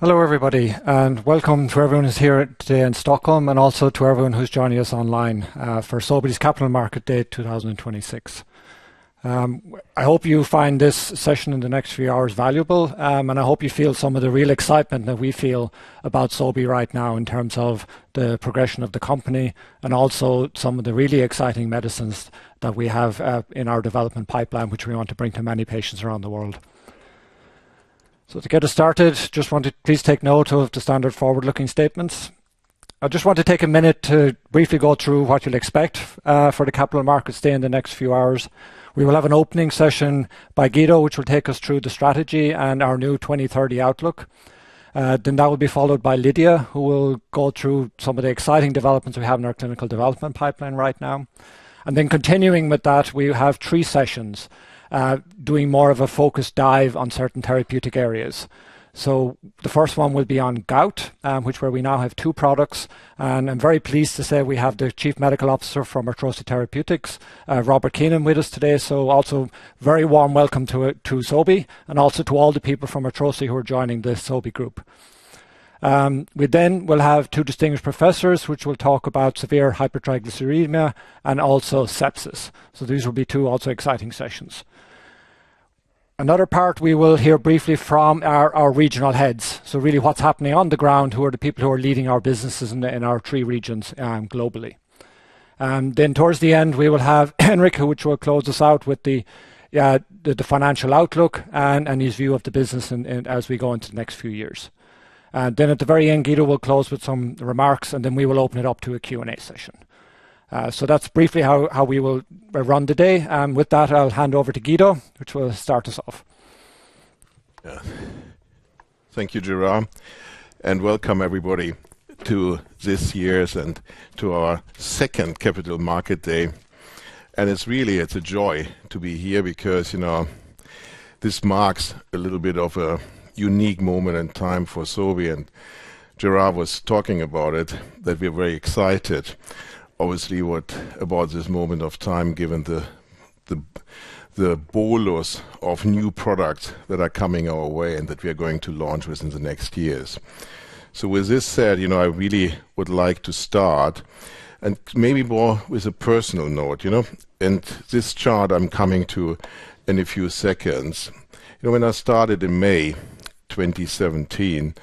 Hello, everybody, and welcome to everyone who's here today in Stockholm and also to everyone who's joining us online for Sobi's Capital Markets Day 2026. I hope you find this session in the next few hours valuable, and I hope you feel some of the real excitement that we feel about Sobi right now in terms of the progression of the company and also some of the really exciting medicines that we have in our development pipeline, which we want to bring to many patients around the world. So to get us started, just want to please take note of the standard forward-looking statements. I just want to take a minute to briefly go through what you'll expect for the Capital Markets Day in the next few hours. We will have an opening session by Guido, which will take us through the strategy and our new 2030 outlook. That will be followed by Lydia, who will go through some of the exciting developments we have in our clinical development pipeline right now. Continuing with that, we have three sessions, doing more of a focused dive on certain therapeutic areas. The first one will be on gout, which is where we now have two products, and I'm very pleased to say we have the Chief Medical Officer from Arthrosi Therapeutics, Rob Keenan, with us today. Also, a very warm welcome to Sobi and also to all the people from Arthrosi who are joining the Sobi group. We then will have two distinguished professors, which will talk about severe hypertriglyceridemia and also sepsis. So these will be two also exciting sessions. Another part, we will hear briefly from our regional heads. So really, what's happening on the ground, who are the people who are leading our businesses in our three regions globally. And then towards the end, we will have Henrik, which will close us out with the financial outlook and his view of the business and as we go into the next few years. And then at the very end, Guido will close with some remarks, and then we will open it up to a Q&A session. So that's briefly how we will run the day. And with that, I'll hand over to Guido, which will start us off. Yeah. Thank you, Gerard, and welcome everybody to this year's and to our second Capital Market Day. It's really, it's a joy to be here because, you know, this marks a little bit of a unique moment in time for Sobi, and Gerard was talking about it, that we're very excited. Obviously, what about this moment of time, given the bolus of new products that are coming our way and that we are going to launch within the next years. With this said, you know, I really would like to start and maybe more with a personal note, you know, and this chart I'm coming to in a few seconds. You know, when I started in May 2017,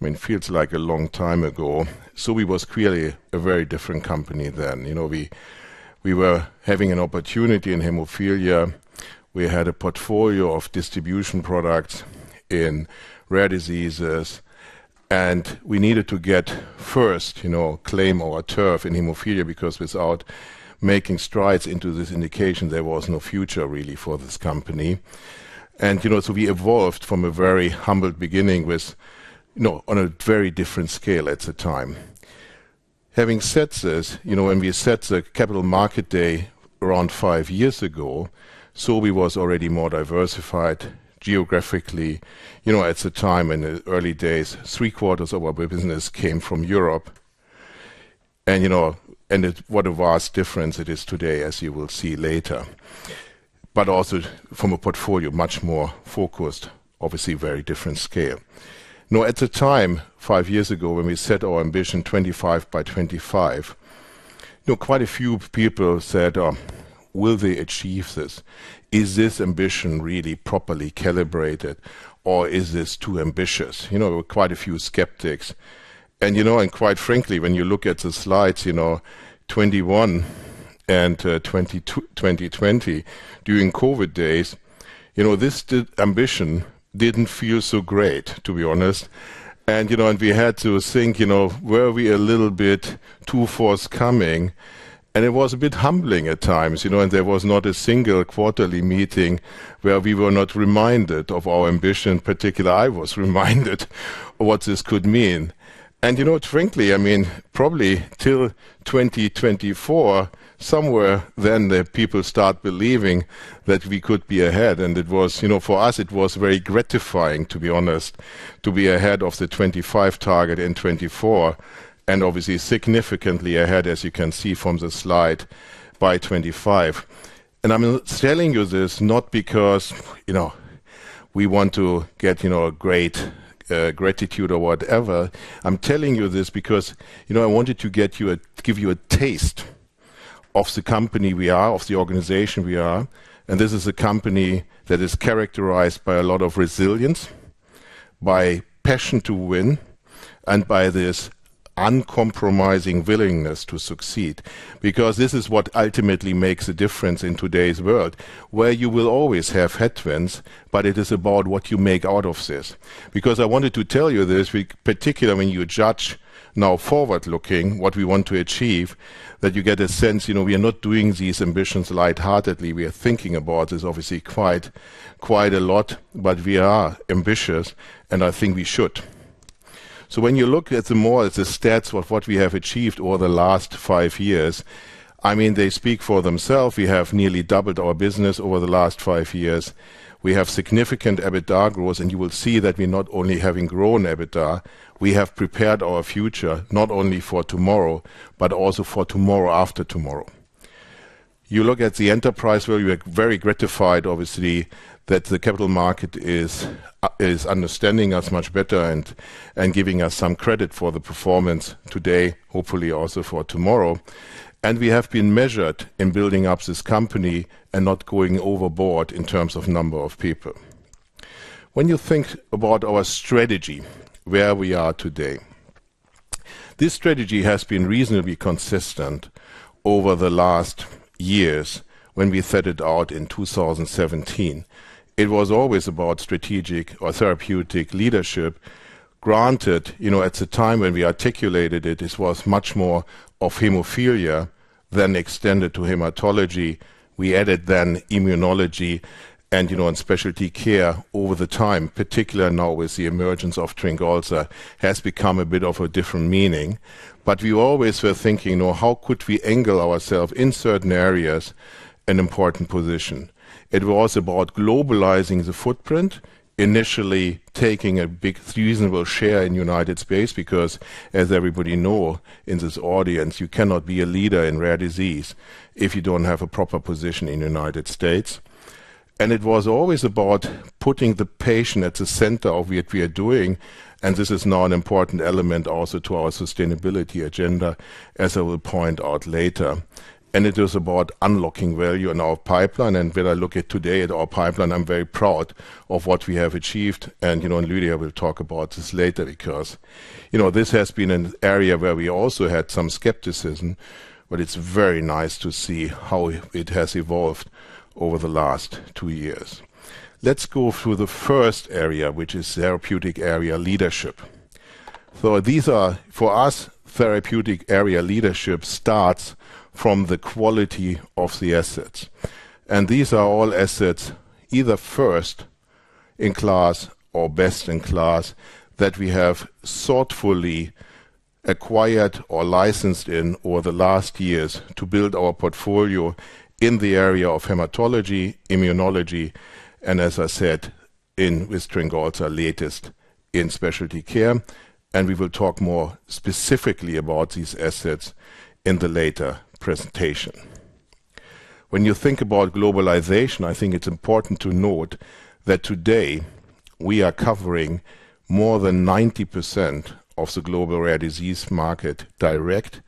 I mean, it feels like a long time ago, Sobi was clearly a very different company then. You know, we were having an opportunity in hemophilia. We had a portfolio of distribution products in rare diseases, and we needed to get first, you know, claim our turf in hemophilia, because without making strides into this indication, there was no future really for this company. And, you know, so we evolved from a very humble beginning with, you know, on a very different scale at the time. Having said this, you know, when we set the Capital Markets Day around five years ago, Sobi was already more diversified geographically. You know, at the time, in the early days, three-quarters of our business came from Europe, and, you know, and what a vast difference it is today, as you will see later. But also from a portfolio, much more focused, obviously very different scale. Now, at the time, 5 years ago, when we set our ambition 2025, by 2025, you know, quite a few people said, "will they achieve this? Is this ambition really properly calibrated, or is this too ambitious?" You know, quite a few skeptics. And, you know, and quite frankly, when you look at the slides, you know, 2021 and 2020, during COVID days, you know, this did- ambition didn't feel so great, to be honest. And, you know, and we had to think, you know, were we a little bit too forthcoming? And it was a bit humbling at times, you know, and there was not a single quarterly meeting where we were not reminded of our ambition. Particularly, I was reminded what this could mean. And you know what? Frankly, I mean, probably till 2024, somewhere then the people start believing that we could be ahead. It was... You know, for us, it was very gratifying, to be honest, to be ahead of the 2025 target in 2024, and obviously significantly ahead, as you can see from the slide, by 2025. I'm telling you this not because, you know, we want to get, you know, a great gratitude or whatever. I'm telling you this because, you know, I wanted to give you a taste of the company we are, of the organization we are. And this is a company that is characterized by a lot of resilience, by passion to win, and by this uncompromising willingness to succeed. Because this is what ultimately makes a difference in today's world, where you will always have headwinds, but it is about what you make out of this. Because I wanted to tell you this, we, particularly when you judge now, forward-looking, what we want to achieve, that you get a sense, you know, we are not doing these ambitions lightheartedly. We are thinking about this, obviously, quite, quite a lot, but we are ambitious, and I think we should. So when you look at the more, the stats of what we have achieved over the last five years, I mean, they speak for themselves. We have nearly doubled our business over the last five years. We have significant EBITDA growth, and you will see that we're not only having grown EBITDA, we have prepared our future not only for tomorrow, but also for tomorrow after tomorrow.... You look at the enterprise where we are very gratified, obviously, that the capital market is understanding us much better and giving us some credit for the performance today, hopefully also for tomorrow. We have been measured in building up this company and not going overboard in terms of number of people. When you think about our strategy, where we are today, this strategy has been reasonably consistent over the last years when we set it out in 2017. It was always about strategic or therapeutic leadership. Granted, you know, at the time when we articulated it, this was much more of hemophilia than extended to hematology. We added then immunology and, you know, and specialty care over the time, particularly now with the emergence of TRYNGOLZA, has become a bit of a different meaning. We always were thinking of how could we angle ourself in certain areas an important position. It was about globalizing the footprint, initially taking a big reasonable share in United States, because as everybody know in this audience, you cannot be a leader in rare disease if you don't have a proper position in United States. It was always about putting the patient at the center of what we are doing, and this is now an important element also to our sustainability agenda, as I will point out later. It is about unlocking value in our pipeline. When I look at today at our pipeline, I'm very proud of what we have achieved. You know, Lydia will talk about this later because, you know, this has been an area where we also had some skepticism, but it's very nice to see how it has evolved over the last two years. Let's go through the first area, which is therapeutic area leadership. These are, for us, therapeutic area leadership starts from the quality of the assets. These are all assets, either first in class or best in class, that we have thoughtfully acquired or licensed in over the last years to build our portfolio in the area of hematology, immunology, and as I said, in with TRYNGOLZA, latest in specialty care, and we will talk more specifically about these assets in the later presentation. When you think about globalization, I think it's important to note that today we are covering more than 90% of the global rare disease market direct,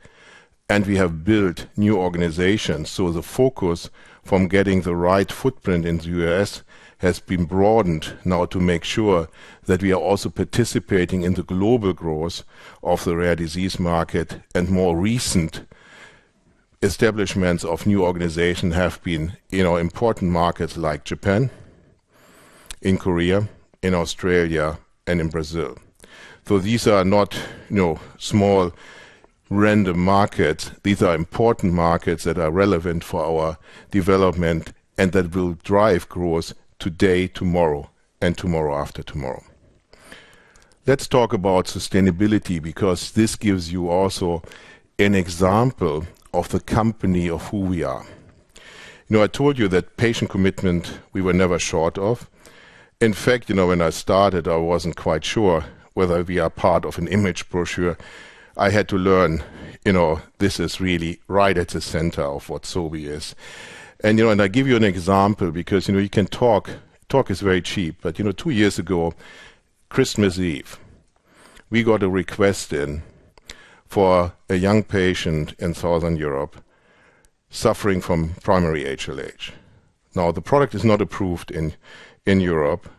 and we have built new organizations. So the focus from getting the right footprint in the U.S. has been broadened now to make sure that we are also participating in the global growth of the rare disease market, and more recent establishments of new organization have been, you know, important markets like Japan, in Korea, in Australia, and in Brazil. So these are not, you know, small random markets. These are important markets that are relevant for our development and that will drive growth today, tomorrow, and tomorrow after tomorrow. Let's talk about sustainability, because this gives you also an example of the company of who we are. You know, I told you that patient commitment, we were never short of. In fact, you know, when I started, I wasn't quite sure whether we are part of an image brochure. I had to learn, you know, this is really right at the center of what Sobi is. You know, I give you an example because, you know, you can talk. Talk is very cheap, but, you know, 2 years ago, Christmas Eve, we got a request in for a young patient in Southern Europe suffering from primary HLH. Now, the product is not approved in Europe,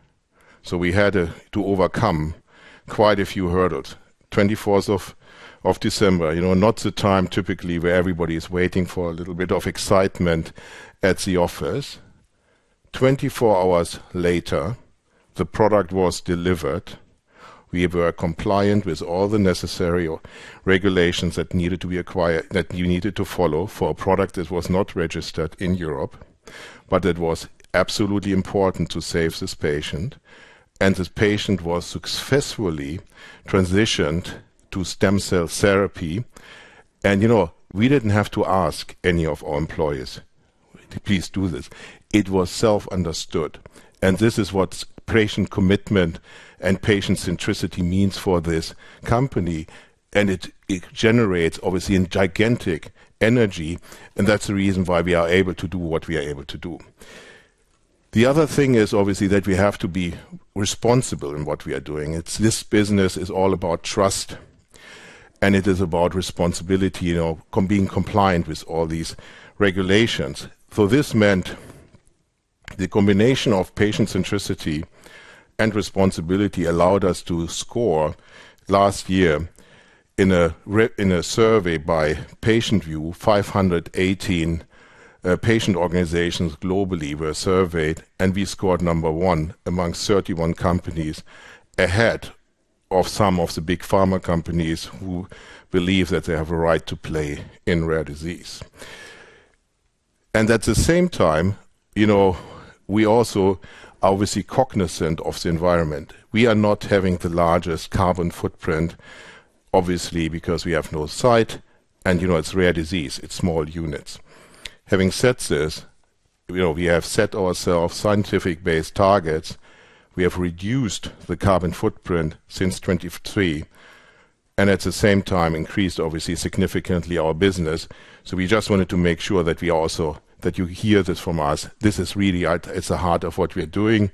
so we had to overcome quite a few hurdles. Twenty-fourth of December, you know, not the time typically where everybody is waiting for a little bit of excitement at the office. Twenty four hours later, the product was delivered. We were compliant with all the necessary regulations that you needed to follow for a product that was not registered in Europe, but it was absolutely important to save this patient, and this patient was successfully transitioned to stem cell therapy. And, you know, we didn't have to ask any of our employees to please do this. It was self-understood, and this is what patient commitment and patient centricity means for this company, and it, it generates, obviously, a gigantic energy, and that's the reason why we are able to do what we are able to do. The other thing is, obviously, that we have to be responsible in what we are doing. It's this business is all about trust, and it is about responsibility, you know, being compliant with all these regulations. So this meant the combination of patient centricity and responsibility allowed us to score last year in a survey by PatientView, 518 patient organizations globally were surveyed, and we scored number one among 31 companies, ahead of some of the big pharma companies who believe that they have a right to play in rare disease. And at the same time, you know, we also are obviously cognizant of the environment. We are not having the largest carbon footprint, obviously, because we have no site and, you know, it's rare disease, it's small units. Having said this... You know, we have set ourselves scientific-based targets. We have reduced the carbon footprint since 2023, and at the same time increased, obviously, significantly our business. So we just wanted to make sure that we also that you hear this from us. This is really at the heart of what we are doing,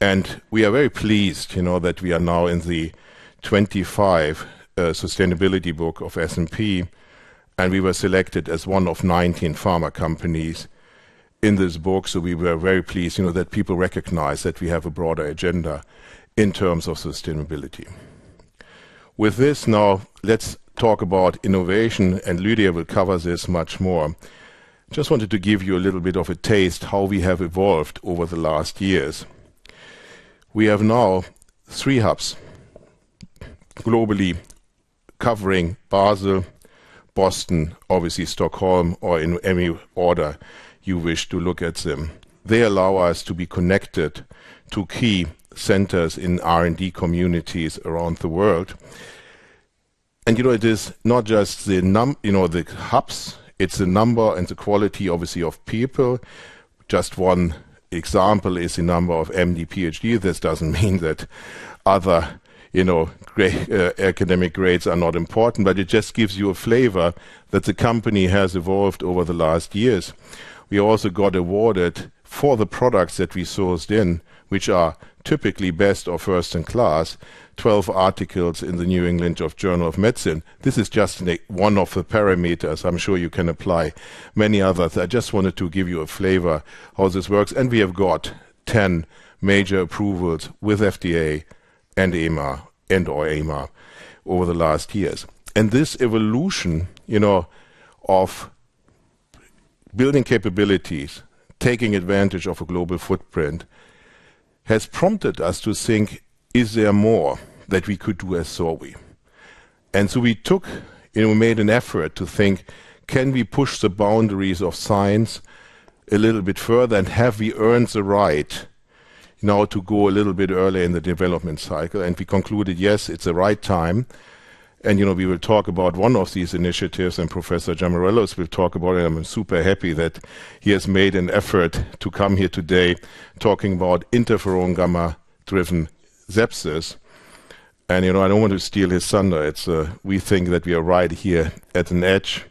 and we are very pleased, you know, that we are now in the 2025 sustainability book of S&P, and we were selected as one of 19 pharma companies in this book. So we were very pleased, you know, that people recognize that we have a broader agenda in terms of sustainability. With this now, let's talk about innovation, and Lydia will cover this much more. Just wanted to give you a little bit of a taste how we have evolved over the last years. We have now 3 hubs globally, covering Basel, Boston, obviously Stockholm, or in any order you wish to look at them. They allow us to be connected to key centers in R&D communities around the world. You know, it is not just the number, you know, the hubs, it's the number and the quality, obviously, of people. Just one example is the number of MD, PhD. This doesn't mean that other, you know, graduate academic grades are not important, but it just gives you a flavor that the company has evolved over the last years. We also got awarded for the products that we sourced in, which are typically best or first in class, 12 articles in the New England Journal of Medicine. This is just one of the parameters. I'm sure you can apply many others. I just wanted to give you a flavor how this works, and we have got 10 major approvals with FDA and EMA and/or EMA over the last years. This evolution, you know, of building capabilities, taking advantage of a global footprint, has prompted us to think, is there more that we could do as Sobi? And so we took and we made an effort to think, can we push the boundaries of science a little bit further, and have we earned the right now to go a little bit early in the development cycle? And we concluded, yes, it's the right time, and, you know, we will talk about one of these initiatives, and Professor Giamarellos will talk about it. I'm super happy that he has made an effort to come here today, talking about interferon gamma-driven sepsis. And, you know, I don't want to steal his thunder. It's, we think that we are right here at an edge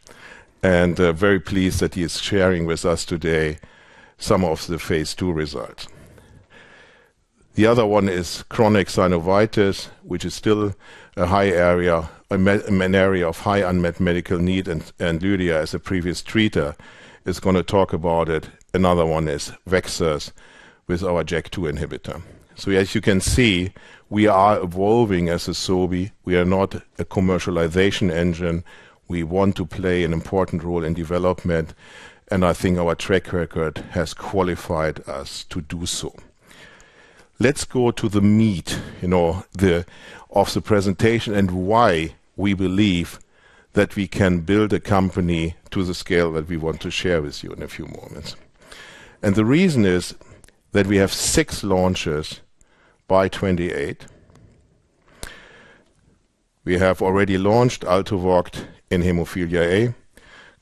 and, very pleased that he is sharing with us today some of the phase II results. The other one is chronic synovitis, which is still a high area, a med- an area of high unmet medical need, and, and Julia, as a previous treater, is gonna talk about it. Another one is VEXAS with our JAK2 inhibitor. As you can see, we are evolving as a Sobi. We are not a commercialization engine. We want to play an important role in development, and I think our track record has qualified us to do so. Let's go to the meat, you know, the- of the presentation and why we believe that we can build a company to the scale that we want to share with you in a few moments. The reason is that we have 6 launches by 2028. We have already launched ALTUVIIIO in hemophilia A,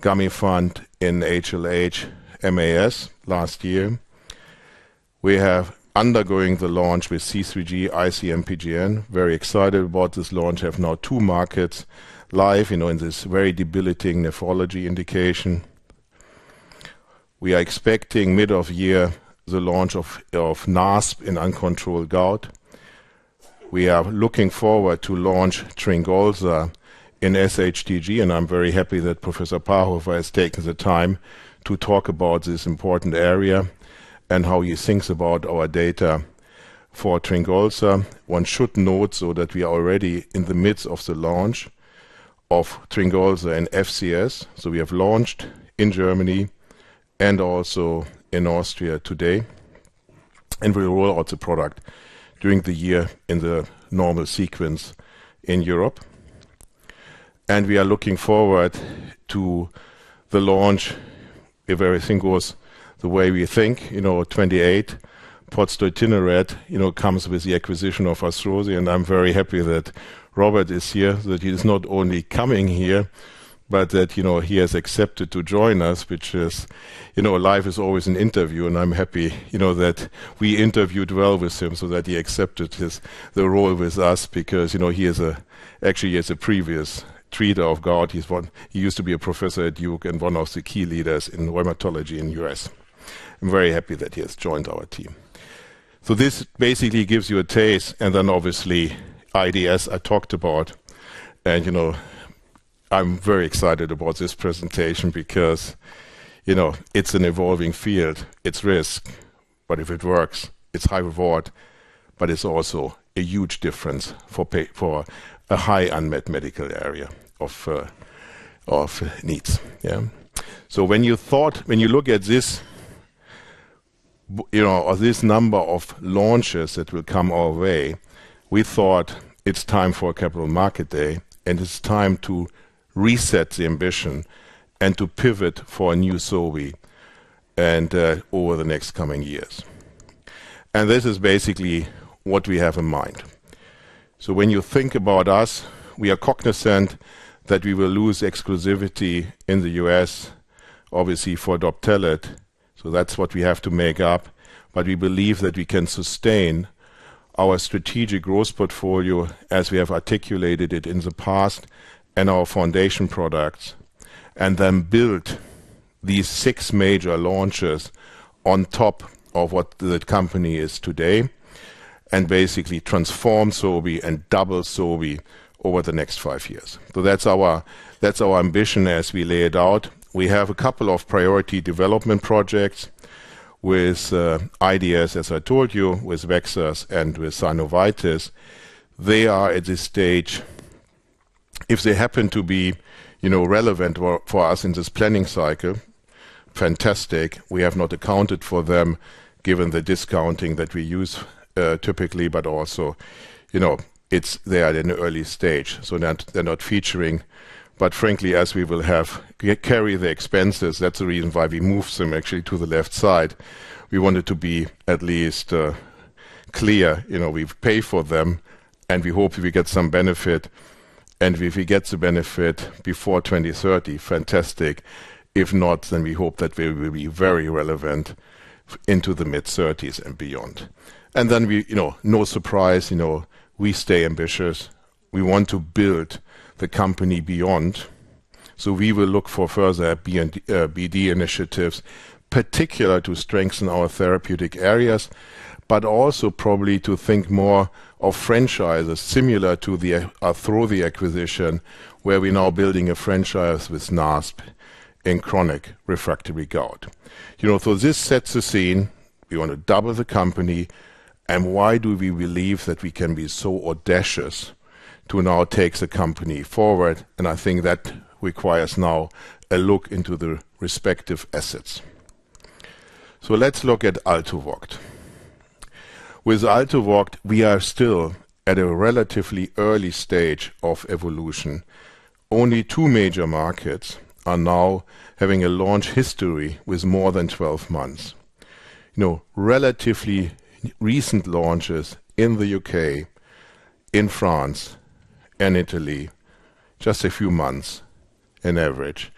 Gamifant in HLH/MAS last year. We have undergoing the launch with C3G, IC-MPGN. Very excited about this launch, have now two markets live, you know, in this very debilitating nephrology indication. We are expecting mid-year, the launch of NASP in uncontrolled gout. We are looking forward to launch TRYNGOLZA in sHTG, and I'm very happy that Professor Parhofer has taken the time to talk about this important area and how he thinks about our data for TRYNGOLZA. One should note that we are already in the midst of the launch of TRYNGOLZA in FCS. So we have launched in Germany and also in Austria today, and we roll out the product during the year in the normal sequence in Europe. We are looking forward to the launch, if everything goes the way we think, you know, 28, pozdeutinurad, you know, comes with the acquisition of Arthrosi, and I'm very happy that Robert is here, that he is not only coming here, but that, you know, he has accepted to join us, which is... You know, life is always an interview, and I'm happy, you know, that we interviewed well with him so that he accepted his- the role with us because, you know, he is a- actually, he is a previous treater of gout. He's one- he used to be a professor at Duke and one of the key leaders in rheumatology in the U.S. I'm very happy that he has joined our team. This basically gives you a taste, and then obviously, ideas I talked about. You know, I'm very excited about this presentation because, you know, it's an evolving field, it's risk, but if it works, it's high reward, but it's also a huge difference for for a high unmet medical area of needs. Yeah. So when you look at this, you know, this number of launches that will come our way, we thought it's time for a Capital Market Day, and it's time to reset the ambition and to pivot for a new Sobi and, over the next coming years. And this is basically what we have in mind.... So when you think about us, we are cognizant that we will lose exclusivity in the U.S., obviously, for DOPTELET, so that's what we have to make up. But we believe that we can sustain our strategic growth portfolio as we have articulated it in the past, and our foundation products, and then build these six major launches on top of what the company is today, and basically transform Sobi and double Sobi over the next five years. So that's our, that's our ambition as we lay it out. We have a couple of priority development projects with IDS, as I told you, with VEXAS and with synovitis. They are at the stage, if they happen to be, you know, relevant for us in this planning cycle, fantastic. We have not accounted for them, given the discounting that we use, typically, but also, you know, it's—they are in an early stage, so they're not featuring. But frankly, as we will have, carry the expenses, that's the reason why we moved them actually to the left side. We want it to be at least clear. You know, we've paid for them, and we hope we get some benefit. And if we get the benefit before 2030, fantastic. If not, then we hope that they will be very relevant into the mid-2030s and beyond. And then we, you know, no surprise, you know, we stay ambitious. We want to build the company beyond, so we will look for further BD initiatives, particular to strengthen our therapeutic areas, but also probably to think more of franchises similar to the through the acquisition, where we're now building a franchise with NASP in chronic refractory gout. You know, so this sets the scene. We want to double the company, and why do we believe that we can be so audacious to now take the company forward? I think that requires now a look into the respective assets. Let's look at ALTUVIIIO. With ALTUVIIIO, we are still at a relatively early stage of evolution. Only two major markets are now having a launch history with more than 12 months. You know, relatively recent launches in the U.K., in France and Italy, just a few months in average.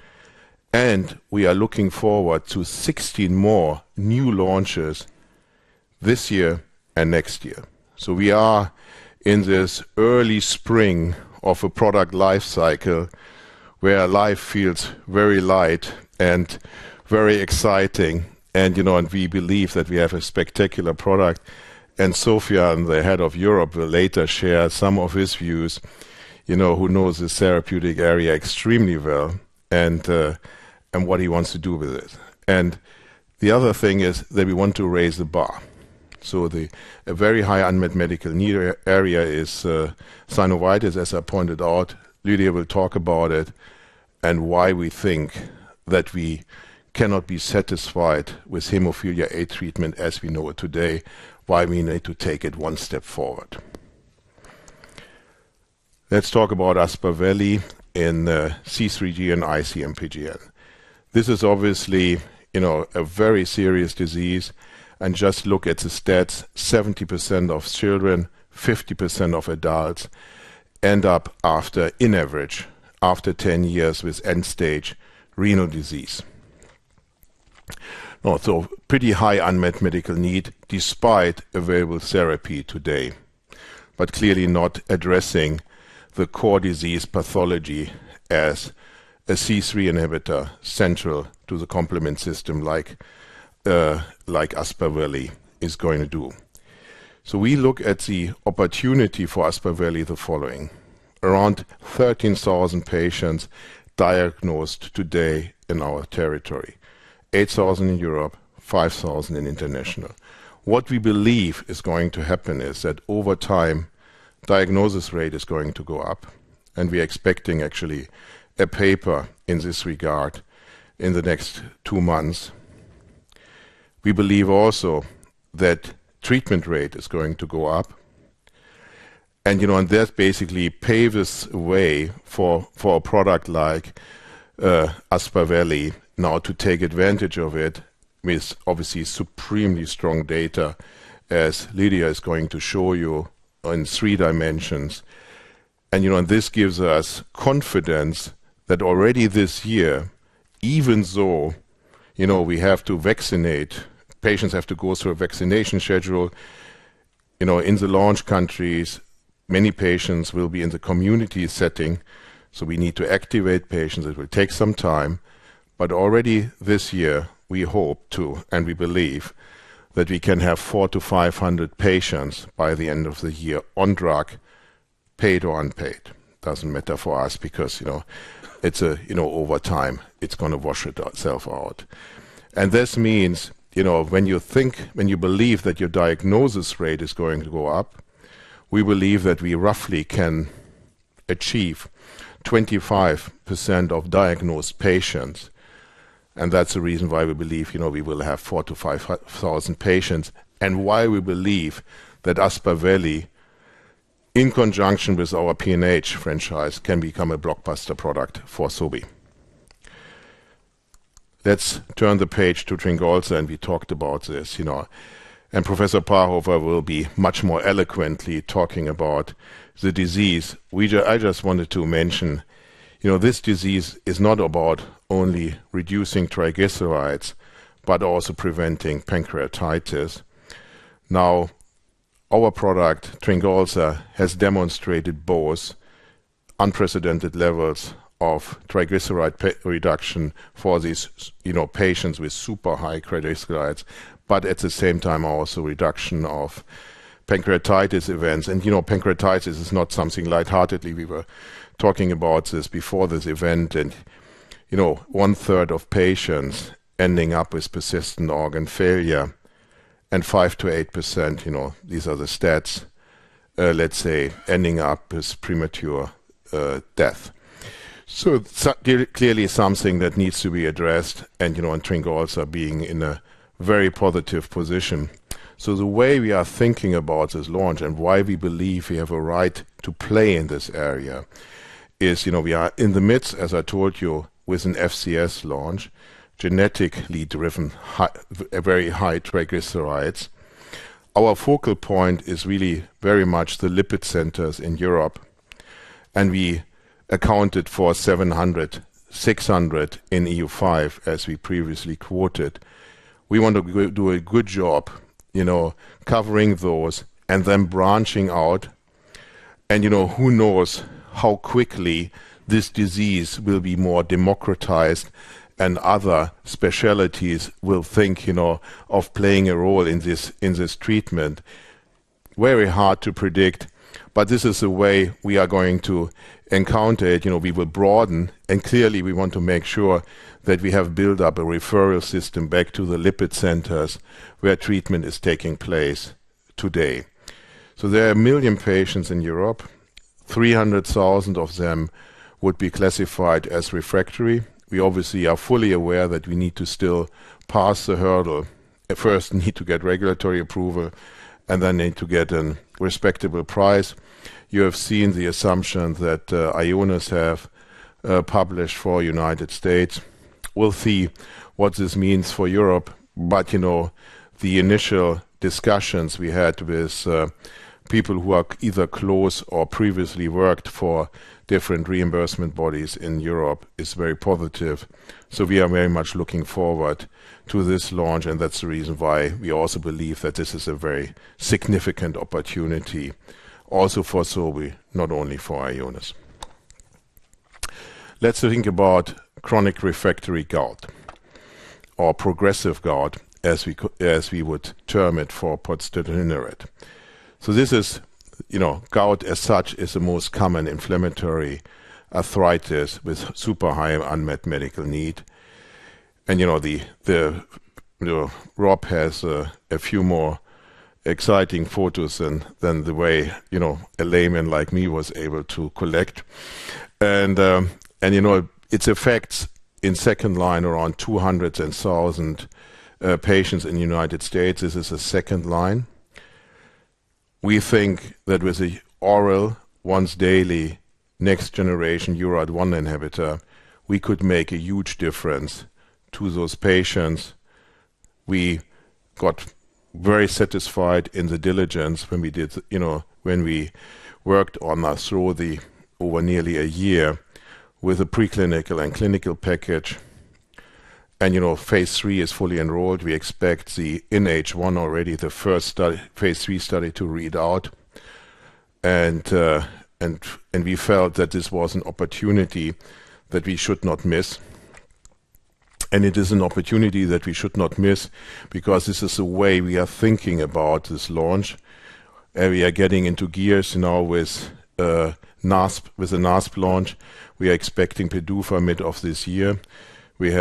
And we are looking forward to 16 more new launches this year and next year. So we are in this early spring of a product life cycle where life feels very light and very exciting and, you know, and we believe that we have a spectacular product. Sofiane, the head of Europe, will later share some of his views, you know, who knows this therapeutic area extremely well and what he wants to do with it. The other thing is that we want to raise the bar. So a very high unmet medical need area is synovitis, as I pointed out. Lydia will talk about it and why we think that we cannot be satisfied with hemophilia A treatment as we know it today, why we need to take it one step forward. Let's talk about Aspaveli in C3G and IC-MPGN. This is obviously, you know, a very serious disease, and just look at the stats, 70% of children, 50% of adults, end up, on average, after 10 years with end-stage renal disease. Also, pretty high unmet medical need, despite available therapy today, but clearly not addressing the core disease pathology as a C3 inhibitor, central to the complement system like, like Aspaveli is going to do. So we look at the opportunity for Aspaveli the following: around 13,000 patients diagnosed today in our territory, 8,000 in Europe, 5,000 in international. What we believe is going to happen is that over time, diagnosis rate is going to go up, and we are expecting actually a paper in this regard in the next 2 months. We believe also that treatment rate is going to go up, and, you know, and that basically paves way for, for a product like, Aspaveli now to take advantage of it with obviously supremely strong data, as Lydia is going to show you in three dimensions. You know, and this gives us confidence that already this year, even though, you know, we have to vaccinate, patients have to go through a vaccination schedule, you know, in the launch countries, many patients will be in the community setting, so we need to activate patients. It will take some time, but already this year, we hope to and we believe that we can have 400-500 patients by the end of the year on drug, paid or unpaid. Doesn't matter for us because, you know, it's a, you know, over time, it's gonna wash itself out. This means, you know, when you think, when you believe that your diagnosis rate is going to go up, we believe that we roughly can achieve 25% of diagnosed patients, and that's the reason why we believe, you know, we will have 4,000-5,000 patients, and why we believe that Aspaveli, in conjunction with our PNH franchise, can become a blockbuster product for Sobi. Let's turn the page to TRYNGOLZA, and we talked about this, you know. Professor Parhofer will be much more eloquently talking about the disease. I just wanted to mention, you know, this disease is not about only reducing triglycerides, but also preventing pancreatitis. Now, our product, TRYNGOLZA, has demonstrated both unprecedented levels of triglyceride reduction for these, you know, patients with super high triglycerides, but at the same time, also reduction of pancreatitis events. You know, pancreatitis is not something lightheartedly. We were talking about this before this event, and, you know, one-third of patients ending up with persistent organ failure, and 5%-8%, you know, these are the stats, let's say, ending up as premature death. So clearly something that needs to be addressed and, you know, and TRYNGOLZA being in a very positive position. So the way we are thinking about this launch and why we believe we have a right to play in this area is, you know, we are in the midst, as I told you, with an FCS launch, genetically driven, a very high triglycerides. Our focal point is really very much the lipid centers in Europe, and we accounted for 700-600 in EU 5, as we previously quoted. We want to do a good job, you know, covering those and then branching out. And, you know, who knows how quickly this disease will be more democratized and other specialties will think, you know, of playing a role in this, in this treatment? Very hard to predict, but this is the way we are going to encounter it. You know, we will broaden, and clearly, we want to make sure that we have built up a referral system back to the lipid centers where treatment is taking place today. So there are 1 million patients in Europe, 300,000 of them would be classified as refractory. We obviously are fully aware that we need to still pass the hurdle. At first, need to get regulatory approval, and then need to get a respectable price. You have seen the assumption that Ionis have published for United States. We'll see what this means for Europe, but, you know, the initial discussions we had with people who are either close or previously worked for different reimbursement bodies in Europe is very positive. So we are very much looking forward to this launch, and that's the reason why we also believe that this is a very significant opportunity also for Sobi, not only for Ionis. Let's think about chronic refractory gout or progressive gout, as we would term it for pozdeutinurad inhibitor. So this is, you know, gout as such, is the most common inflammatory arthritis with super high unmet medical need. And, you know, the, the, you know, Rob has a few more exciting photos than the way, you know, a layman like me was able to collect. You know, its effects in second line are on 200,000 patients in the United States. This is a second line. We think that with the oral, once daily, next generation URAT1 inhibitor, we could make a huge difference to those patients. We got very satisfied in the diligence when we did, you know, when we worked on over nearly a year with a preclinical and clinical package. You know, phase III is fully enrolled. We expect the H1 already, the first study, phase III study to read out. And we felt that this was an opportunity that we should not miss. It is an opportunity that we should not miss because this is the way we are thinking about this launch, and we are getting into gears now with NASP, with the NASP launch. We are expecting PDUFA mid of this year. We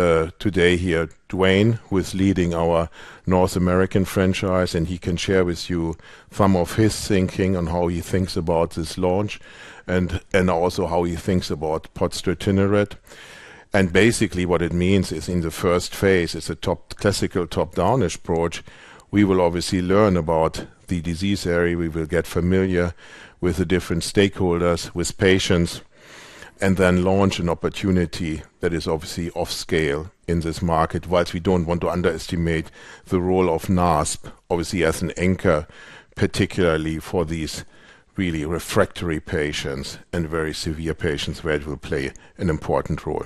have today here, Duane, who is leading our North American franchise, and he can share with you some of his thinking on how he thinks about this launch and, and also how he thinks about podostatin inhibit. Basically, what it means is in the first phase, it's a top-classical, top-down approach. We will obviously learn about the disease area. We will get familiar with the different stakeholders, with patients, and then launch an opportunity that is obviously off scale in this market. While we don't want to underestimate the role of NASP, obviously, as an anchor, particularly for these really refractory patients and very severe patients, where it will play an important role.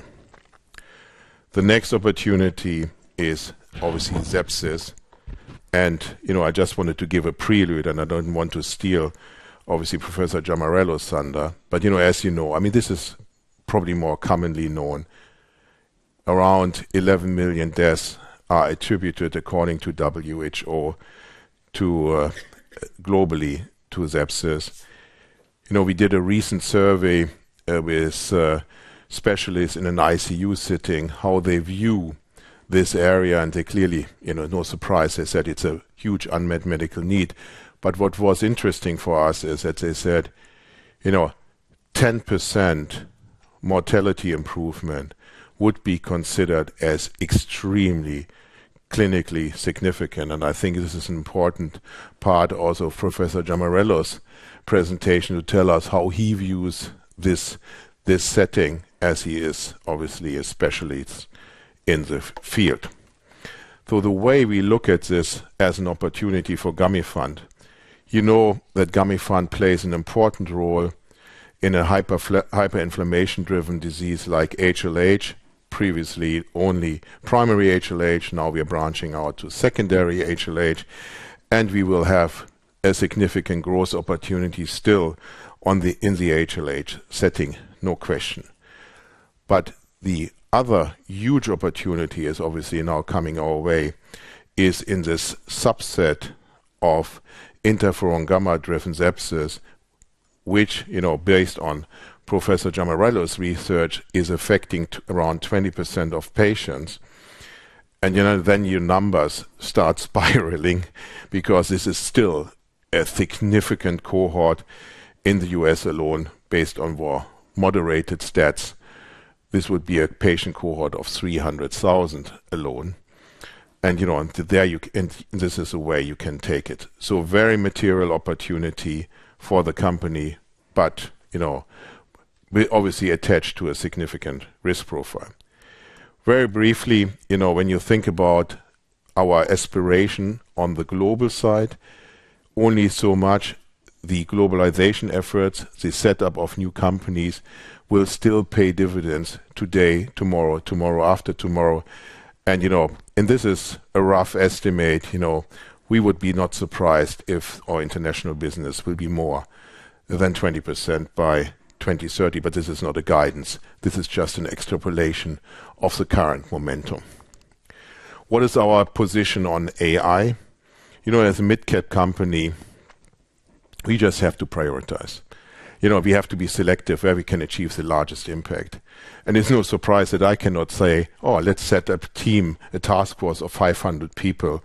The next opportunity is obviously sepsis. And, you know, I just wanted to give a prelude, and I don't want to steal, obviously, Professor Giamarellos-Bourboulis's thunder. But, you know, as you know, I mean, this is probably more commonly known. Around 11 million deaths are attributed, according to WHO, to, globally, to sepsis. You know, we did a recent survey, with specialists in an ICU setting, how they view this area, and they clearly, you know, no surprise, they said it's a huge unmet medical need. But what was interesting for us is that they said, you know, "10% mortality improvement would be considered as extremely-... Clinically significant, and I think this is an important part also of Professor Giamarellos' presentation to tell us how he views this, this setting as he is obviously a specialist in the field. So the way we look at this as an opportunity for Gamifant, you know that Gamifant plays an important role in a hyperinflammation-driven disease like HLH, previously only primary HLH, now we are branching out to secondary HLH, and we will have a significant growth opportunity still in the HLH setting, no question. But the other huge opportunity is obviously now coming our way, is in this subset of interferon gamma-driven sepsis, which, you know, based on Professor Giamarellos' research, is affecting around 20% of patients. And, you know, then your numbers start spiraling because this is still a significant cohort in the U.S. alone, based on more moderated stats. This would be a patient cohort of 300,000 alone. And, you know, and there you and this is a way you can take it. So a very material opportunity for the company, but, you know, we obviously attach to a significant risk profile. Very briefly, you know, when you think about our aspiration on the global side, only so much the globalization efforts, the setup of new companies, will still pay dividends today, tomorrow, tomorrow after tomorrow. And, you know, and this is a rough estimate, you know, we would be not surprised if our international business will be more than 20% by 2030, but this is not a guidance, this is just an extrapolation of the current momentum. What is our position on AI? You know, as a mid-cap company, we just have to prioritize. You know, we have to be selective where we can achieve the largest impact. And it's no surprise that I cannot say, "Oh, let's set up a team, a task force of 500 people,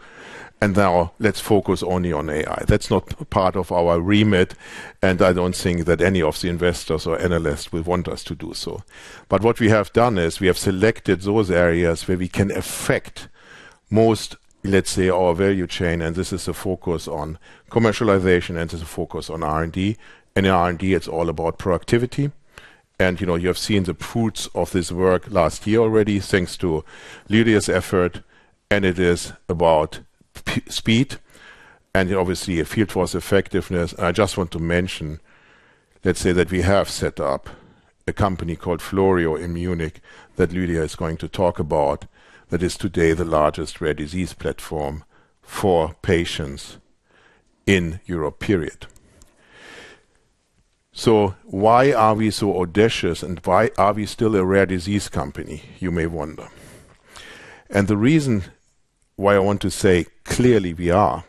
and now let's focus only on AI." That's not part of our remit, and I don't think that any of the investors or analysts will want us to do so. But what we have done is, we have selected those areas where we can affect most, let's say, our value chain, and this is a focus on commercialization, and this is a focus on R&D. And in R&D, it's all about productivity. And, you know, you have seen the fruits of this work last year already, thanks to Lydia's effort, and it is about speed and obviously, a field force effectiveness. I just want to mention, let's say, that we have set up a company called Florio in Munich, that Lydia is going to talk about, that is today the largest rare disease platform for patients in Europe, period. Why are we so audacious, and why are we still a rare disease company, you may wonder? The reason why I want to say clearly we are,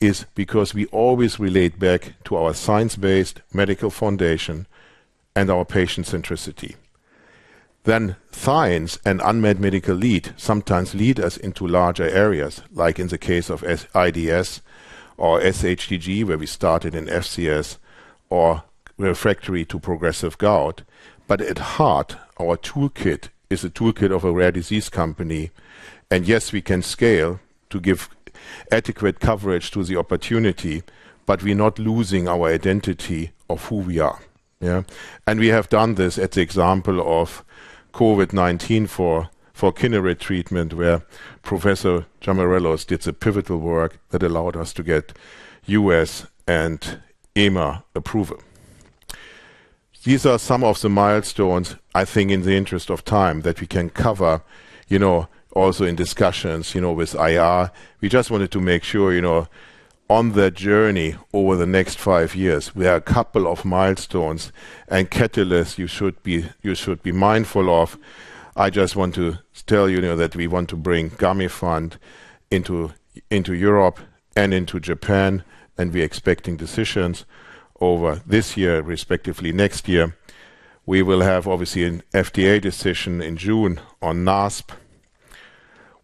is because we always relate back to our science-based medical foundation and our patient centricity. Science and unmet medical lead sometimes lead us into larger areas, like in the case of IDS or sHTG, where we started in FCS or refractory to progressive gout. At heart, our toolkit is a toolkit of a rare disease company, and yes, we can scale to give adequate coverage to the opportunity, but we're not losing our identity of who we are. Yeah? We have done this at the example of COVID-19 for kidney treatment, where Professor Giamarellos-Bourboulis did the pivotal work that allowed us to get U.S. and EMA approval. These are some of the milestones, I think, in the interest of time, that we can cover, you know, also in discussions, you know, with IR. We just wanted to make sure, you know, on that journey over the next five years, we have a couple of milestones and catalysts you should be, you should be mindful of. I just want to tell you now that we want to bring Gamifant into Europe and into Japan, and we're expecting decisions over this year, respectively, next year. We will have, obviously, an FDA decision in June on NASP.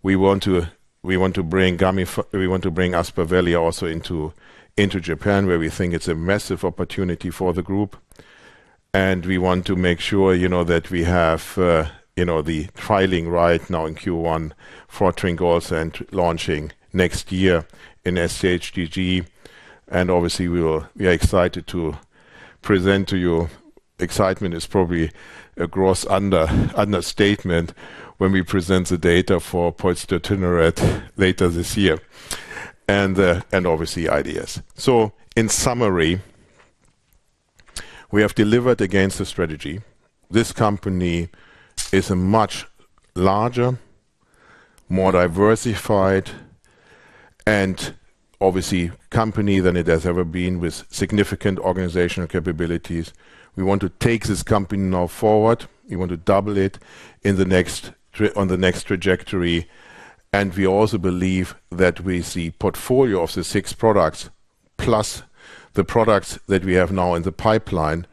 We want to bring Gamifant—we want to bring Aspaveli also into Japan, where we think it's a massive opportunity for the group. And we want to make sure, you know, that we have, you know, the filing right now in Q1 for TRYNGOLZA and launching next year in sHTG. And obviously, we are excited to present to you. Excitement is probably a gross understatement when we present the data for pozdeutinurad AR882 later this year, and obviously, IDS. So in summary, we have delivered against the strategy. This company is a much larger, more diversified and obviously company than it has ever been, with significant organizational capabilities. We want to take this company now forward. We want to double it on the next trajectory. We also believe that we see portfolio of the six products, plus the products that we have now in the pipeline,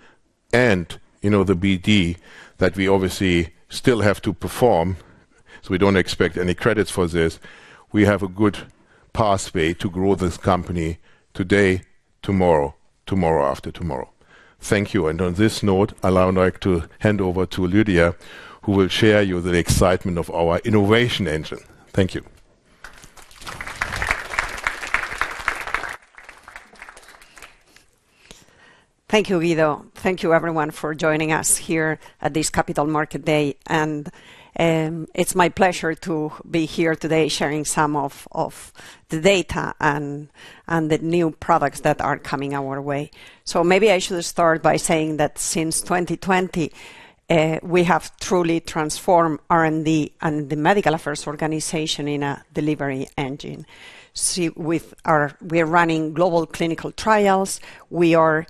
and, you know, the BD, that we obviously still have to perform, so we don't expect any credits for this. We have a good pathway to grow this company today, tomorrow, tomorrow after tomorrow. Thank you. And on this note, I'll now like to hand over to Lydia, who will share you the excitement of our innovation engine. Thank you. Thank you, Guido. Thank you everyone for joining us here at this Capital Markets Day. It's my pleasure to be here today, sharing some of the data and the new products that are coming our way. So maybe I should start by saying that since 2020, we have truly transformed R&D and the medical affairs organization into a delivery engine. See, with our, we are running global clinical trials, we are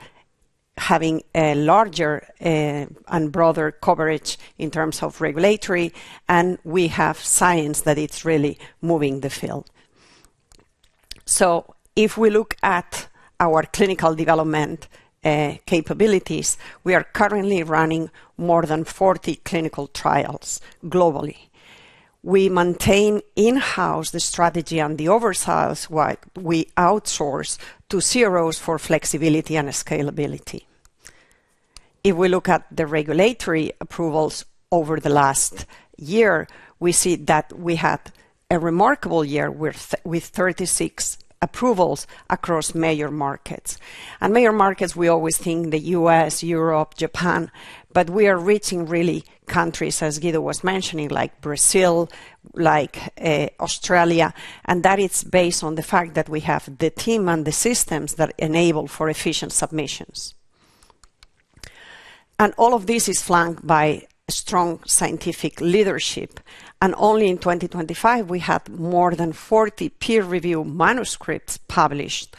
having a larger and broader coverage in terms of regulatory, and we have science that it's really moving the field. So if we look at our clinical development capabilities, we are currently running more than 40 clinical trials globally. We maintain in-house the strategy and the oversight, while we outsource to CROs for flexibility and scalability. If we look at the regulatory approvals over the last year, we see that we had a remarkable year with 36 approvals across major markets. Major markets, we always think the U.S., Europe, Japan, but we are reaching really countries, as Guido was mentioning, like Brazil, like Australia, and that is based on the fact that we have the team and the systems that enable for efficient submissions. All of this is flanked by strong scientific leadership. Only in 2025, we had more than 40 peer review manuscripts published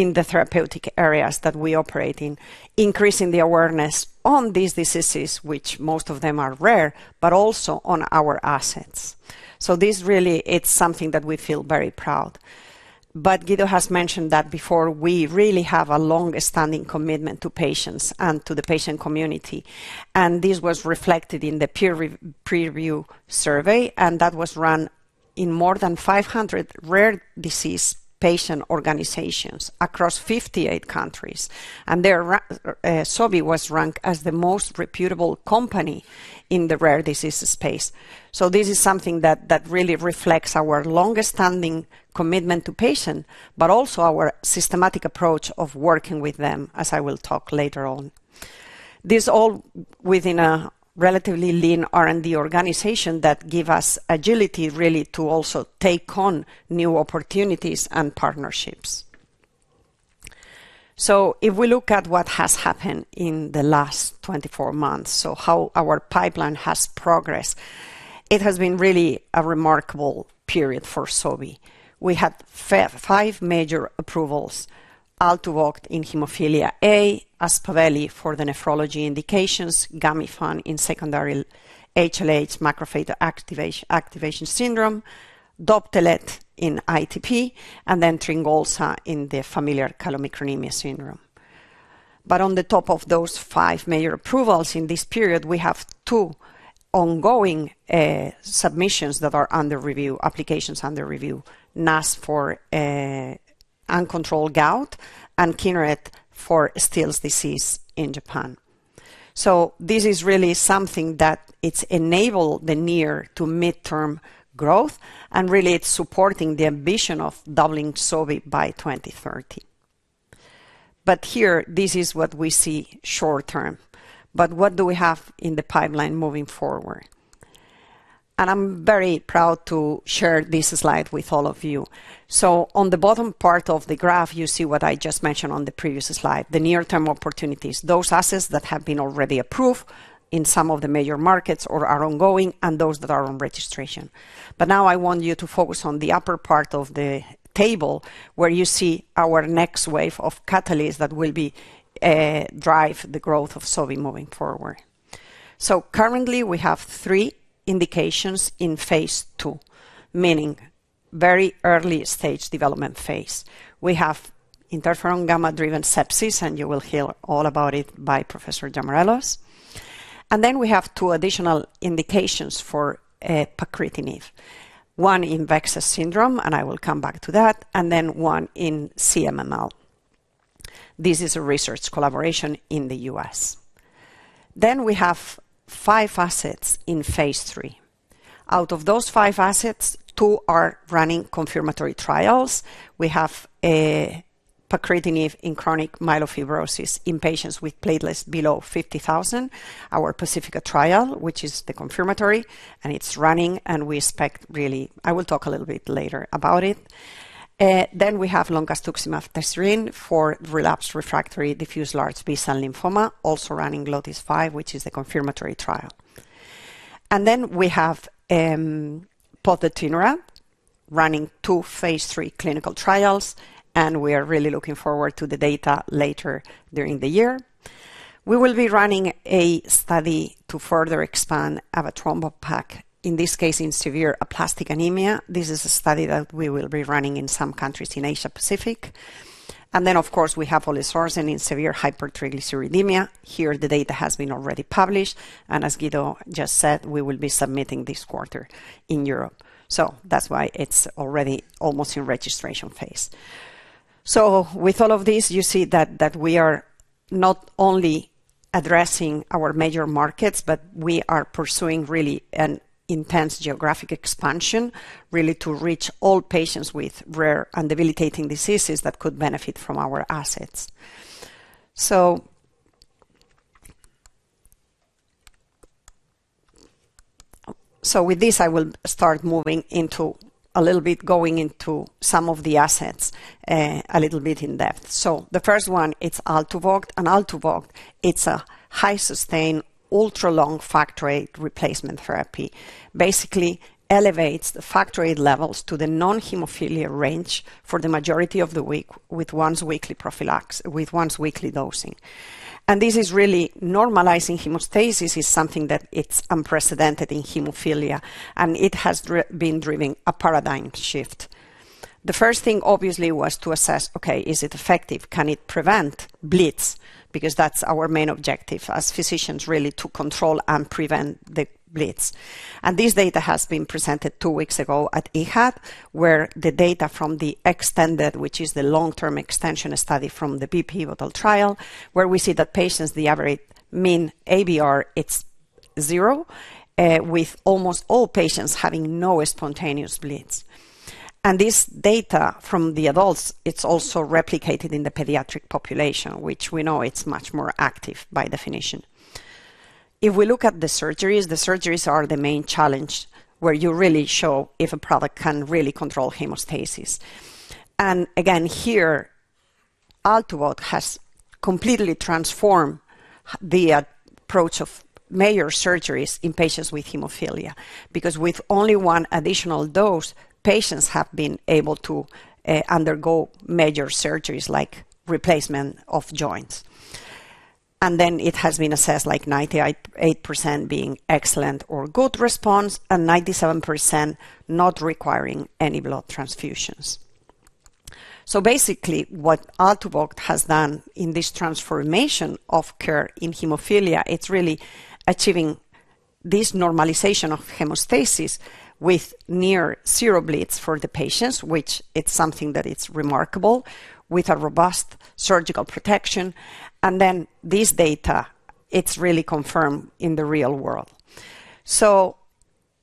in the therapeutic areas that we operate in, increasing the awareness on these diseases, which most of them are rare, but also on our assets. This really, it's something that we feel very proud. But Guido has mentioned that before, we really have a long-standing commitment to patients and to the patient community, and this was reflected in the peer review survey, and that was run in more than 500 rare disease patient organizations across 58 countries. And Sobi was ranked as the most reputable company in the rare disease space. So this is something that really reflects our longest standing commitment to patient, but also our systematic approach of working with them, as I will talk later on. This all within a relatively lean R&D organization that give us agility really, to also take on new opportunities and partnerships. So if we look at what has happened in the last 24 months, so how our pipeline has progressed, it has been really a remarkable period for Sobi. We had five major approvals, ALTUVIIIO in hemophilia A, Aspaveli for the nephrology indications, Gamifant in secondary HLH macrophage activation syndrome, DOPTELET in ITP, and then TRYNGOLZA in the familial chylomicronemia syndrome. But on top of those five major approvals, in this period, we have two ongoing submissions that are under review, applications under review. NASP for uncontrolled gout and Kineret for Still's disease in Japan. So this is really something that it's enabled the near- to midterm growth, and really, it's supporting the ambition of doubling Sobi by 2030. But here, this is what we see short term. But what do we have in the pipeline moving forward? And I'm very proud to share this slide with all of you. On the bottom part of the graph, you see what I just mentioned on the previous slide, the near-term opportunities, those assets that have been already approved in some of the major markets or are ongoing and those that are on registration. I want you to focus on the upper part of the table, where you see our next wave of catalysts that will be, you know, drive the growth of Sobi moving forward. Currently, we have three indications in phase II, meaning very early stage development phase. We have interferon gamma-driven sepsis, and you will hear all about it by Professor Giamarellos. We have two additional indications for, you know, pacritinib, one in VEXAS syndrome, and I will come back to that, and one in CMML. This is a research collaboration in the U.S. We have five assets in phase III. Out of those five assets, two are running confirmatory trials. We have, eh, pacritinib in chronic myelofibrosis in patients with platelets below 50,000. Our PACIFICA trial, which is the confirmatory, and it's running, and we expect really... I will talk a little bit later about it. We have loncastuximab tesirine for relapsed refractory diffuse large B-cell lymphoma, also running LOTIS-5, which is a confirmatory trial. We have pozdeutinurad running two phase III clinical trials, and we are really looking forward to the data later during the year. We will be running a study to further expand avatrombopag, in this case, in severe aplastic anemia. This is a study that we will be running in some countries in Asia Pacific.... Of course, we have olezarsen in severe hypertriglyceridemia. Here, the data has been already published, and as Guido just said, we will be submitting this quarter in Europe. So that's why it's already almost in registration phase. So with all of this, you see that we are not only addressing our major markets, but we are pursuing really an intense geographic expansion, really to reach all patients with rare and debilitating diseases that could benefit from our assets. So with this, I will start moving into a little bit going into some of the assets, a little bit in depth. So the first one, it's ALTUVIIIO, and ALTUVIIIO, it's a high sustain, ultra-long factor replacement therapy. Basically elevates the factor levels to the non-hemophilia range for the majority of the week, with once-weekly prophylaxis with once-weekly dosing. And this is really normalizing hemostasis is something that it's unprecedented in hemophilia, and it has been driving a paradigm shift. The first thing, obviously, was to assess, okay, is it effective? Can it prevent bleeds? Because that's our main objective as physicians, really, to control and prevent the bleeds. And this data has been presented two weeks ago at EHA, where the data from the extended, which is the long-term extension study from the PIVOTAL trial, where we see that patients, the average mean ABR, it's zero, with almost all patients having no spontaneous bleeds. And this data from the adults, it's also replicated in the pediatric population, which we know it's much more active by definition. If we look at the surgeries, the surgeries are the main challenge where you really show if a product can really control hemostasis. Again, here, ALTUVIIIO has completely transformed the approach of major surgeries in patients with hemophilia, because with only one additional dose, patients have been able to undergo major surgeries like replacement of joints. And then it has been assessed like 98% being excellent or good response and 97% not requiring any blood transfusions. So basically, what ALTUVIIIO has done in this transformation of care in hemophilia, it's really achieving this normalization of hemostasis with near zero bleeds for the patients, which it's something that it's remarkable, with a robust surgical protection. And then this data, it's really confirmed in the real world. So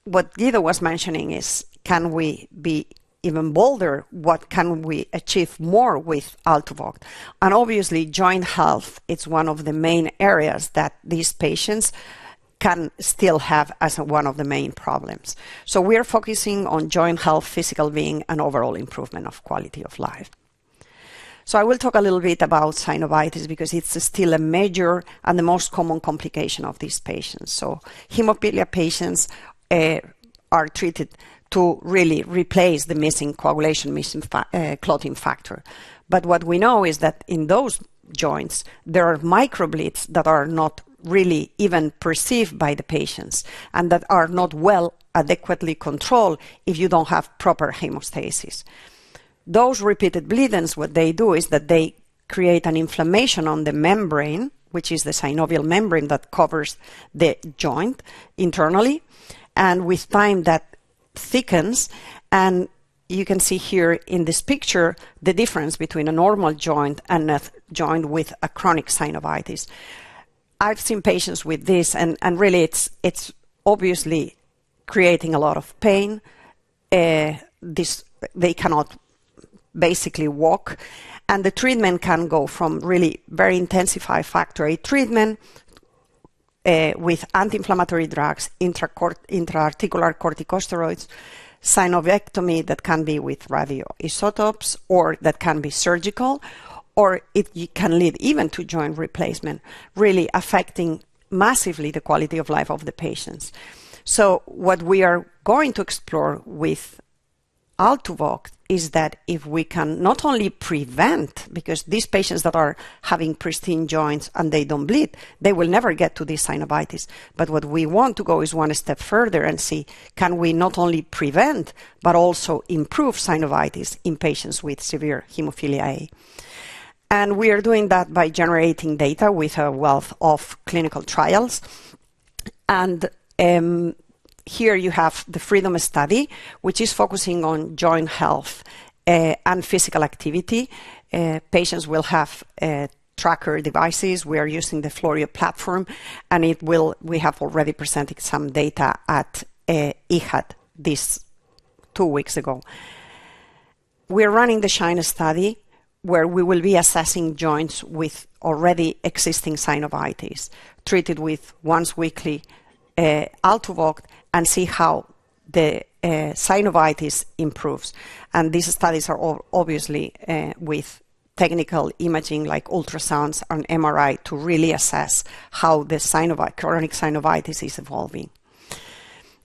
what Guido was mentioning is, can we be even bolder? What can we achieve more with ALTUVIIIO? And obviously, joint health, it's one of the main areas that these patients can still have as one of the main problems. So we are focusing on joint health, physical being, and overall improvement of quality of life. So I will talk a little bit about synovitis, because it's still a major and the most common complication of these patients. So hemophilia patients are treated to really replace the missing coagulation, missing clotting factor. But what we know is that in those joints, there are microbleeds that are not really even perceived by the patients and that are not well adequately controlled if you don't have proper hemostasis. Those repeated bleedings, what they do is that they create an inflammation on the membrane, which is the synovial membrane that covers the joint internally, and we find that thickens. And you can see here in this picture the difference between a normal joint and a joint with a chronic synovitis. I've seen patients with this, and really, it's obviously creating a lot of pain. This, they cannot basically walk, and the treatment can go from really very intensified factor treatment with anti-inflammatory drugs, intra-articular corticosteroids, synovectomy that can be with radioisotopes or that can be surgical, or it can lead even to joint replacement, really affecting massively the quality of life of the patients. So what we are going to explore with ALTUVIIIO is that if we can not only prevent, because these patients that are having pristine joints and they don't bleed, they will never get to this synovitis. But what we want to go is one step further and see, can we not only prevent, but also improve synovitis in patients with severe hemophilia A? And we are doing that by generating data with a wealth of clinical trials. Here you have the FREEDOM study, which is focusing on joint health and physical activity. Patients will have tracker devices. We are using the Florio platform, and it will. We have already presented some data at EHA two weeks ago. We're running the SHINE study, where we will be assessing joints with already existing synovitis, treated with once-weekly ALTUVIIIO and see how the synovitis improves. These studies are all obviously with technical imaging, like ultrasounds and MRI, to really assess how the chronic synovitis is evolving.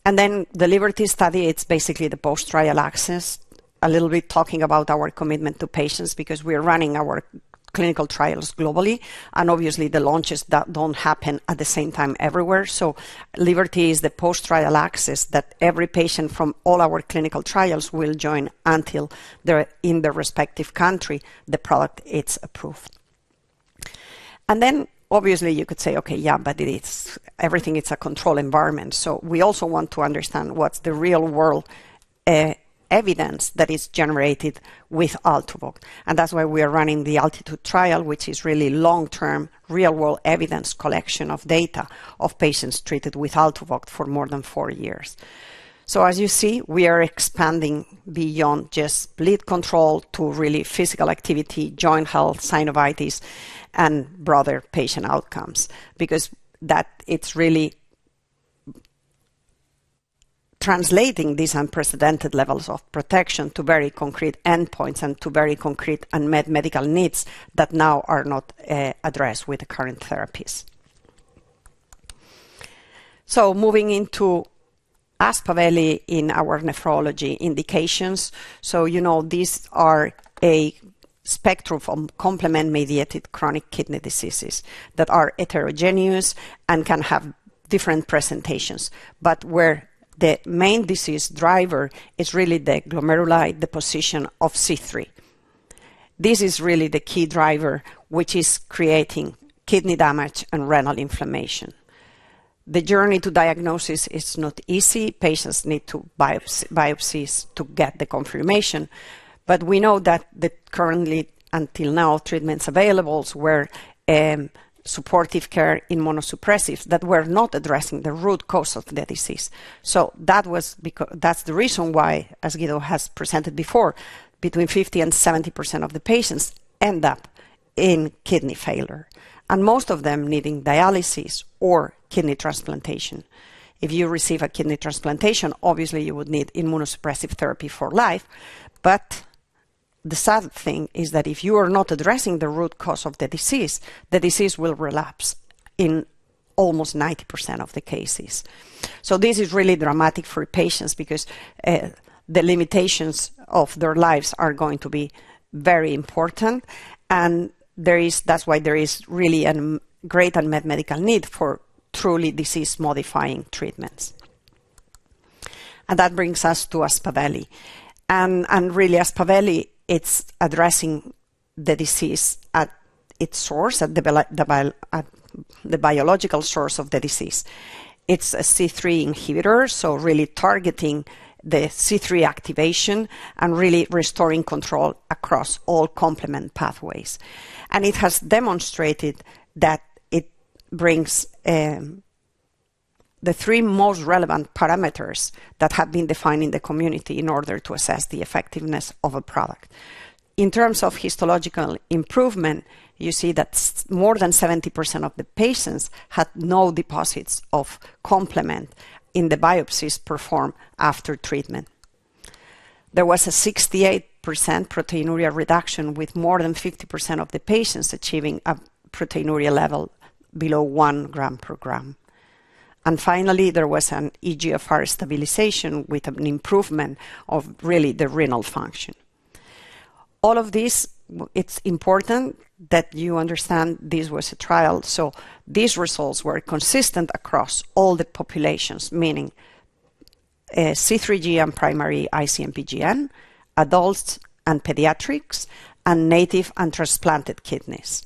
Then the LIBERTY study, it's basically the post-trial axis, a little bit talking about our commitment to patients because we are running our clinical trials globally, and obviously, the launches that don't happen at the same time everywhere. So LIBERTY is the post-trial access that every patient from all our clinical trials will join until they're in their respective country, the product is approved. And then obviously, you could say, "Okay, yeah, but it's everything is a controlled environment." So we also want to understand what's the real-world evidence that is generated with ALTUVIIIO, and that's why we are running the ALTUVIIIO trial, which is really long-term, real-world evidence collection of data of patients treated with ALTUVIIIO for more than four years. So, as you see, we are expanding beyond just bleed control to really physical activity, joint health, synovitis, and broader patient outcomes, because that it's really translating these unprecedented levels of protection to very concrete endpoints and to very concrete unmet medical needs that now are not addressed with the current therapies. So moving into Aspaveli in our nephrology indications. You know, these are a spectrum from complement-mediated chronic kidney diseases that are heterogeneous and can have different presentations, but where the main disease driver is really the glomeruli, the position of C3. This is really the key driver, which is creating kidney damage and renal inflammation. The journey to diagnosis is not easy. Patients need to biopsies to get the confirmation, but we know that currently, until now, treatments available were supportive care immunosuppressives that were not addressing the root cause of the disease. That's the reason why, between 50% and 70% of the patients end up in kidney failure, and most of them needing dialysis or kidney transplantation. If you receive a kidney transplantation, obviously, you would need immunosuppressive therapy for life. But the sad thing is that if you are not addressing the root cause of the disease, the disease will relapse in almost 90% of the cases. So this is really dramatic for patients because the limitations of their lives are going to be very important, and there is—that's why there is really a great unmet medical need for truly disease-modifying treatments. And that brings us to Aspaveli. And really, Aspaveli, it's addressing the disease at its source, at the biological source of the disease. It's a C3 inhibitor, so really targeting the C3 activation and really restoring control across all complement pathways. And it has demonstrated that it brings the three most relevant parameters that have been defined in the community in order to assess the effectiveness of a product. In terms of histological improvement, you see that more than 70% of the patients had no deposits of complement in the biopsies performed after treatment. There was a 68% proteinuria reduction, with more than 50% of the patients achieving a proteinuria level below one gram per gram. And finally, there was an eGFR stabilization with an improvement of really the renal function. All of this, it's important that you understand this was a trial, so these results were consistent across all the populations, meaning, C3G and primary IC-MPGN, adults and pediatrics, and native and transplanted kidneys.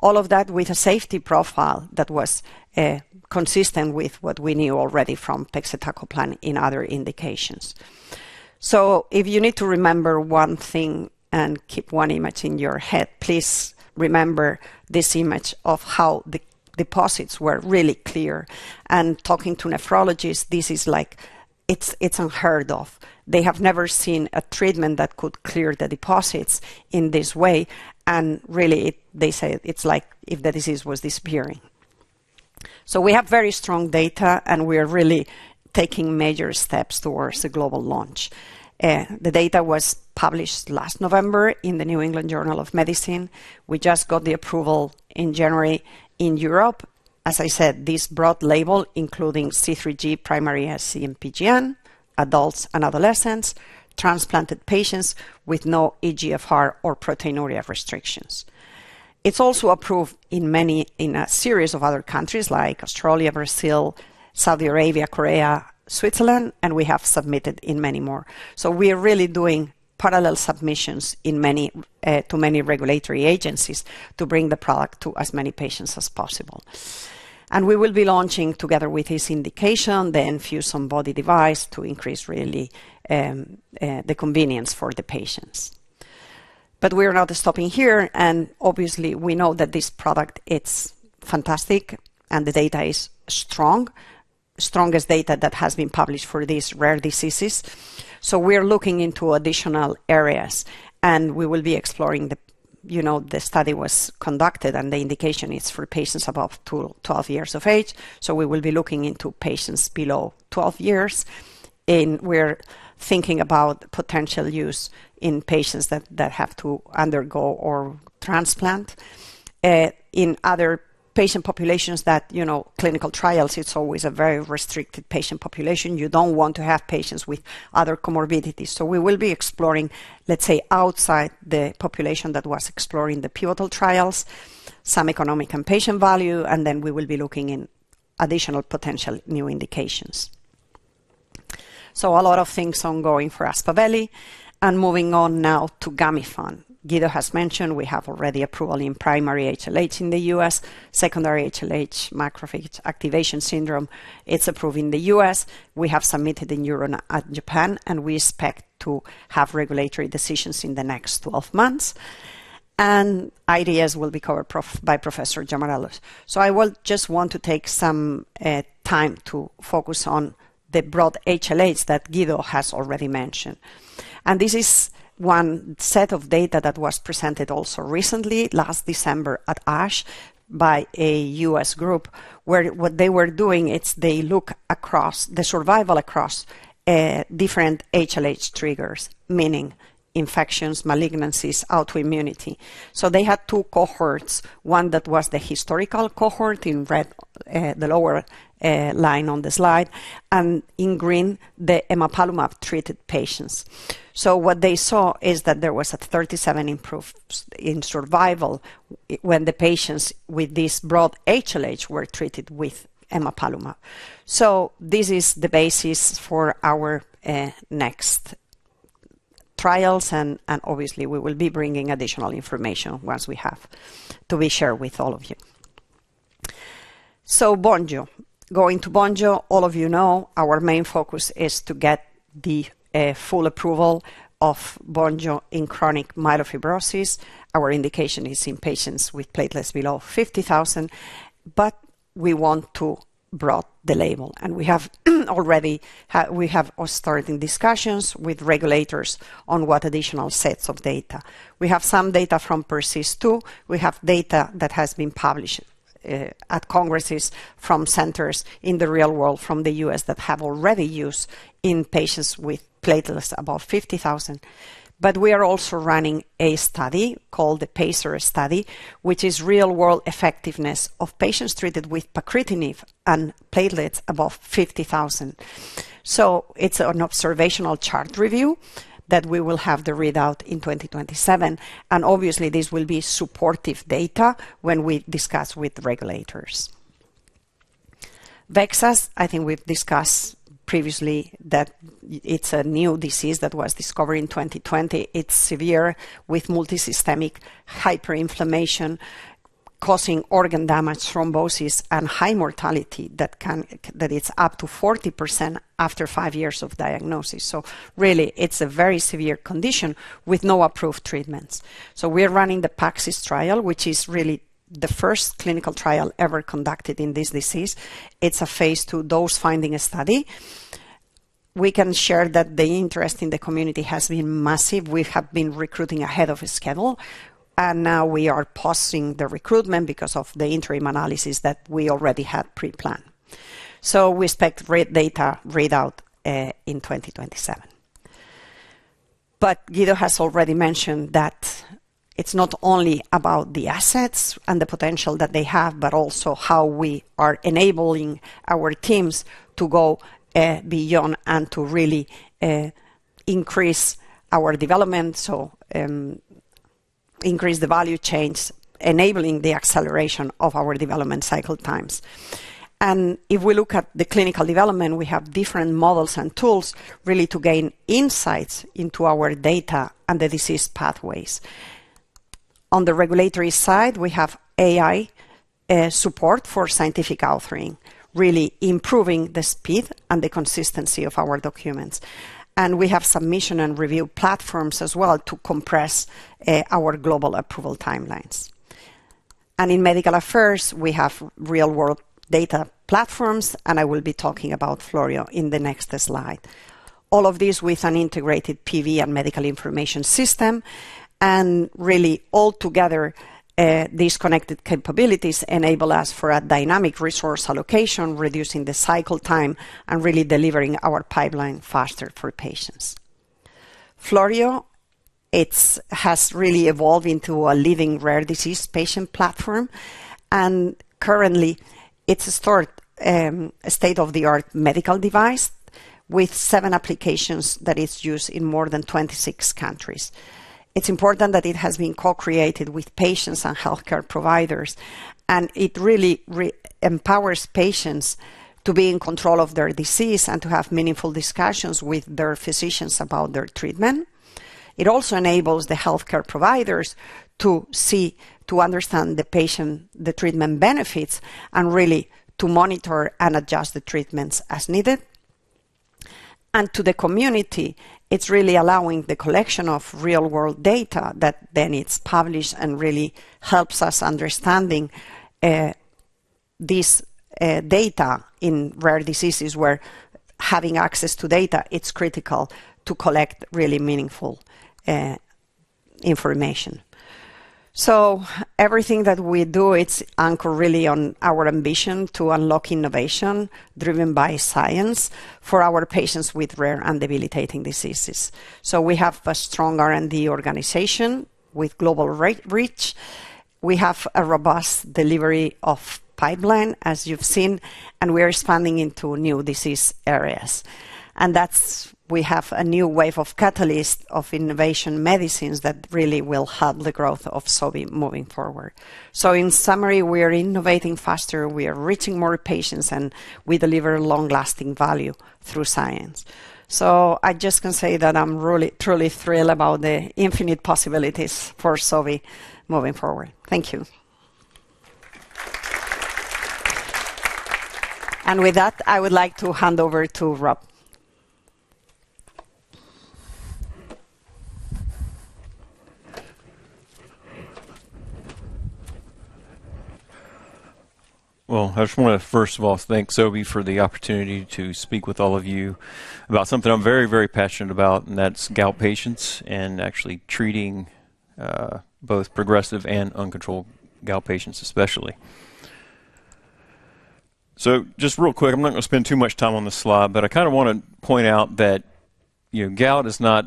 All of that with a safety profile that was, consistent with what we knew already from pegcetacoplan in other indications. So if you need to remember one thing and keep one image in your head, please remember this image of how the deposits were really clear. Talking to nephrologists, this is like... It's, it's unheard of. They have never seen a treatment that could clear the deposits in this way, and really, they say it's like if the disease was disappearing. So we have very strong data, and we are really taking major steps towards a global launch. The data was published last November in the New England Journal of Medicine. We just got the approval in January in Europe. As I said, this broad label, including C3G, primary IC-MPGN, adults and adolescents, transplanted patients with no eGFR or proteinuria restrictions. It's also approved in many-- in a series of other countries like Australia, Brazil, Saudi Arabia, Korea, Switzerland, and we have submitted in many more. So we are really doing parallel submissions in many, to many regulatory agencies to bring the product to as many patients as possible. We will be launching together with this indication, the enFuse on-body device, to increase really the convenience for the patients. But we are not stopping here, and obviously, we know that this product, it's fantastic and the data is strong, strongest data that has been published for these rare diseases. So we are looking into additional areas, and we will be exploring the. You know, the study was conducted, and the indication is for patients above 12 years of age, so we will be looking into patients below 12 years, and we're thinking about potential use in patients that have to undergo or transplant in other patient populations that, you know, clinical trials, it's always a very restricted patient population. You don't want to have patients with other comorbidities. So we will be exploring, let's say, outside the population that was exploring the pivotal trials, some economic and patient value, and then we will be looking in additional potential new indications. So a lot of things ongoing for Aspaveli. And moving on now to Gamifant. Guido has mentioned we have already approval in primary HLH in the U.S., secondary HLH, macrophage activation syndrome, it's approved in the U.S. We have submitted in Europe and Japan, and we expect to have regulatory decisions in the next 12 months, and IDS will be covered by Professor Giamarellos-Bourboulis. So I will just want to take some time to focus on the broad HLH that Guido has already mentioned. This is one set of data that was presented also recently, last December at ASH, by a U.S. group, where what they were doing, it's they look across the survival across different HLH triggers, meaning infections, malignancies, autoimmunity. So they had two cohorts, one that was the historical cohort in red, the lower line on the slide, and in green, the emapalumab-treated patients. So what they saw is that there was a 37% improvement in survival when the patients with this broad HLH were treated with emapalumab. So this is the basis for our next trials, and obviously, we will be bringing additional information once we have to be shared with all of you. So VONJO. Going to VONJO, all of you know, our main focus is to get the full approval of VONJO in chronic myelofibrosis. Our indication is in patients with platelets below 50,000, but we want to broaden the label, and we have already started discussions with regulators on what additional sets of data. We have some data from PERSIST-2. We have data that has been published at congresses from centers in the real world, from the U.S., that have already used in patients with platelets above 50,000. But we are also running a study called the PACER study, which is real-world effectiveness of patients treated with pacritinib and platelets above 50,000. So it's an observational chart review that we will have the readout in 2027, and obviously, this will be supportive data when we discuss with regulators. VEXAS, I think we've discussed previously that it's a new disease that was discovered in 2020. It's severe, with multisystemic hyperinflammation, causing organ damage, thrombosis, and high mortality that it's up to 40% after 5 years of diagnosis. So really, it's a very severe condition with no approved treatments. So we're running the PAXIS trial, which is really the first clinical trial ever conducted in this disease. It's a phase II dose-finding study. We can share that the interest in the community has been massive. We have been recruiting ahead of schedule, and now we are pausing the recruitment because of the interim analysis that we already had pre-planned. So we expect data readout in 2027. Guido has already mentioned that it's not only about the assets and the potential that they have, but also how we are enabling our teams to go beyond and to really increase our development, so increase the value chains, enabling the acceleration of our development cycle times. If we look at the clinical development, we have different models and tools really to gain insights into our data and the disease pathways. On the regulatory side, we have AI support for scientific authoring, really improving the speed and the consistency of our documents. We have submission and review platforms as well to compress our global approval timelines. In medical affairs, we have real-world data platforms, and I will be talking about Florio in the next slide. All of this with an integrated PV and medical information system, and really altogether, these connected capabilities enable us for a dynamic resource allocation, reducing the cycle time and really delivering our pipeline faster for patients. Florio, it has really evolved into a living rare disease patient platform, and currently, it's a state-of-the-art medical device with seven applications that is used in more than 26 countries. It's important that it has been co-created with patients and healthcare providers, and it really empowers patients to be in control of their disease and to have meaningful discussions with their physicians about their treatment. It also enables the healthcare providers to see, to understand the patient, the treatment benefits, and really to monitor and adjust the treatments as needed. To the community, it's really allowing the collection of real-world data that then it's published and really helps us understanding this data in rare diseases, where having access to data, it's critical to collect really meaningful information. So everything that we do, it's anchored really on our ambition to unlock innovation driven by science for our patients with rare and debilitating diseases. So we have a strong R&D organization with global reach. We have a robust delivery of pipeline, as you've seen, and we are expanding into new disease areas. And that's, we have a new wave of catalyst of innovation medicines that really will help the growth of Sobi moving forward. So in summary, we are innovating faster, we are reaching more patients, and we deliver long-lasting value through science. I just can say that I'm really truly thrilled about the infinite possibilities for Sobi moving forward. Thank you. With that, I would like to hand over to Rob. Well, I just wanna, first of all, thank Sobi for the opportunity to speak with all of you about something I'm very, very passionate about, and that's gout patients and actually treating both progressive and uncontrolled gout patients, especially. So just real quick, I'm not gonna spend too much time on this slide, but I kinda wanna point out that, you know, gout is not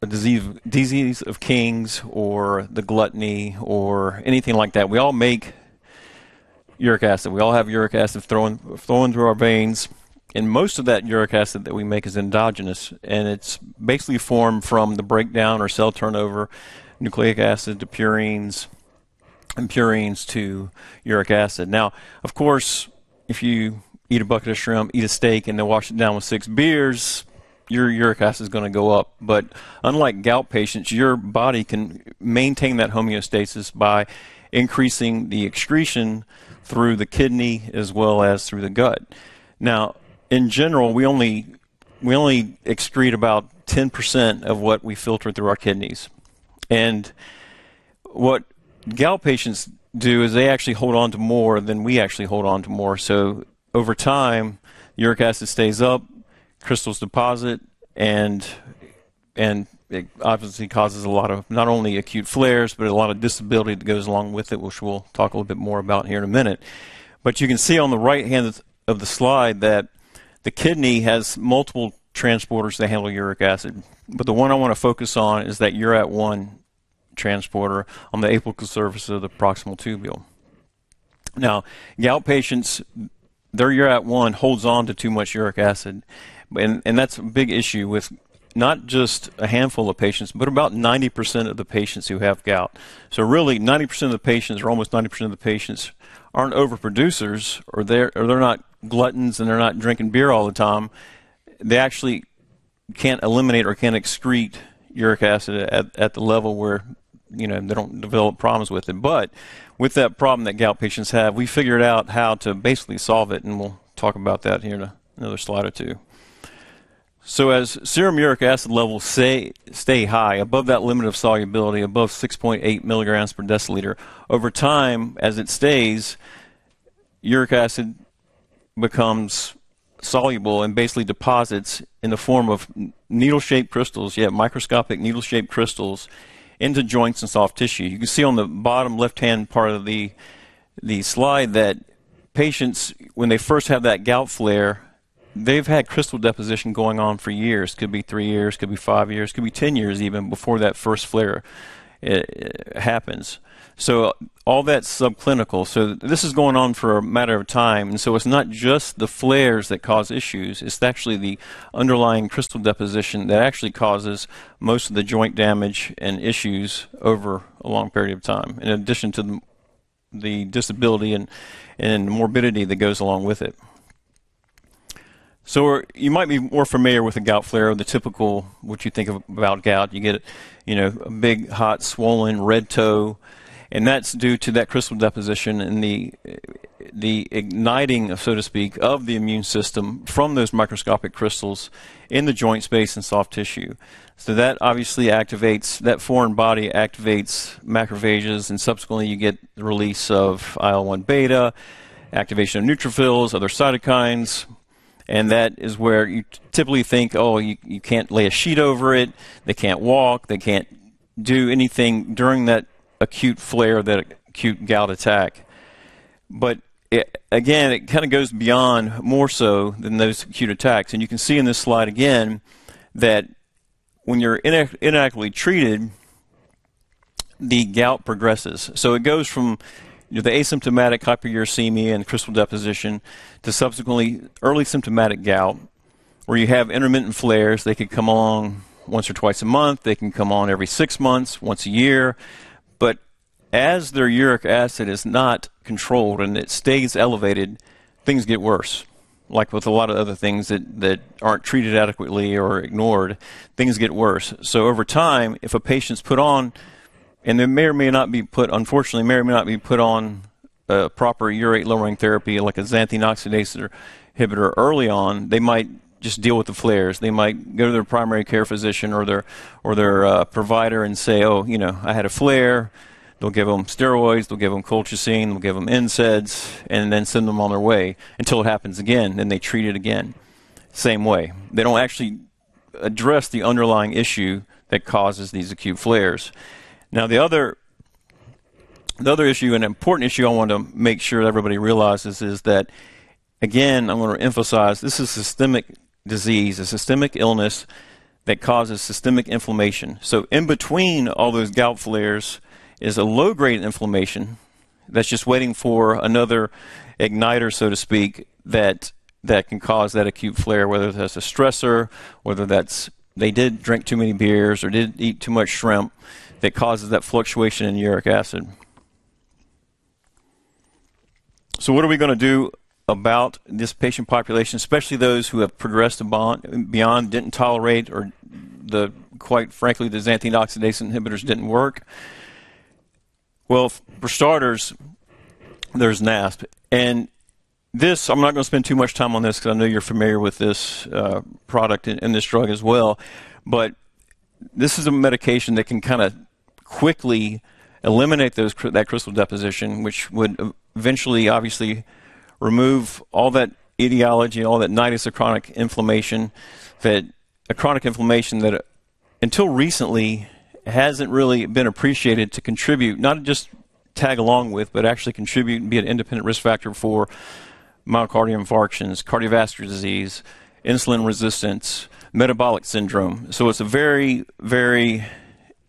a disease of kings or the gluttony or anything like that. We all make uric acid. We all have uric acid flowing through our veins, and most of that uric acid that we make is endogenous, and it's basically formed from the breakdown or cell turnover, nucleic acid to purines, and purines to uric acid. Now, of course, if you eat a bucket of shrimp, eat a steak, and then wash it down with six beers, your uric acid is gonna go up. But unlike gout patients, your body can maintain that homeostasis by increasing the excretion through the kidney as well as through the gut. Now, in general, we only excrete about 10% of what we filter through our kidneys. And what gout patients do is they actually hold on to more than we actually hold on to. So over time, uric acid stays up, crystals deposit, and it obviously causes a lot of not only acute flares, but a lot of disability that goes along with it, which we'll talk a little bit more about here in a minute. But you can see on the right hand of the slide that the kidney has multiple transporters to handle uric acid, but the one I wanna focus on is that URAT1 transporter on the apical surface of the proximal tubule. Now, gout patients, their URAT1 holds on to too much uric acid, and that's a big issue with not just a handful of patients, but about 90% of the patients who have gout. So really, 90% of the patients, or almost 90% of the patients, aren't overproducers, or they're not gluttons, and they're not drinking beer all the time. They actually can't eliminate or can't excrete uric acid at the level where, you know, they don't develop problems with it. With that problem that gout patients have, we figured out how to basically solve it, and we'll talk about that here in another slide or two. As serum uric acid levels stay high, above that limit of solubility, above 6.8 mg per deciliter, over time, as it stays, uric acid becomes soluble and basically deposits in the form of needle-shaped crystals, yeah, microscopic needle-shaped crystals into joints and soft tissue. You can see on the bottom left-hand part of the slide that patients, when they first have that gout flare, they've had crystal deposition going on for years. Could be 3 years, could be 5 years, could be 10 years even before that first flare happens. All that's subclinical. So this is going on for a matter of time, and so it's not just the flares that cause issues, it's actually the underlying crystal deposition that actually causes most of the joint damage and issues over a long period of time, in addition to the, the disability and, and morbidity that goes along with it. So you might be more familiar with a gout flare, the typical, what you think of about gout. You get, you know, a big, hot, swollen, red toe, and that's due to that crystal deposition and the, the igniting, so to speak, of the immune system from those microscopic crystals in the joint space and soft tissue. So that obviously activates... That foreign body activates macrophages, and subsequently, you get the release of IL-1 beta, activation of neutrophils, other cytokines, and that is where you typically think, oh, you can't lay a sheet over it, they can't walk, they can't do anything during that acute flare, that acute gout attack. But again, it kinda goes beyond more so than those acute attacks. And you can see in this slide again, that when you're inadequately treated, the gout progresses. So it goes from the asymptomatic hyperuricemia and crystal deposition to subsequently early symptomatic gout, where you have intermittent flares. They could come on once or twice a month, they can come on every six months, once a year. But as their uric acid is not controlled and it stays elevated, things get worse. Like with a lot of other things that aren't treated adequately or ignored, things get worse. So over time, if a patient's put on, and they may or may not be put, unfortunately, on proper urate-lowering therapy, like a xanthine oxidase inhibitor early on, they might just deal with the flares. They might go to their primary care physician or their provider and say, "Oh, you know, I had a flare." They'll give them steroids, they'll give them colchicine, they'll give them NSAIDs, and then send them on their way until it happens again, then they treat it again, same way. They don't actually address the underlying issue that causes these acute flares. Now, the other issue, and important issue I want to make sure everybody realizes, is that-... Again, I'm gonna emphasize, this is a systemic disease, a systemic illness that causes systemic inflammation. So in between all those gout flares is a low-grade inflammation that's just waiting for another igniter, so to speak, that can cause that acute flare, whether that's a stressor, whether that's they did drink too many beers or did eat too much shrimp, that causes that fluctuation in uric acid. So what are we gonna do about this patient population, especially those who have progressed beyond, didn't tolerate, or, quite frankly, the xanthine oxidase inhibitors didn't work? Well, for starters, there's NASP, and this, I'm not gonna spend too much time on this because I know you're familiar with this product and this drug as well. But this is a medication that can kinda quickly eliminate those crystal deposition, which would eventually, obviously, remove all that etiology and all that nidus of chronic inflammation, a chronic inflammation that, until recently, hasn't really been appreciated to contribute, not just tag along with, but actually contribute and be an independent risk factor for myocardial infarctions, cardiovascular disease, insulin resistance, metabolic syndrome. So it's a very, very...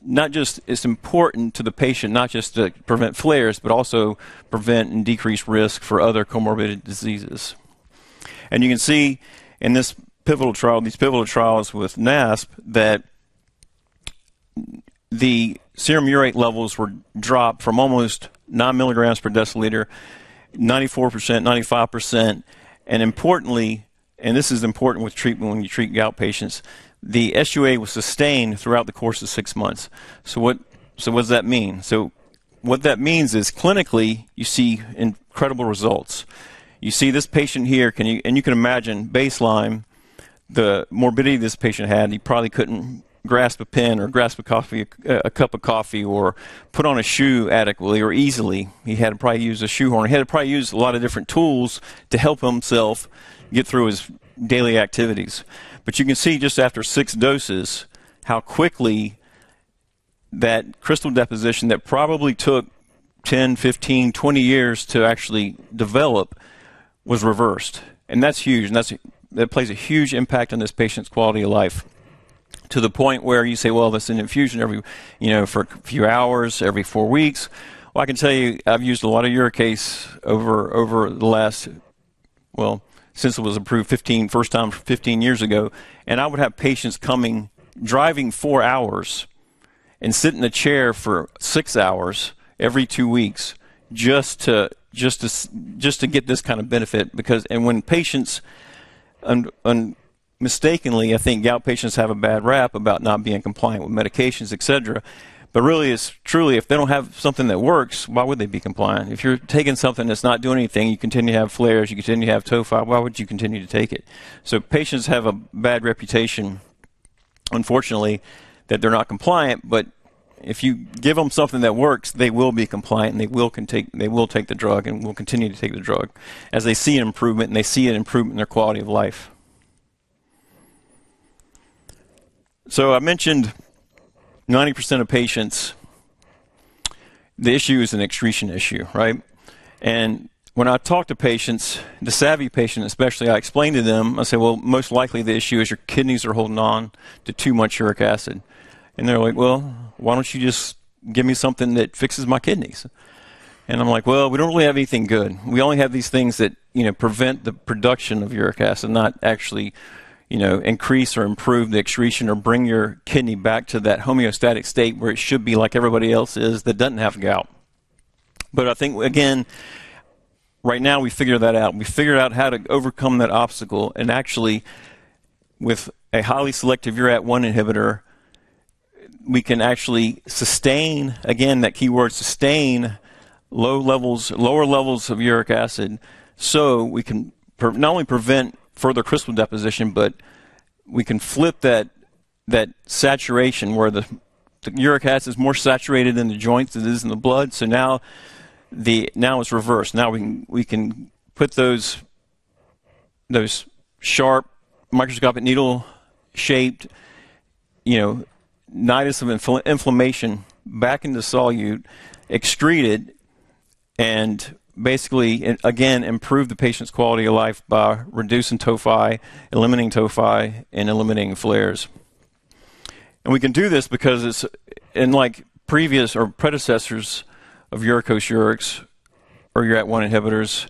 Not just, it's important to the patient, not just to prevent flares, but also prevent and decrease risk for other comorbid diseases. And you can see in this pivotal trial, these pivotal trials with NASP, that the serum urate levels were dropped from almost 9 mg per deciliter, 94%, 95%. And importantly, and this is important with treatment when you treat gout patients, the SUA was sustained throughout the course of six months. So what, so what does that mean? So what that means is, clinically, you see incredible results. You see this patient here, can you... And you can imagine baseline, the morbidity this patient had, he probably couldn't grasp a pen or grasp a cup of coffee or put on a shoe adequately or easily. He had to probably use a shoehorn. He had to probably use a lot of different tools to help himself get through his daily activities. But you can see just after six doses, how quickly that crystal deposition that probably took 10, 15, 20 years to actually develop was reversed. And that's huge, and that's, that plays a huge impact on this patient's quality of life, to the point where you say, well, that's an infusion every, you know, for a few hours, every 4 weeks. Well, I can tell you, I've used a lot of uricase over the last, well, since it was approved first time 15 years ago, and I would have patients coming, driving 4 hours and sit in a chair for 6 hours every 2 weeks just to get this kind of benefit, because... And when patients mistakenly, I think gout patients have a bad rap about not being compliant with medications, et cetera. But really, it's truly, if they don't have something that works, why would they be compliant? If you're taking something that's not doing anything, you continue to have flares, you continue to have tophi, why would you continue to take it? So patients have a bad reputation, unfortunately, that they're not compliant, but if you give them something that works, they will be compliant, and they will take the drug and will continue to take the drug as they see an improvement, and they see an improvement in their quality of life. So I mentioned 90% of patients, the issue is an excretion issue, right? And when I talk to patients, the savvy patient, especially, I explain to them, I say, "Well, most likely the issue is your kidneys are holding on to too much uric acid." And they're like, "Well, why don't you just give me something that fixes my kidneys?" And I'm like, "Well, we don't really have anything good. We only have these things that, you know, prevent the production of uric acid, not actually, you know, increase or improve the excretion or bring your kidney back to that homeostatic state where it should be like everybody else is, that doesn't have gout." But I think, again, right now, we figured that out. We figured out how to overcome that obstacle, and actually, with a highly selective URAT1 inhibitor, we can actually sustain, again, that keyword, sustain low levels- lower levels of uric acid. So we can not only prevent further crystal deposition, but we can flip that, that saturation where the, the uric acid is more saturated in the joints than it is in the blood. So now it's reversed. Now we can put those sharp, microscopic, needle-shaped, you know, nidus of inflammation back into solution, excrete it, and basically, and again, improve the patient's quality of life by reducing tophi, eliminating tophi, and eliminating flares. And we can do this because it's... And like previous or predecessors of uricosurics or URAT1 inhibitors,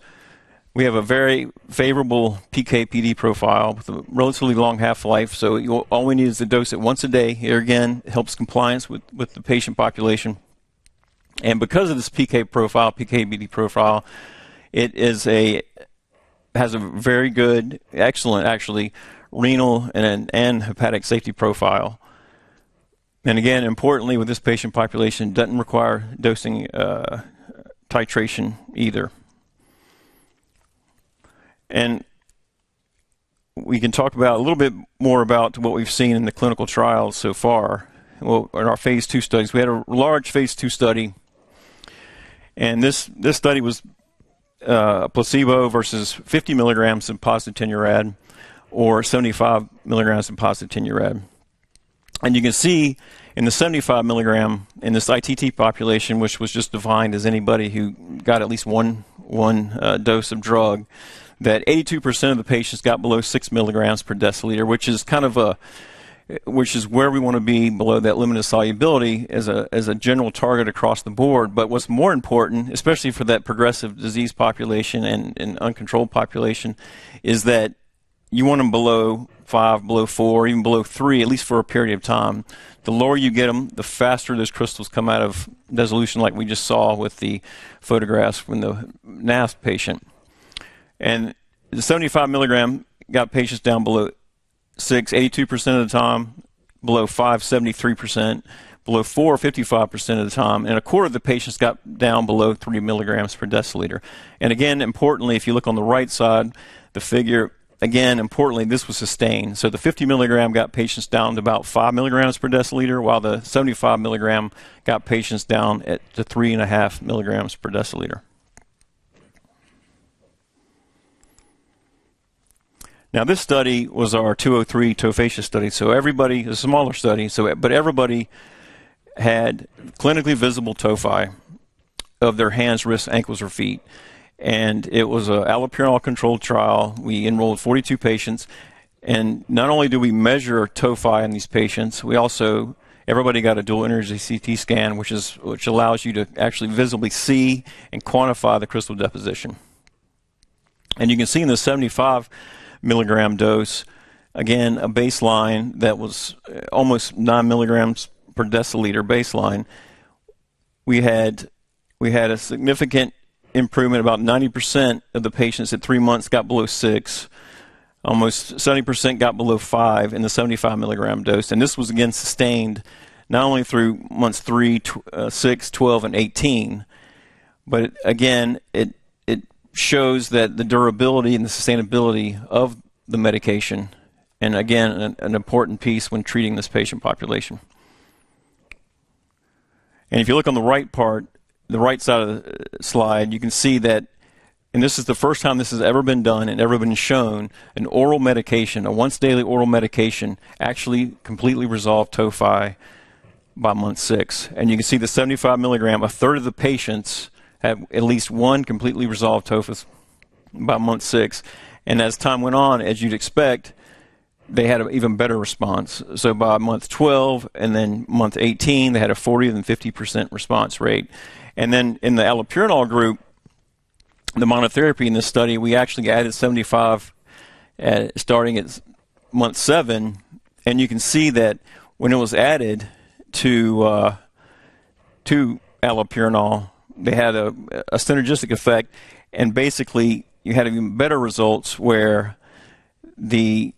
we have a very favorable PK/PD profile with a relatively long half-life, so all we need is to dose it once a day. Here again, it helps compliance with the patient population. And because of this PK profile, PK/PD profile, it has a very good, excellent actually, renal and hepatic safety profile. And again, importantly, with this patient population, doesn't require dosing titration either. And we can talk about a little bit more about what we've seen in the clinical trials so far. Well, in our phase II studies, we had a large phase II study, and this, this study was, placebo versus 50 mg of pozdeutinurad or 75 mg of pozdeutinurad. And you can see in the 75-mg, in this ITT population, which was just defined as anybody who got at least one, one, dose of drug, that 82% of the patients got below 6 mg per deciliter, which is kind of which is where we wanna be below that limit of solubility as a, as a general target across the board. But what's more important, especially for that progressive disease population and, and uncontrolled population, is that you want them below 5, below 4, even below 3, at least for a period of time. The lower you get them, the faster those crystals come out of dissolution, like we just saw with the photographs from the NASP patient. The 75 mg got patients down below 6, 82% of the time, below 5, 73%, below 4, 55% of the time, and a quarter of the patients got down below 3 mg per deciliter. Again, importantly, if you look on the right side, the figure—again, importantly, this was sustained. The 50 mg got patients down to about 5 mg per deciliter, while the 75 mg got patients down at to 3.5 mg per deciliter. Now, this study was our 203 tophaceous study, so everybody... A smaller study, so e- but everybody had clinically visible tophi of their hands, wrists, ankles, or feet, and it was an allopurinol-controlled trial. We enrolled 42 patients, and not only did we measure tophi in these patients, we also-- everybody got a dual energy CT scan, which is, which allows you to actually visibly see and quantify the crystal deposition. You can see in the 75 mg dose, again, a baseline that was, almost 9mg per deciliter baseline. We had, we had a significant improvement. About 90% of the patients at 3 months got below 6. Almost 70% got below 5 in the 75 mg dose, and this was again sustained not only through months 3, 6, 12, and 18, but again, it shows that the durability and the sustainability of the medication, and again, an important piece when treating this patient population. If you look on the right part, the right side of the slide, you can see that, and this is the first time this has ever been done and ever been shown, an oral medication, a once-daily oral medication, actually completely resolved tophi by month 6. And you can see the 75 mg, a third of the patients have at least one completely resolved tophus by month 6. And as time went on, as you'd expect, they had an even better response. So by month 12 and then month 18, they had a 40 and then 50% response rate. Then in the allopurinol group, the monotherapy in this study, we actually added 75, starting at month seven, and you can see that when it was added to allopurinol, they had a synergistic effect, and basically, you had even better results where the...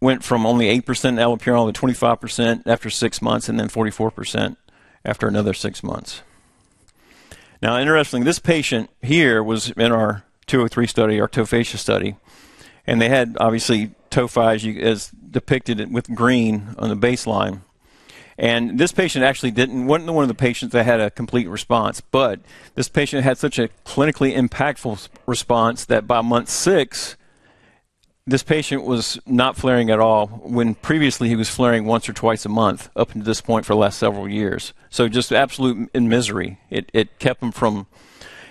went from only 8% allopurinol to 25% after six months, and then 44% after another six months. Now, interestingly, this patient here was in our 203 study, our tophaceous study, and they had obviously tophi, you as depicted it with green on the baseline. This patient actually wasn't one of the patients that had a complete response, but this patient had such a clinically impactful response that by month 6, this patient was not flaring at all, when previously he was flaring once or twice a month up until this point for the last several years. So just absolute in misery. It, it kept him from,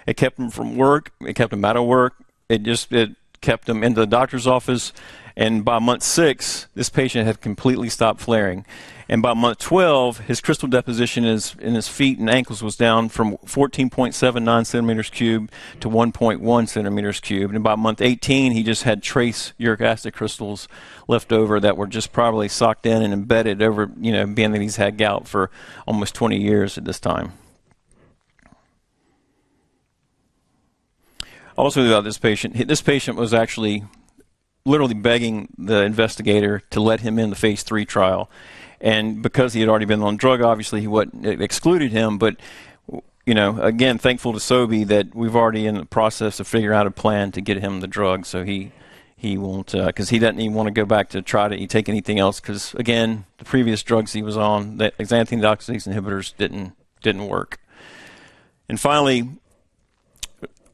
it kept him from work, it just, it kept him in the doctor's office, and by month 6, this patient had completely stopped flaring. And by month 12, his crystal deposition is, in his feet and ankles, was down from 14.79 cm³ to 1.1 cm³. By month 18, he just had trace uric acid crystals left over that were just probably socked in and embedded over, you know, being that he's had gout for almost 20 years at this time. Also, about this patient, this patient was actually literally begging the investigator to let him in the phase III trial, and because he had already been on drug, obviously, he wouldn't. It excluded him. But you know, again, thankful to Sobi that we've already in the process of figuring out a plan to get him the drug so he, he won't 'cause he doesn't even wanna go back to try to take anything else, 'cause again, the previous drugs he was on, the xanthine oxidase inhibitors, didn't, didn't work. And finally,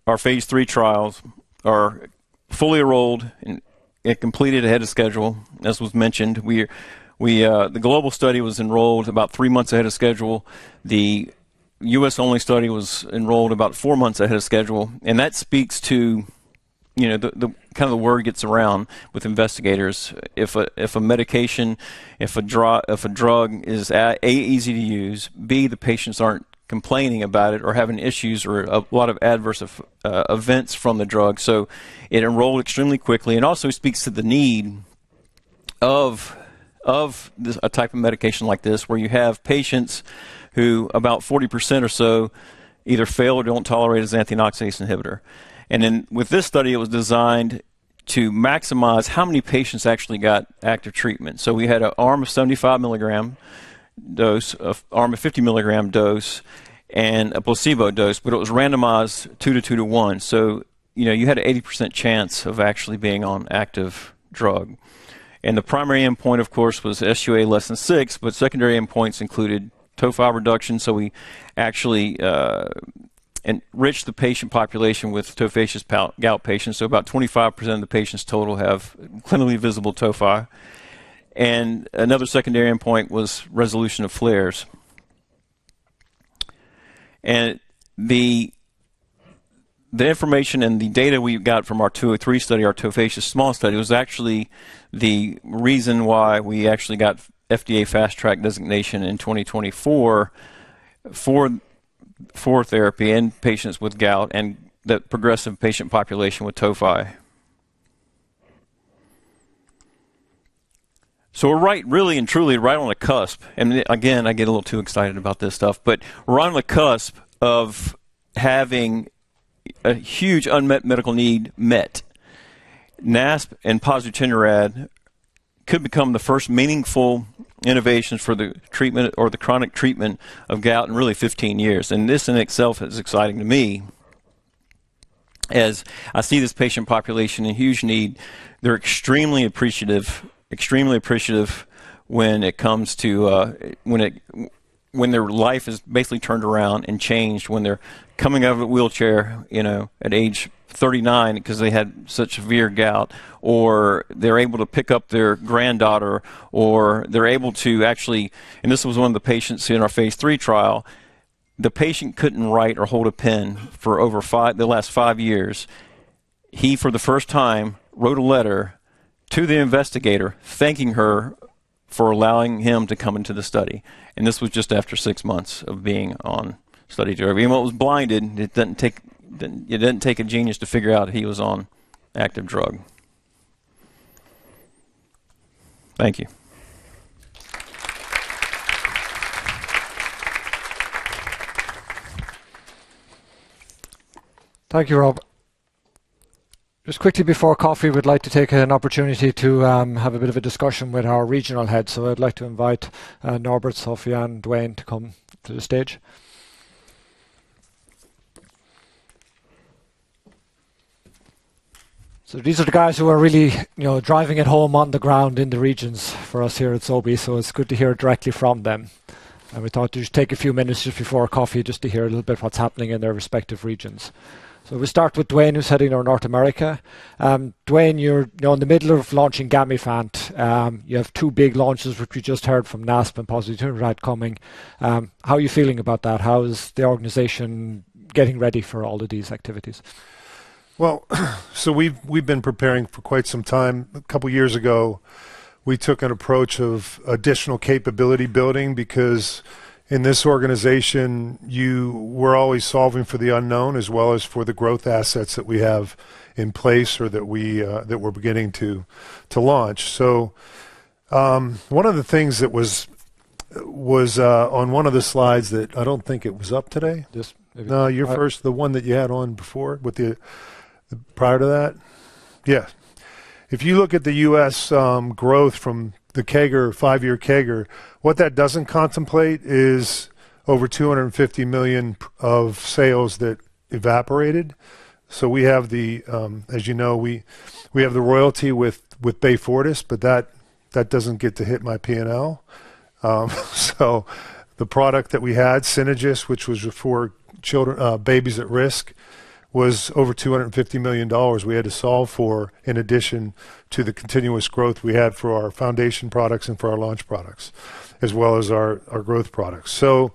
our phase III trials are fully enrolled and, and completed ahead of schedule. As was mentioned, we're. The global study was enrolled about 3 months ahead of schedule. The U.S.-only study was enrolled about 4 months ahead of schedule, and that speaks to, you know, the kind of the word gets around with investigators if a medication, if a drug is easy to use, b, the patients aren't complaining about it or having issues or a lot of adverse events from the drug. So it enrolled extremely quickly and also speaks to the need of this type of medication like this, where you have patients who, about 40% or so, either fail or don't tolerate a xanthine oxidase inhibitor. And then with this study, it was designed to maximize how many patients actually got active treatment. So we had an arm of 75 mg dose, an arm of 50-mg dose, and a placebo dose, but it was randomized 2 to 2 to 1. So, you know, you had an 80% chance of actually being on active drug. And the primary endpoint, of course, was SUA less than 6, but secondary endpoints included tophi reduction. So we actually and enrich the patient population with tophaceous gout patients. So about 25% of the patients total have clinically visible tophi. And another secondary endpoint was resolution of flares. And the, the information and the data we got from our two or three study, our tophaceous small study, was actually the reason why we actually got FDA Fast Track designation in 2024 for, for therapy in patients with gout and the progressive patient population with tophi. So we're right, really and truly, right on the cusp. And again, I get a little too excited about this stuff, but we're on the cusp of having a huge unmet medical need met. NASP and pozdeutinurad could become the first meaningful innovations for the treatment or the chronic treatment of gout in really 15 years. And this in itself is exciting to me as I see this patient population in huge need. They're extremely appreciative, extremely appreciative when it comes to, when their life is basically turned around and changed, when they're coming out of a wheelchair, you know, at age 39 because they had such severe gout, or they're able to pick up their granddaughter, or they're able to actually... And this was one of the patients in our phase III trial. The patient couldn't write or hold a pen for over 5, the last 5 years. He, for the first time, wrote a letter to the investigator, thanking her for allowing him to come into the study, and this was just after 6 months of being on study drug. Even though it was blinded, it didn't take, it didn't take a genius to figure out he was on active drug. Thank you. Thank you, Rob. Just quickly before coffee, we'd like to take an opportunity to have a bit of a discussion with our regional heads. So I'd like to invite Norbert, Sofiane, and Duane to come to the stage. So these are the guys who are really, you know, driving it home on the ground in the regions for us here at Sobi. So it's good to hear directly from them. And we thought to just take a few minutes just before coffee, just to hear a little bit what's happening in their respective regions. So we start with Duane, who's heading our North America. Duane, you're in the middle of launching Gamifant. You have two big launches, which we just heard from NASP and pozdeutinurad coming. How are you feeling about that? How is the organization getting ready for all of these activities? Well, so we've been preparing for quite some time. A couple of years ago, we took an approach of additional capability building because in this organization, you were always solving for the unknown as well as for the growth assets that we have in place or that we're beginning to launch. So, one of the things that was on one of the slides that I don't think it was up today. Just maybe.. No, your first, the one that you had on before, with the... Prior to that. Yeah. If you look at the U.S., growth from the CAGR, 5-year CAGR, what that doesn't contemplate is over $250 million of sales that evaporated. So we have the, As you know, we, we have the royalty with, with Beyfortus, but that, that doesn't get to hit my P&L. So the product that we had, SYNAGIS, which was for children, babies at risk, was over $250 million we had to solve for, in addition to the continuous growth we had for our foundation products and for our launch products, as well as our, our growth products. So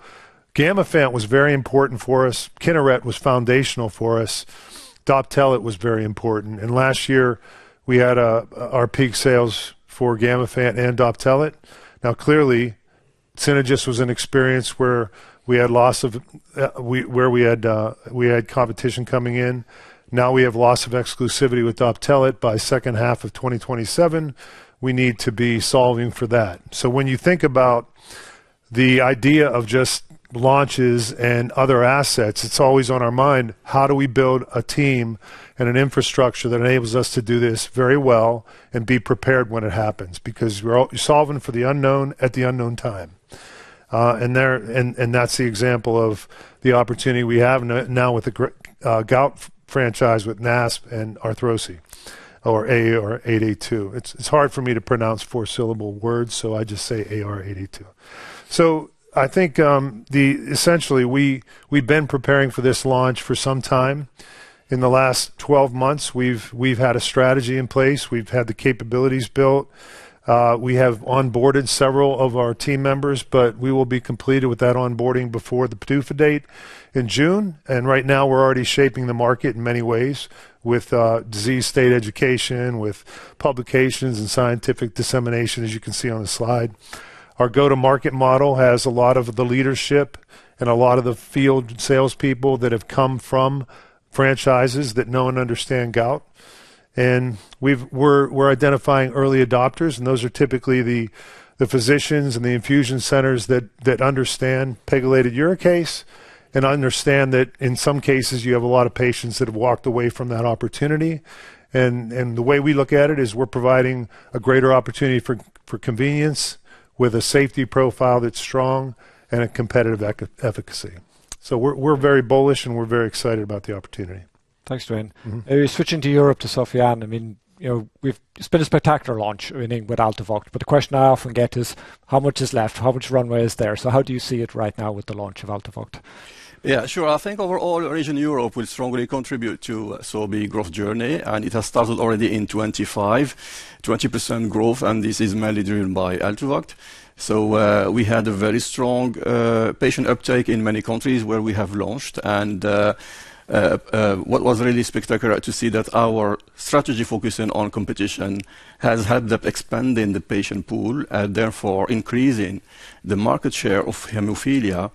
Gamifant was very important for us. Kineret was foundational for us. DOPTELET was very important. Last year, we had our peak sales for Gamifant and DOPTELET. Clearly, Synagis was an experience where we had loss of, we had competition coming in. Now, we have loss of exclusivity with DOPTELET. By second half of 2027, we need to be solving for that. When you think about the idea of just launches and other assets, it's always on our mind, how do we build a team and an infrastructure that enables us to do this very well and be prepared when it happens? Because we're solving for the unknown at the unknown time. That's the example of the opportunity we have now with the gout franchise, with NASP and Arthrosi or AR882. It's hard for me to pronounce four-syllable words, so I just say AR882. So I think, essentially, we, we've been preparing for this launch for some time. In the last 12 months, we've, we've had a strategy in place. We've had the capabilities built. We have onboarded several of our team members, but we will be completed with that onboarding before the PDUFA date in June. And right now, we're already shaping the market in many ways with disease state education, with publications and scientific dissemination, as you can see on the slide. Our go-to-market model has a lot of the leadership and a lot of the field salespeople that have come from franchises that know and understand gout. And we're identifying early adopters, and those are typically the physicians and the infusion centers that understand pegylated uricase and understand that in some cases, you have a lot of patients that have walked away from that opportunity. And the way we look at it is we're providing a greater opportunity for convenience, with a safety profile that's strong and a competitive efficacy. So we're very bullish, and we're very excited about the opportunity. Thanks, Duane. Mm-hmm. Switching to Europe to Sofiane. I mean, you know, we've, it's been a spectacular launch, I mean, with ALTUVIIIO, but the question I often get is: How much is left? How much runway is there? So how do you see it right now with the launch of ALTUVIIIO? Yeah, sure. I think overall, region Europe will strongly contribute to Sobi growth journey, and it has started already in 2025, 20% growth, and this is mainly driven by ALTUVIIIO. So, we had a very strong patient uptake in many countries where we have launched. And what was really spectacular to see that our strategy focusing on competition has had that expanding the patient pool, and therefore increasing the market share of hemophilia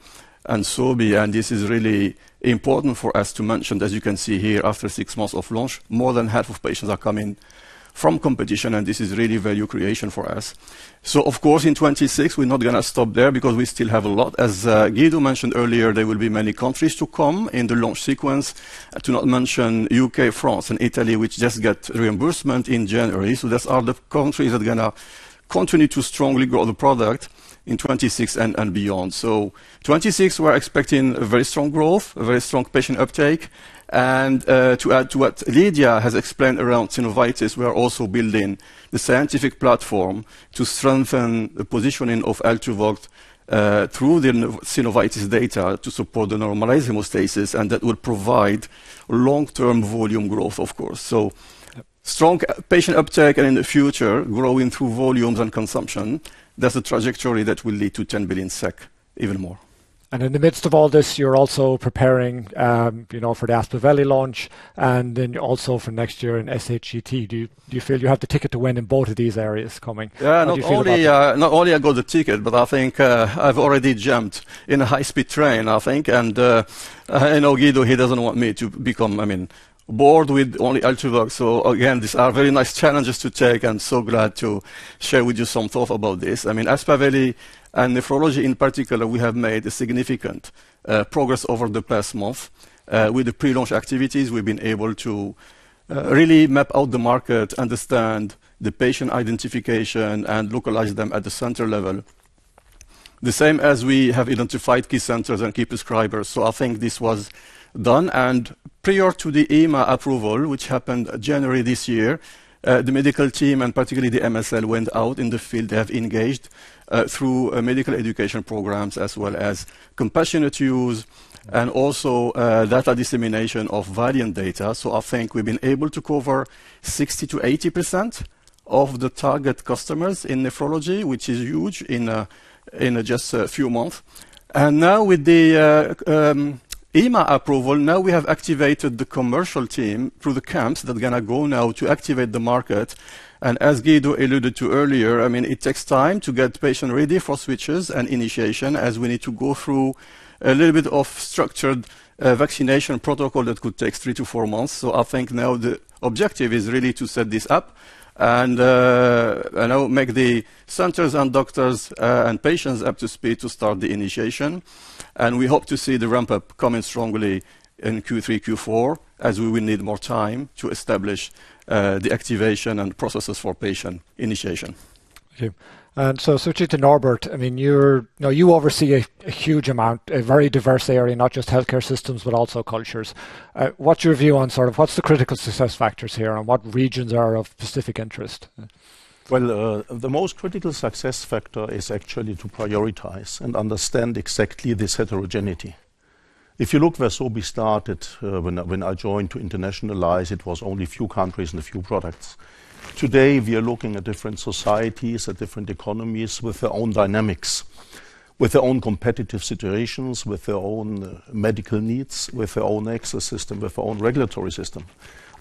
and Sobi. And this is really important for us to mention, as you can see here, after six months of launch, more than half of patients are coming from competition, and this is really value creation for us. So of course, in 2026, we're not going to stop there because we still have a lot. As Guido mentioned earlier, there will be many countries to come in the launch sequence, not to mention U.K., France, and Italy, which just got reimbursement in January. So those are the countries that are going to continue to strongly grow the product in 2026 and beyond. So 2026, we're expecting a very strong growth, a very strong patient uptake. And to add to what Lydia has explained around synovitis, we are also building the scientific platform to strengthen the positioning of ALTUVIIIO through the synovitis data to support the normalized hemostasis, and that will provide long-term volume growth, of course. So strong patient uptake and in the future, growing through volumes and consumption, that's a trajectory that will lead to 10 billion SEK, even more. In the midst of all this, you're also preparing, you know, for the Aspaveli launch and then also for next year in sHTG. Do you feel you have the ticket to win in both of these areas coming? Yeah. How do you feel about that? Not only, not only I got the ticket, but I think, I've already jumped in a high-speed train, I think. And, I know Guido, he doesn't want me to become, I mean, bored with only ALTUVIIIO. So again, these are very nice challenges to take. I'm so glad to share with you some thoughts about this. I mean, Aspaveli and nephrology in particular, we have made a significant progress over the past month. With the pre-launch activities, we've been able to really map out the market, understand the patient identification, and localize them at the center level. The same as we have identified key centers and key prescribers. So I think this was done, and prior to the EMA approval, which happened January this year, the medical team, and particularly the MSL, went out in the field. They have engaged through medical education programs as well as compassionate use and also data dissemination of valiant data. So I think we've been able to cover 60%-80% of the target customers in nephrology, which is huge in a just a few months. And now with the EMA approval, now we have activated the commercial team through the camps that are going to go now to activate the market. And as Guido alluded to earlier, I mean, it takes time to get patient ready for switches and initiation, as we need to go through a little bit of structured vaccination protocol that could take 3-4 months. So I think now the objective is really to set this up and you know make the centers and doctors and patients up to speed to start the initiation. We hope to see the ramp-up coming strongly in Q3, Q4, as we will need more time to establish the activation and processes for patient initiation. Okay. And so switching to Norbert, I mean, you're... Now, you oversee a huge amount, a very diverse area, not just healthcare systems, but also cultures. What's your view on sort of what's the critical success factors here, and what regions are of specific interest? Well, the most critical success factor is actually to prioritize and understand exactly this heterogeneity. If you look where Sobi started, when I, when I joined to internationalize, it was only a few countries and a few products. Today, we are looking at different societies, at different economies with their own dynamics, with their own competitive situations, with their own medical needs, with their own access system, with their own regulatory system.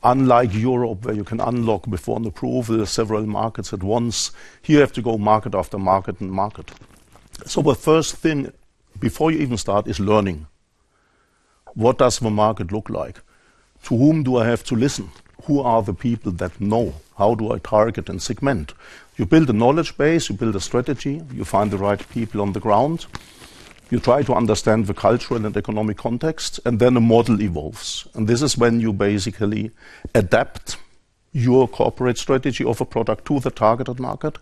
Unlike Europe, where you can unlock before and approve the several markets at once, here you have to go market after market and market. So the first thing before you even start is learning. What does the market look like? To whom do I have to listen? Who are the people that know? How do I target and segment? You build a knowledge base, you build a strategy, you find the right people on the ground, you try to understand the cultural and economic context, and then a model evolves. And this is when you basically adapt your corporate strategy of a product to the targeted market.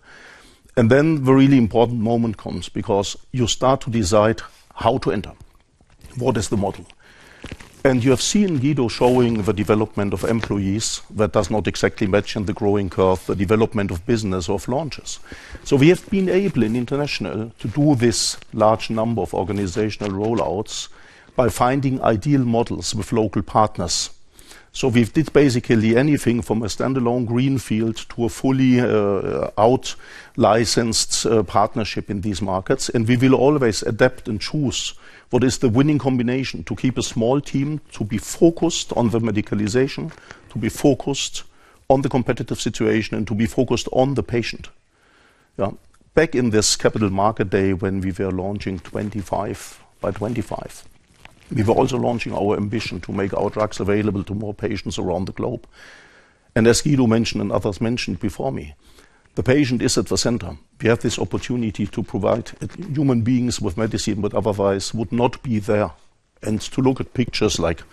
And then the really important moment comes because you start to decide how to enter. What is the model? And you have seen Guido showing the development of employees that does not exactly match in the growing curve, the development of business of launches. So we have been able in international to do this large number of organizational rollouts by finding ideal models with local partners. So we've did basically anything from a standalone greenfield to a fully out-licensed partnership in these markets, and we will always adapt and choose what is the winning combination to keep a small team, to be focused on the medicalization, to be focused on the competitive situation, and to be focused on the patient. Yeah. Back in this Capital Markets Day, when we were launching 25 by 25, we were also launching our ambition to make our drugs available to more patients around the globe. And as Guido mentioned, and others mentioned before me, the patient is at the center. We have this opportunity to provide human beings with medicine, but otherwise would not be there. And to look at pictures like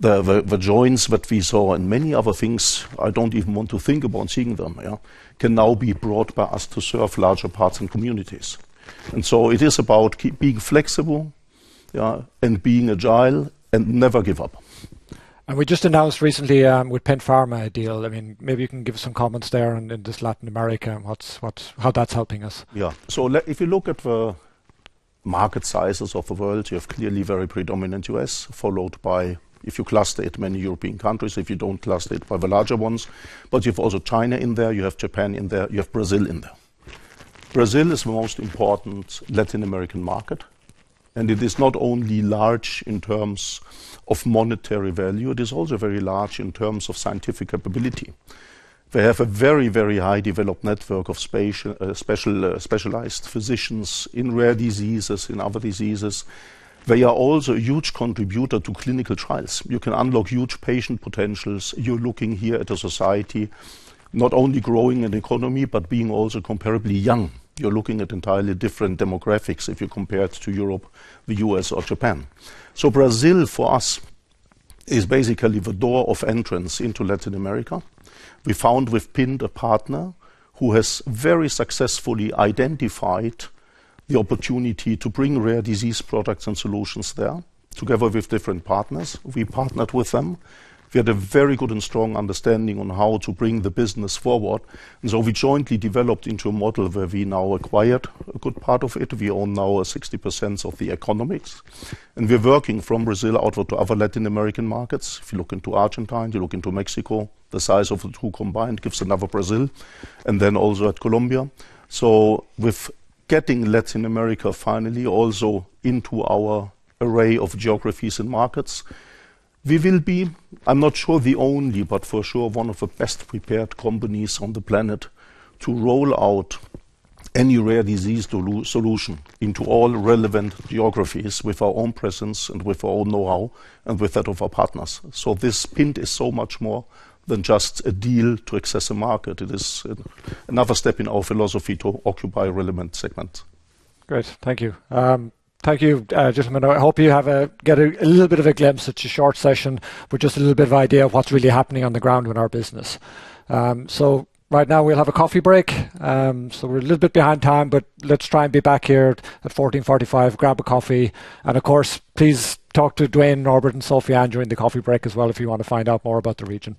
the joints that we saw and many other things I don't even want to think about seeing them, yeah, can now be brought by us to serve larger parts and communities. So it is about keep being flexible, and being agile and never give up. We just announced recently with Pint Pharma deal. I mean, maybe you can give us some comments there and in this Latin America and what's how that's helping us. Yeah. So if you look at the market sizes of the world, you have clearly very predominant U.S., followed by, if you cluster it, many European countries, if you don't cluster it, by the larger ones. But you've also China in there, you have Japan in there, you have Brazil in there. Brazil is the most important Latin American market, and it is not only large in terms of monetary value, it is also very large in terms of scientific ability. They have a very, very high developed network of specialized physicians in rare diseases, in other diseases. They are also a huge contributor to clinical trials. You can unlock huge patient potentials. You're looking here at a society not only growing in economy, but being also comparably young. You're looking at entirely different demographics if you compare it to Europe, the U.S., or Japan. So Brazil, for us, is basically the door of entrance into Latin America. We found with Pint, a partner, who has very successfully identified the opportunity to bring rare disease products and solutions there, together with different partners. We partnered with them. We had a very good and strong understanding on how to bring the business forward, and so we jointly developed into a model where we now acquired a good part of it. We own now 60% of the economics, and we're working from Brazil out to other Latin American markets. If you look into Argentina, you look into Mexico, the size of the two combined gives another Brazil, and then also at Colombia. So with getting Latin America finally also into our array of geographies and markets, we will be, I'm not sure the only, but for sure, one of the best-prepared companies on the planet to roll out any rare disease solution into all relevant geographies with our own presence and with our own know-how and with that of our partners. So this Pint is so much more than just a deal to access a market. It is another step in our philosophy to occupy a relevant segment. Great, thank you. Thank you, gentlemen. I hope you get a little bit of a glimpse. It's a short session, but just a little bit of idea of what's really happening on the ground in our business. So right now we'll have a coffee break. So we're a little bit behind time, but let's try and be back here at 2:45 P.M. Grab a coffee, and of course, please talk to Duane, Norbert, and Sofiane during the coffee break as well, if you want to find out more about the region.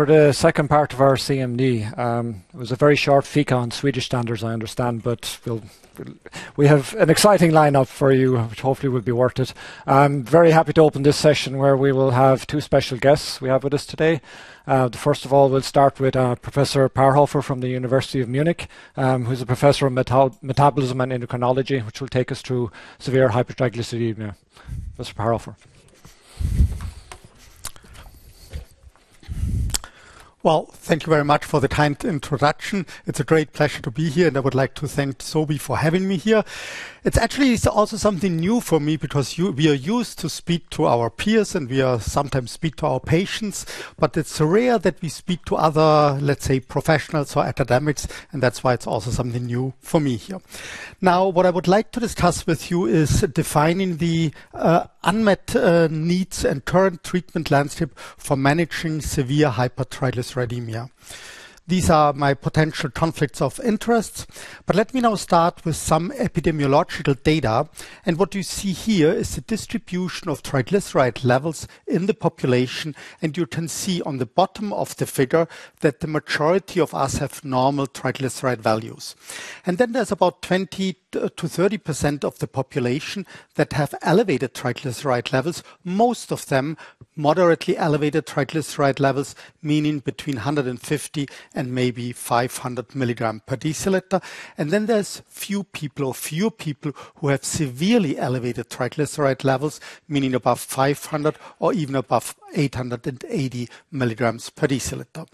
For the second part of our CMD, it was a very short feature on Swedish standards, I understand, but we'll-- We have an exciting lineup for you, which hopefully will be worth it. I'm very happy to open this session where we will have two special guests we have with us today. First of all, we'll start with Professor Parhofer from the University of Munich, who's a professor of metabolism and endocrinology, which will take us through severe hypertriglyceridemia. Professor Parhofer. Well, thank you very much for the kind introduction. It's a great pleasure to be here, and I would like to thank Sobi for having me here. It's actually, it's also something new for me because you, we are used to speak to our peers, and we are sometimes speak to our patients, but it's rare that we speak to other, let's say, professionals or academics, and that's why it's also something new for me here. Now, what I would like to discuss with you is defining the, unmet, needs and current treatment landscape for managing severe hypertriglyceridemia. These are my potential conflicts of interest. But let me now start with some epidemiological data. What you see here is the distribution of triglyceride levels in the population, and you can see on the bottom of the figure that the majority of us have normal triglyceride values. And then there's about 20%-30% of the population that have elevated triglyceride levels, most of them moderately elevated triglyceride levels, meaning between 150 mg and maybe 500 mg per deciliter. And then there's few people who have severely elevated triglyceride levels, meaning above 500 mg or even above 880 mg per deciliter.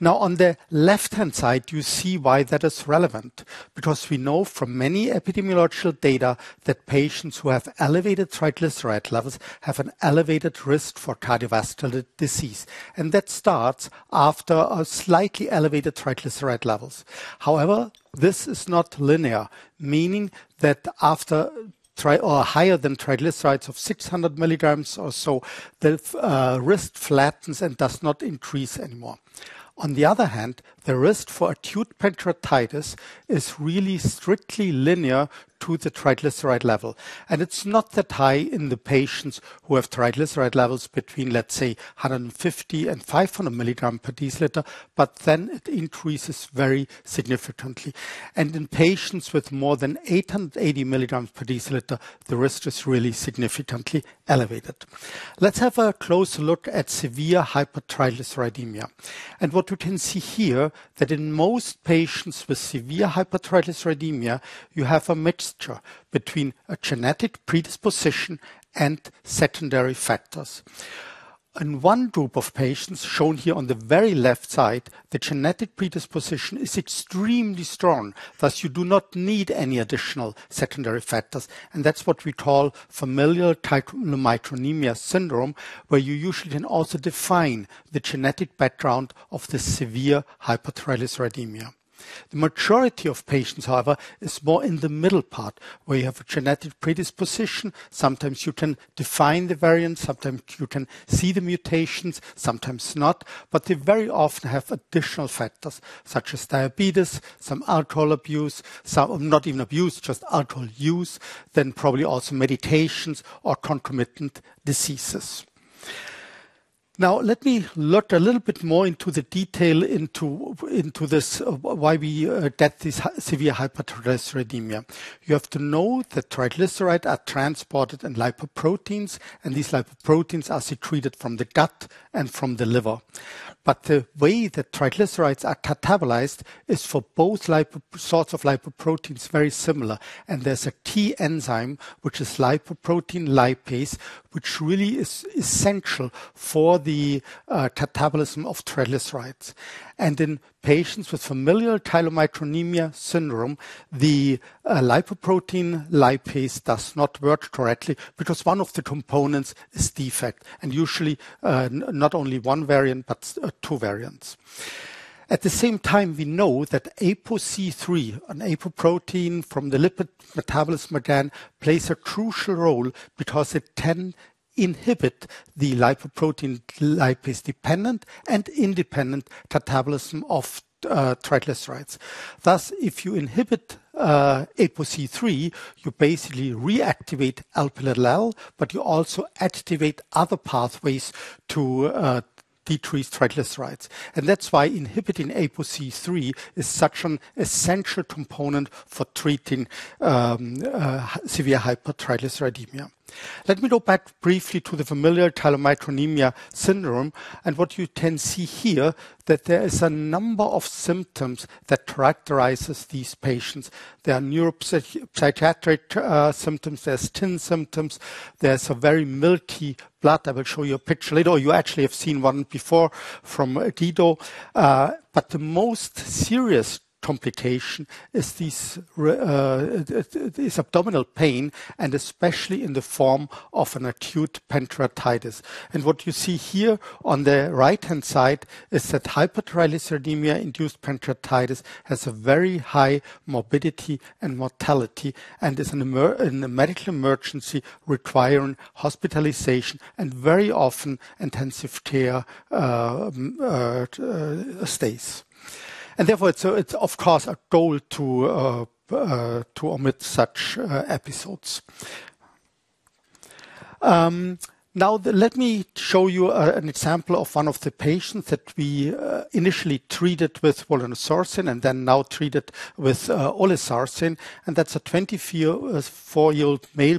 Now, on the left-hand side, you see why that is relevant, because we know from many epidemiological data that patients who have elevated triglyceride levels have an elevated risk for cardiovascular disease, and that starts after a slightly elevated triglyceride levels. However, this is not linear, meaning that after or higher than triglycerides of 600 mg or so, the risk flattens and does not increase anymore. On the other hand, the risk for acute pancreatitis is really strictly linear to the triglyceride level, and it's not that high in the patients who have triglyceride levels between, let's say, 150 mg and 500 mg per deciliter, but then it increases very significantly. In patients with more than 880 mg per deciliter, the risk is really significantly elevated. Let's have a closer look at severe hypertriglyceridemia. What you can see here, that in most patients with severe hypertriglyceridemia, you have a mixture between a genetic predisposition and secondary factors. In one group of patients, shown here on the very left side, the genetic predisposition is extremely strong, thus you do not need any additional secondary factors, and that's what we call familial chylomicronemia syndrome, where you usually can also define the genetic background of the severe hypertriglyceridemia. The majority of patients, however, is more in the middle part, where you have a genetic predisposition. Sometimes you can define the variant, sometimes you can see the mutations, sometimes not. But they very often have additional factors such as diabetes, some alcohol abuse, some—not even abuse, just alcohol use, then probably also medications or concomitant diseases. Now, let me look a little bit more into the detail into, into this, why we get this severe hypertriglyceridemia. You have to know that triglyceride are transported in lipoproteins, and these lipoproteins are secreted from the gut and from the liver. But the way the triglycerides are catabolized is for both lipo- sorts of lipoproteins, very similar, and there's a key enzyme, which is lipoprotein lipase, which really is essential for the, catabolism of triglycerides. In patients with familial chylomicronemia syndrome, the lipoprotein lipase does not work correctly because one of the components is defective, and usually not only one variant, but two variants. At the same time, we know that apoC-III, an apolipoprotein from the lipid metabolism again, plays a crucial role because it can inhibit the lipoprotein lipase dependent and independent catabolism of triglycerides. Thus, if you inhibit apoC-III, you basically reactivate LPL activity, but you also activate other pathways to decrease triglycerides. And that's why inhibiting apoC-III is such an essential component for treating severe hypertriglyceridemia. Let me go back briefly to the familial chylomicronemia syndrome, and what you can see here, that there is a number of symptoms that characterizes these patients. There are neuropsychiatric symptoms, there's skin symptoms, there's a very milky blood. I will show you a picture later. You actually have seen one before from Guido. But the most serious complication is this abdominal pain, and especially in the form of an acute pancreatitis. And what you see here on the right-hand side is that hypertriglyceridemia-induced pancreatitis has a very high morbidity and mortality and is a medical emergency requiring hospitalization and very often intensive care stays. And therefore, it's of course a goal to omit such episodes. Now, let me show you an example of one of the patients that we initially treated with volanesorsen and then now treated with olezarsen, and that's a 24-year-old male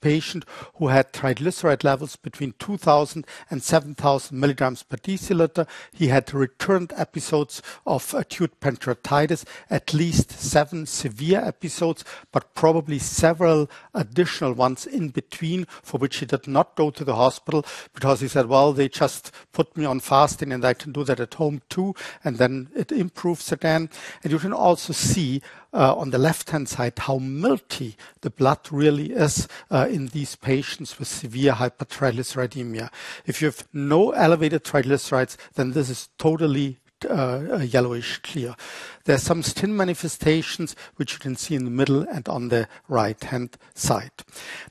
patient who had triglyceride levels between 2,000 mg and 7,000 mg per deciliter. He had recurrent episodes of acute pancreatitis, at least seven severe episodes, but probably several additional ones in between, for which he did not go to the hospital because he said, "Well, they just put me on fasting, and I can do that at home, too, and then it improves again." You can also see, on the left-hand side, how milky the blood really is, in these patients with severe hypertriglyceridemia. If you have no elevated triglycerides, then this is totally, yellowish clear. There are some skin manifestations which you can see in the middle and on the right-hand side.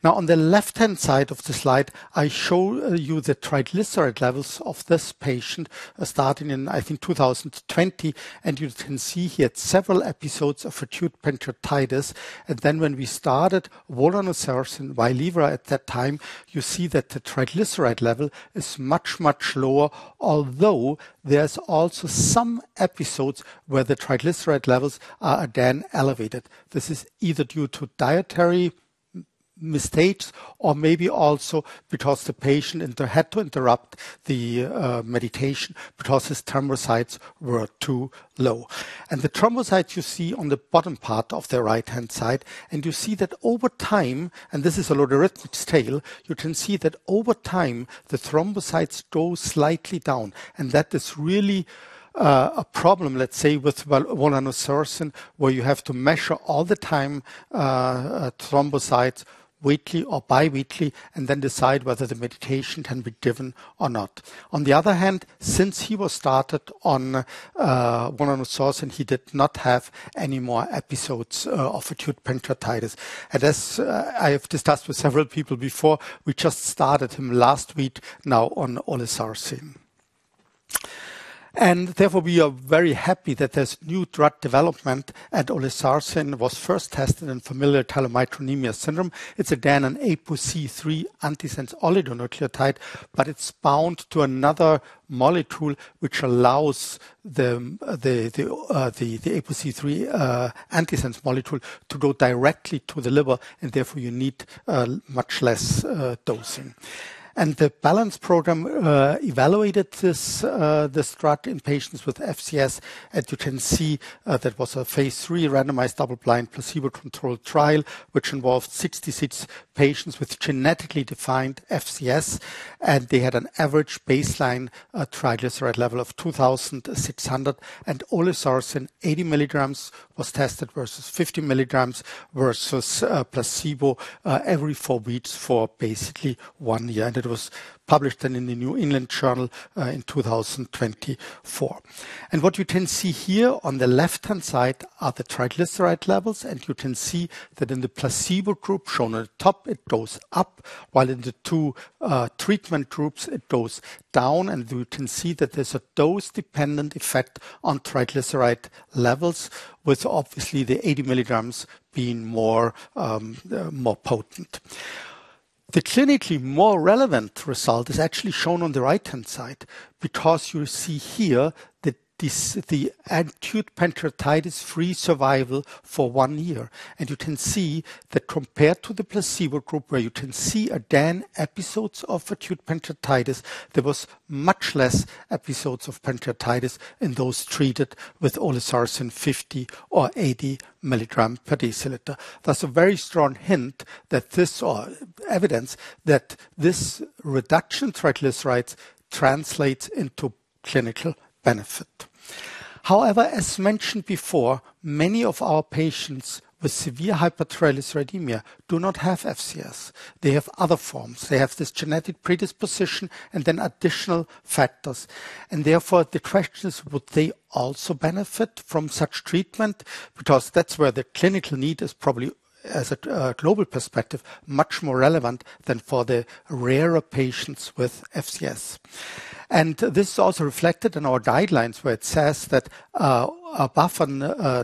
Now, on the left-hand side of the slide, I show you the triglyceride levels of this patient, starting in, I think, 2020, and you can see he had several episodes of acute pancreatitis. Then when we started volanesorsen, WAYLIVRA at that time, you see that the triglyceride level is much, much lower although there's also some episodes where the triglyceride levels are again elevated. This is either due to dietary mistakes or maybe also because the patient had to interrupt the medication because his thrombocytes were too low. And the thrombocytes you see on the bottom part of the right-hand side, and you see that over time, and this is a logarithmic scale. You can see that over time, the thrombocytes go slightly down, and that is really a problem, let's say, with volanesorsen, where you have to measure all the time thrombocytes weekly or bi-weekly, and then decide whether the medication can be given or not. On the other hand, since he was started on volanesorsen, he did not have any more episodes of acute pancreatitis. As I have discussed with several people before, we just started him last week now on olezarsen. Therefore, we are very happy that there's new drug development, and olezarsen was first tested in familial chylomicronemia syndrome. It's again, an apoC-III antisense oligonucleotide, but it's bound to another molecule, which allows the apoC-III antisense molecule to go directly to the liver, and therefore, you need much less dosing. The BALANCE program evaluated this drug in patients with FCS. As you can see, that was a phase III randomized double-blind, placebo-controlled trial, which involved 66 patients with genetically defined FCS, and they had an average baseline triglyceride level of 2,600, and olezarsen 80 mg was tested versus 50 mg, versus placebo every four weeks for basically one year. It was published in the New England Journal in 2024. What you can see here on the left-hand side are the triglyceride levels, and you can see that in the placebo group, shown on top, it goes up, while in the two treatment groups, it goes down. You can see that there's a dose-dependent effect on triglyceride levels, with obviously the 80 mg being more, more potent. The clinically more relevant result is actually shown on the right-hand side because you see here that this—the acute pancreatitis free survival for one year. You can see that compared to the placebo group, where you can see again episodes of acute pancreatitis, there was much less episodes of pancreatitis in those treated with olezarsen 50 mg or 80 mg per deciliter. That's a very strong hint that this evidence that this reduction triglycerides translates into clinical benefit. However, as mentioned before, many of our patients with severe hypertriglyceridemia do not have FCS. They have other forms. They have this genetic predisposition and then additional factors, and therefore, the question is, would they also benefit from such treatment? Because that's where the clinical need is probably as a global perspective, much more relevant than for the rarer patients with FCS. This is also reflected in our guidelines, where it says that above a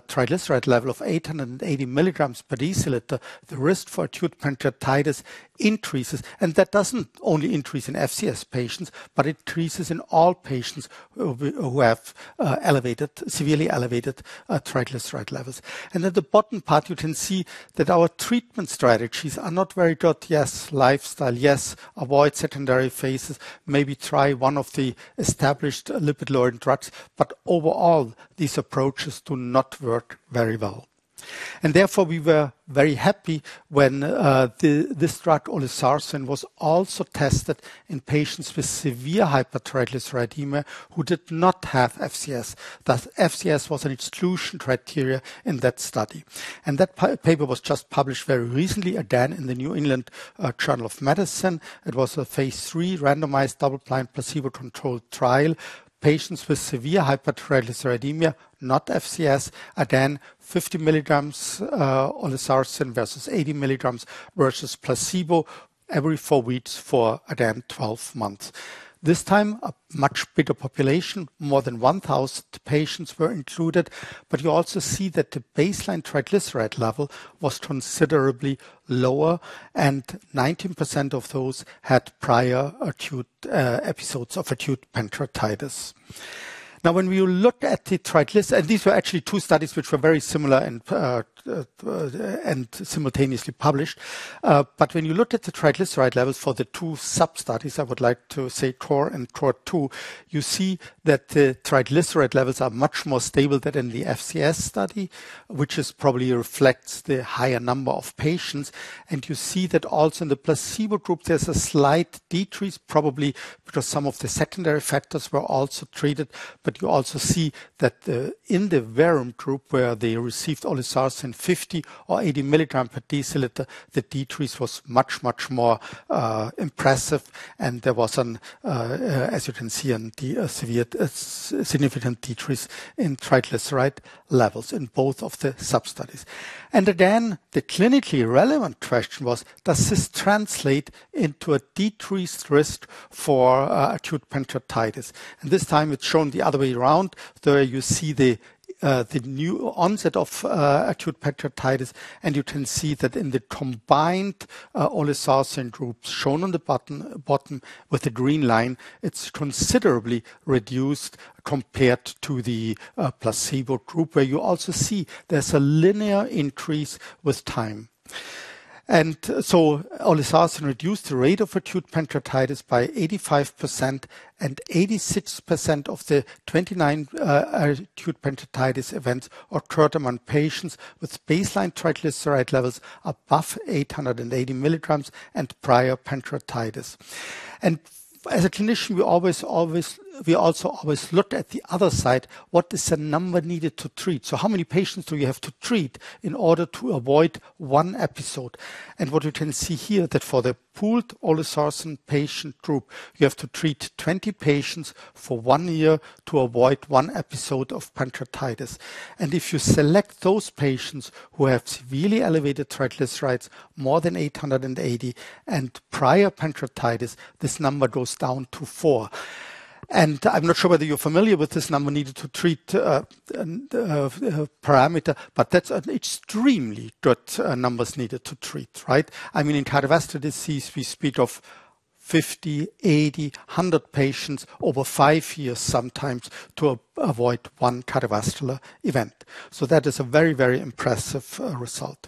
triglyceride level of 800 mg per deciliter, the risk for acute pancreatitis increases, and that doesn't only increase in FCS patients, but increases in all patients who have elevated, severely elevated triglyceride levels. At the bottom part, you can see that our treatment strategies are not very good. Yes, lifestyle, yes, avoid secondary phases, maybe try one of the established lipid-lowering drugs, but overall, these approaches do not work very well. Therefore, we were very happy when this drug, olezarsen, was also tested in patients with severe hypertriglyceridemia who did not have FCS. Thus, FCS was an exclusion criteria in that study, and that paper was just published very recently, again, in the New England Journal of Medicine. It was a phase III randomized, double-blind, placebo-controlled trial. Patients with severe hypertriglyceridemia, not FCS, again, 50 mg olezarsen versus 80 mg versus placebo every 4 weeks for again, 12 months. This time, a much bigger population, more than 1,000 patients were included, but you also see that the baseline triglyceride level was considerably lower, and 19% of those had prior acute episodes of acute pancreatitis. Now, when we look at the triglyceride levels for the two sub-studies, I would like to say core and core two, you see that the triglyceride levels are much more stable than in the FCS study, which is probably reflects the higher number of patients. You see that also in the placebo group, there's a slight decrease, probably because some of the secondary factors were also treated. You also see that in the verum group, where they received olezarsen 50 mg or 80 mg per deciliter, the decrease was much, much more impressive, and there was, as you can see, a significant decrease in triglyceride levels in both of the sub-studies. Again, the clinically relevant question was, does this translate into a decreased risk for acute pancreatitis? This time, it's shown the other way around. So you see the new onset of acute pancreatitis, and you can see that in the combined olezarsen groups shown on the bottom with the green line, it's considerably reduced compared to the placebo group, where you also see there's a linear increase with time.... And so olezarsen reduced the rate of acute pancreatitis by 85%, and 86% of the 29 acute pancreatitis events occurred among patients with baseline triglyceride levels above 880 mg and prior pancreatitis. And as a clinician, we always, always, we also always look at the other side, what is the number needed to treat? So how many patients do we have to treat in order to avoid one episode? What you can see here, that for the pooled olezarsen patient group, you have to treat 20 patients for 1 year to avoid 1 episode of pancreatitis. If you select those patients who have severely elevated triglycerides, more than 880 mg, and prior pancreatitis, this number goes down to 4. I'm not sure whether you're familiar with this number needed to treat parameter, but that's an extremely good numbers needed to treat, right? I mean, in cardiovascular disease, we speak of 50, 80, 100 patients over 5 years, sometimes, to avoid 1 cardiovascular event. That is a very, very impressive result.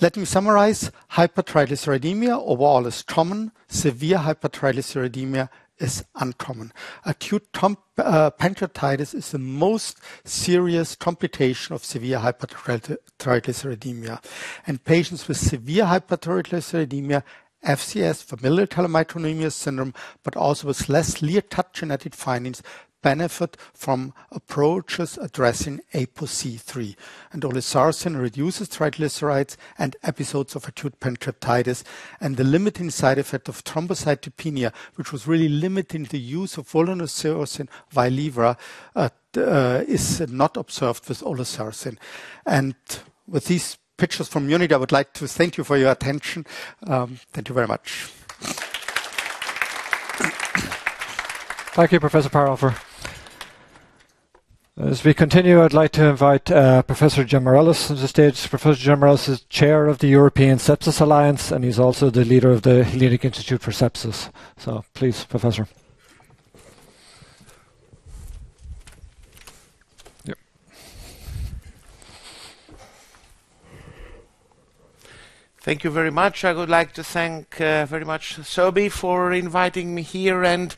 Let me summarize. Hypertriglyceridemia overall is common. Severe hypertriglyceridemia is uncommon. Acute pancreatitis is the most serious complication of severe hypertriglyceridemia, and patients with severe hypertriglyceridemia, FCS, familial chylomicronemia syndrome, but also with less clear-cut genetic findings, benefit from approaches addressing apoC-III. olezarsen reduces triglycerides and episodes of acute pancreatitis, and the limiting side effect of thrombocytopenia, which was really limiting the use of volanesorsen WAYLIVRA, is not observed with olezarsen. With these pictures from Munich, I would like to thank you for your attention. Thank you very much. Thank you, Professor Parhofer. As we continue, I'd like to invite Professor Giamarellos-Bourboulis to the stage. Professor Giamarellos-Bourboulis is chair of the European Sepsis Alliance, and he's also the leader of the Hellenic Institute for Sepsis. So please, Professor. Yep. Thank you very much. I would like to thank very much Sobi for inviting me here and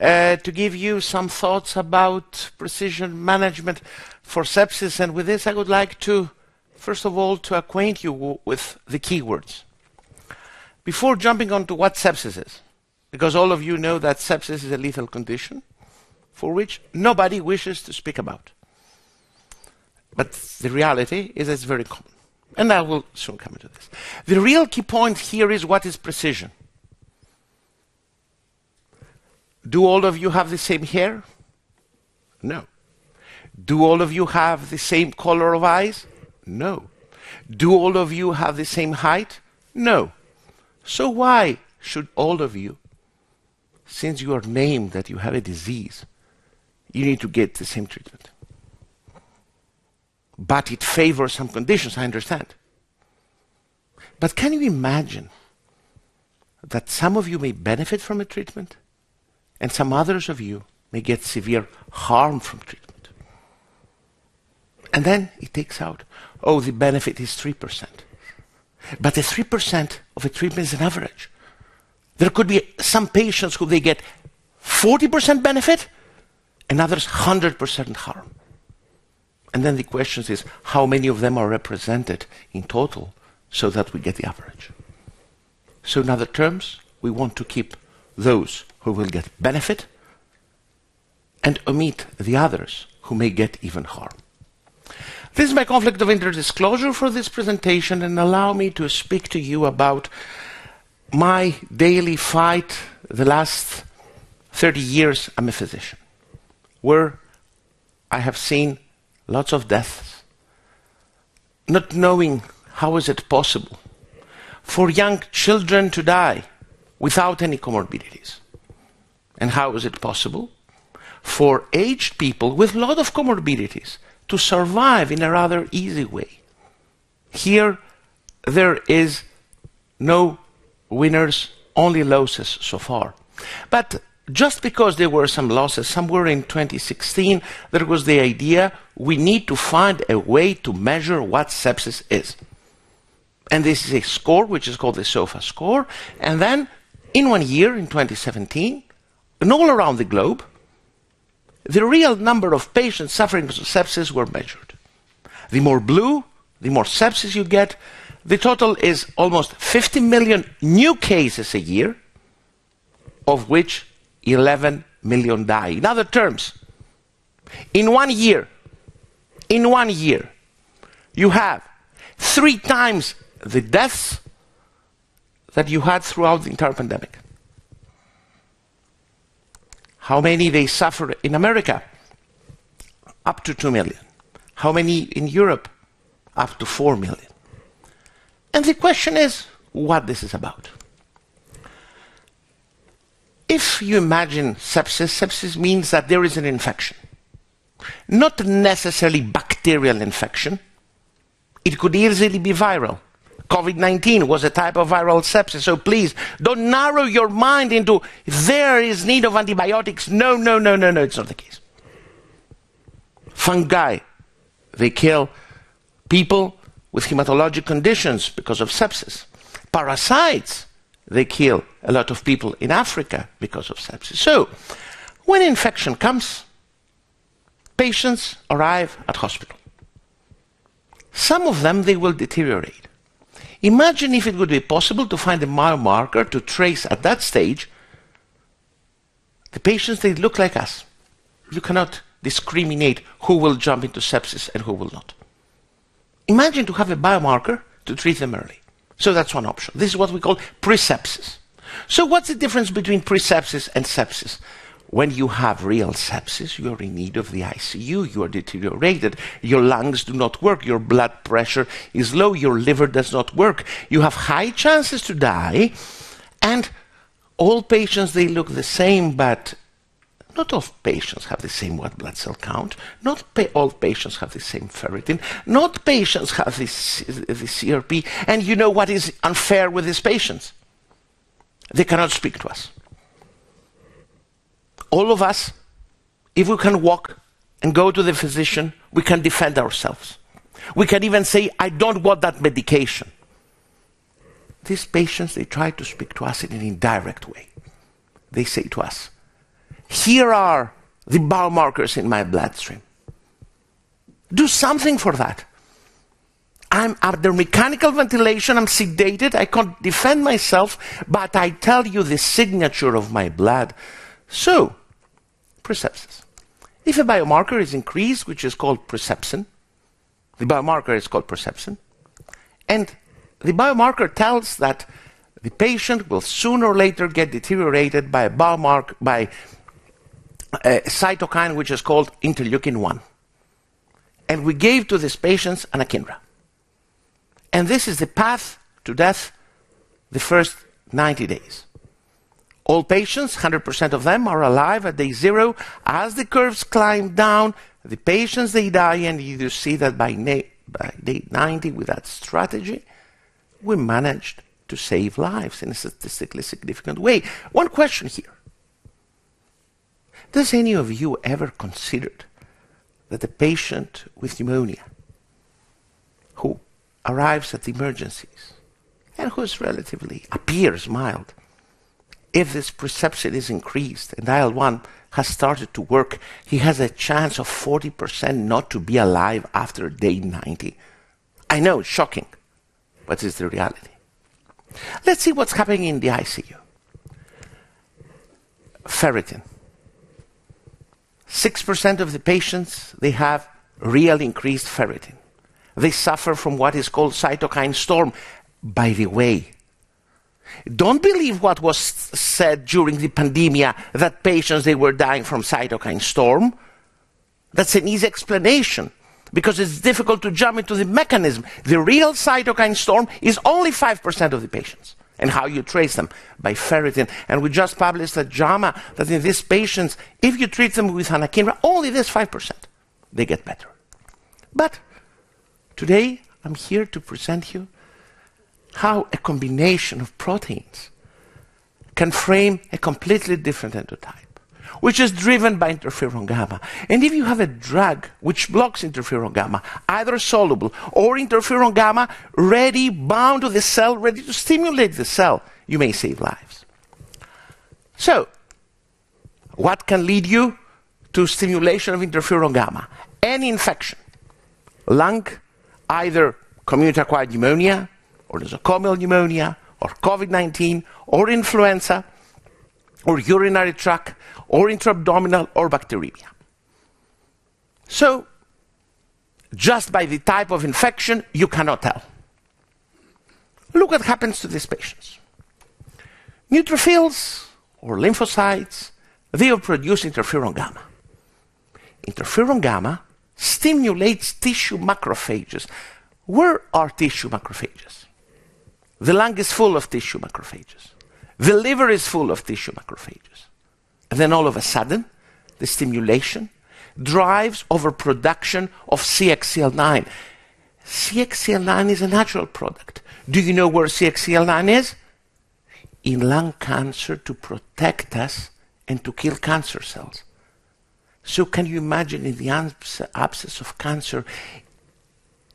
to give you some thoughts about precision management for sepsis. With this, I would like to, first of all, to acquaint you with the keywords. Before jumping on to what sepsis is, because all of you know that sepsis is a lethal condition for which nobody wishes to speak about. But the reality is, it's very common, and I will soon come into this. The real key point here is, what is precision? Do all of you have the same hair? No. Do all of you have the same color of eyes? No. Do all of you have the same height? No. So why should all of you, since you are named that you have a disease, you need to get the same treatment? But it favors some conditions, I understand. But can you imagine that some of you may benefit from a treatment, and some others of you may get severe harm from treatment? And then it takes out, "Oh, the benefit is 3%." But the 3% of a treatment is an average. There could be some patients who they get 40% benefit and others 100% harm. And then the question is, how many of them are represented in total so that we get the average? So in other terms, we want to keep those who will get benefit and omit the others who may get even harm. This is my conflict of interest disclosure for this presentation. Allow me to speak to you about my daily fight the last 30 years. I'm a physician, where I have seen lots of deaths, not knowing how is it possible for young children to die without any comorbidities. And how is it possible for aged people with a lot of comorbidities to survive in a rather easy way? Here, there is no winners, only losses so far. But just because there were some losses, somewhere in 2016, there was the idea, we need to find a way to measure what sepsis is. And this is a score which is called the SOFA score. And then in one year, in 2017, and all around the globe, the real number of patients suffering from sepsis were measured. The more blue, the more sepsis you get. The total is almost 50 million new cases a year, of which 11 million die. In other terms, in one year, in one year, you have three times the deaths that you had throughout the entire pandemic. How many they suffer in America? Up to 2 million. How many in Europe? Up to 4 million. And the question is, what this is about? If you imagine sepsis, sepsis means that there is an infection, not necessarily bacterial infection. It could easily be viral. COVID-19 was a type of viral sepsis, so please don't narrow your mind into there is need of antibiotics. No, no, no, no, no, it's not the case. Fungi, they kill people with hematologic conditions because of sepsis. Parasites, they kill a lot of people in Africa because of sepsis. So when infection comes, patients arrive at hospital. Some of them, they will deteriorate. Imagine if it would be possible to find a biomarker to trace at that stage, the patients, they look like us. You cannot discriminate who will jump into sepsis and who will not. Imagine to have a biomarker to treat them early. So that's one option. This is what we call pre-sepsis. So what's the difference between pre-sepsis and sepsis? When you have real sepsis, you are in need of the ICU, you are deteriorated, your lungs do not work, your blood pressure is low, your liver does not work, you have high chances to die, and all patients, they look the same, but not all patients have the same white blood cell count. Not all patients have the same ferritin. Not all patients have this, this CRP, and you know what is unfair with these patients? They cannot speak to us. All of us, if we can walk and go to the physician, we can defend ourselves. We can even say, "I don't want that medication." These patients, they try to speak to us in an indirect way. They say to us, "Here are the biomarkers in my bloodstream. Do something for that. I'm under mechanical ventilation, I'm sedated, I can't defend myself, but I tell you the signature of my blood." So pre-sepsis. If a biomarker is increased, which is called presepsin, the biomarker is called presepsin, and the biomarker tells that the patient will sooner or later get deteriorated by a biomarker, by a cytokine, which is called interleukin-1, and we gave to these patients anakinra. This is the path to death, the first 90 days. All patients, 100% of them, are alive at day zero. As the curves climb down, the patients, they die, and you see that by day 90, with that strategy, we managed to save lives in a statistically significant way. One question here: does any of you ever considered that a patient with pneumonia who arrives at the emergencies and who's relatively appears mild, if this procalcitonin is increased, and IL-1 has started to work, he has a chance of 40% not to be alive after day 90? I know, shocking, but it's the reality. Let's see what's happening in the ICU. Ferritin. 6% of the patients, they have real increased ferritin. They suffer from what is called cytokine storm. By the way, don't believe what was said during the pandemic, that patients, they were dying from cytokine storm. That's an easy explanation, because it's difficult to jump into the mechanism. The real cytokine storm is only 5% of the patients, and how you trace them? By ferritin, and we just published at JAMA that in these patients, if you treat them with anakinra, only this 5%, they get better. Today I'm here to present you how a combination of proteins can frame a completely different endotype, which is driven by interferon gamma. If you have a drug which blocks interferon gamma, either soluble or interferon gamma, ready, bound to the cell, ready to stimulate the cell, you may save lives. What can lead you to stimulation of interferon gamma? Any infection, lung, either community-acquired pneumonia, or nosocomial pneumonia, or COVID-19, or influenza, or urinary tract, or intraabdominal, or bacteremia. Just by the type of infection, you cannot tell. Look what happens to these patients. Neutrophils or lymphocytes, they will produce interferon gamma. Interferon gamma stimulates tissue macrophages. Where are tissue macrophages? The lung is full of tissue macrophages. The liver is full of tissue macrophages, and then all of a sudden, the stimulation drives overproduction of CXCL9. CXCL9 is a natural product. Do you know where CXCL9 is? In lung cancer, to protect us and to kill cancer cells. So can you imagine in the absence of cancer,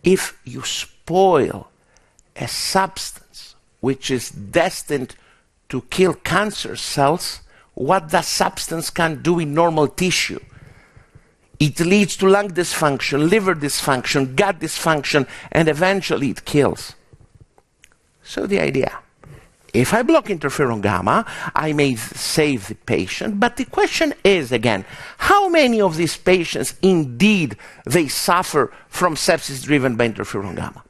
if you spoil a substance which is destined to kill cancer cells, what that substance can do in normal tissue? It leads to lung dysfunction, liver dysfunction, gut dysfunction, and eventually, it kills. So the idea, if I block interferon gamma, I may save the patient, but the question is, again, how many of these patients, indeed, they suffer from sepsis driven by interferon gamma?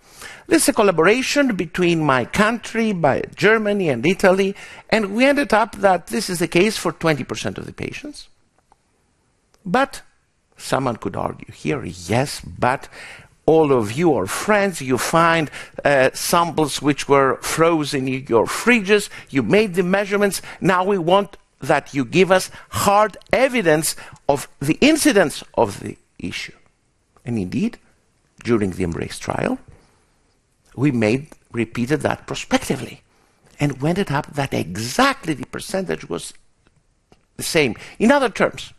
This is a collaboration between my country, by Germany and Italy, and we ended up that this is the case for 20% of the patients. But someone could argue here, "Yes, but all of you are friends. You find samples which were frozen in your fridges. You made the measurements. Now, we want that you give us hard evidence of the incidence of the issue." And indeed, during the EMBRACE trial we made, repeated that prospectively, and when it happened that exactly the percentage was the same. In other terms,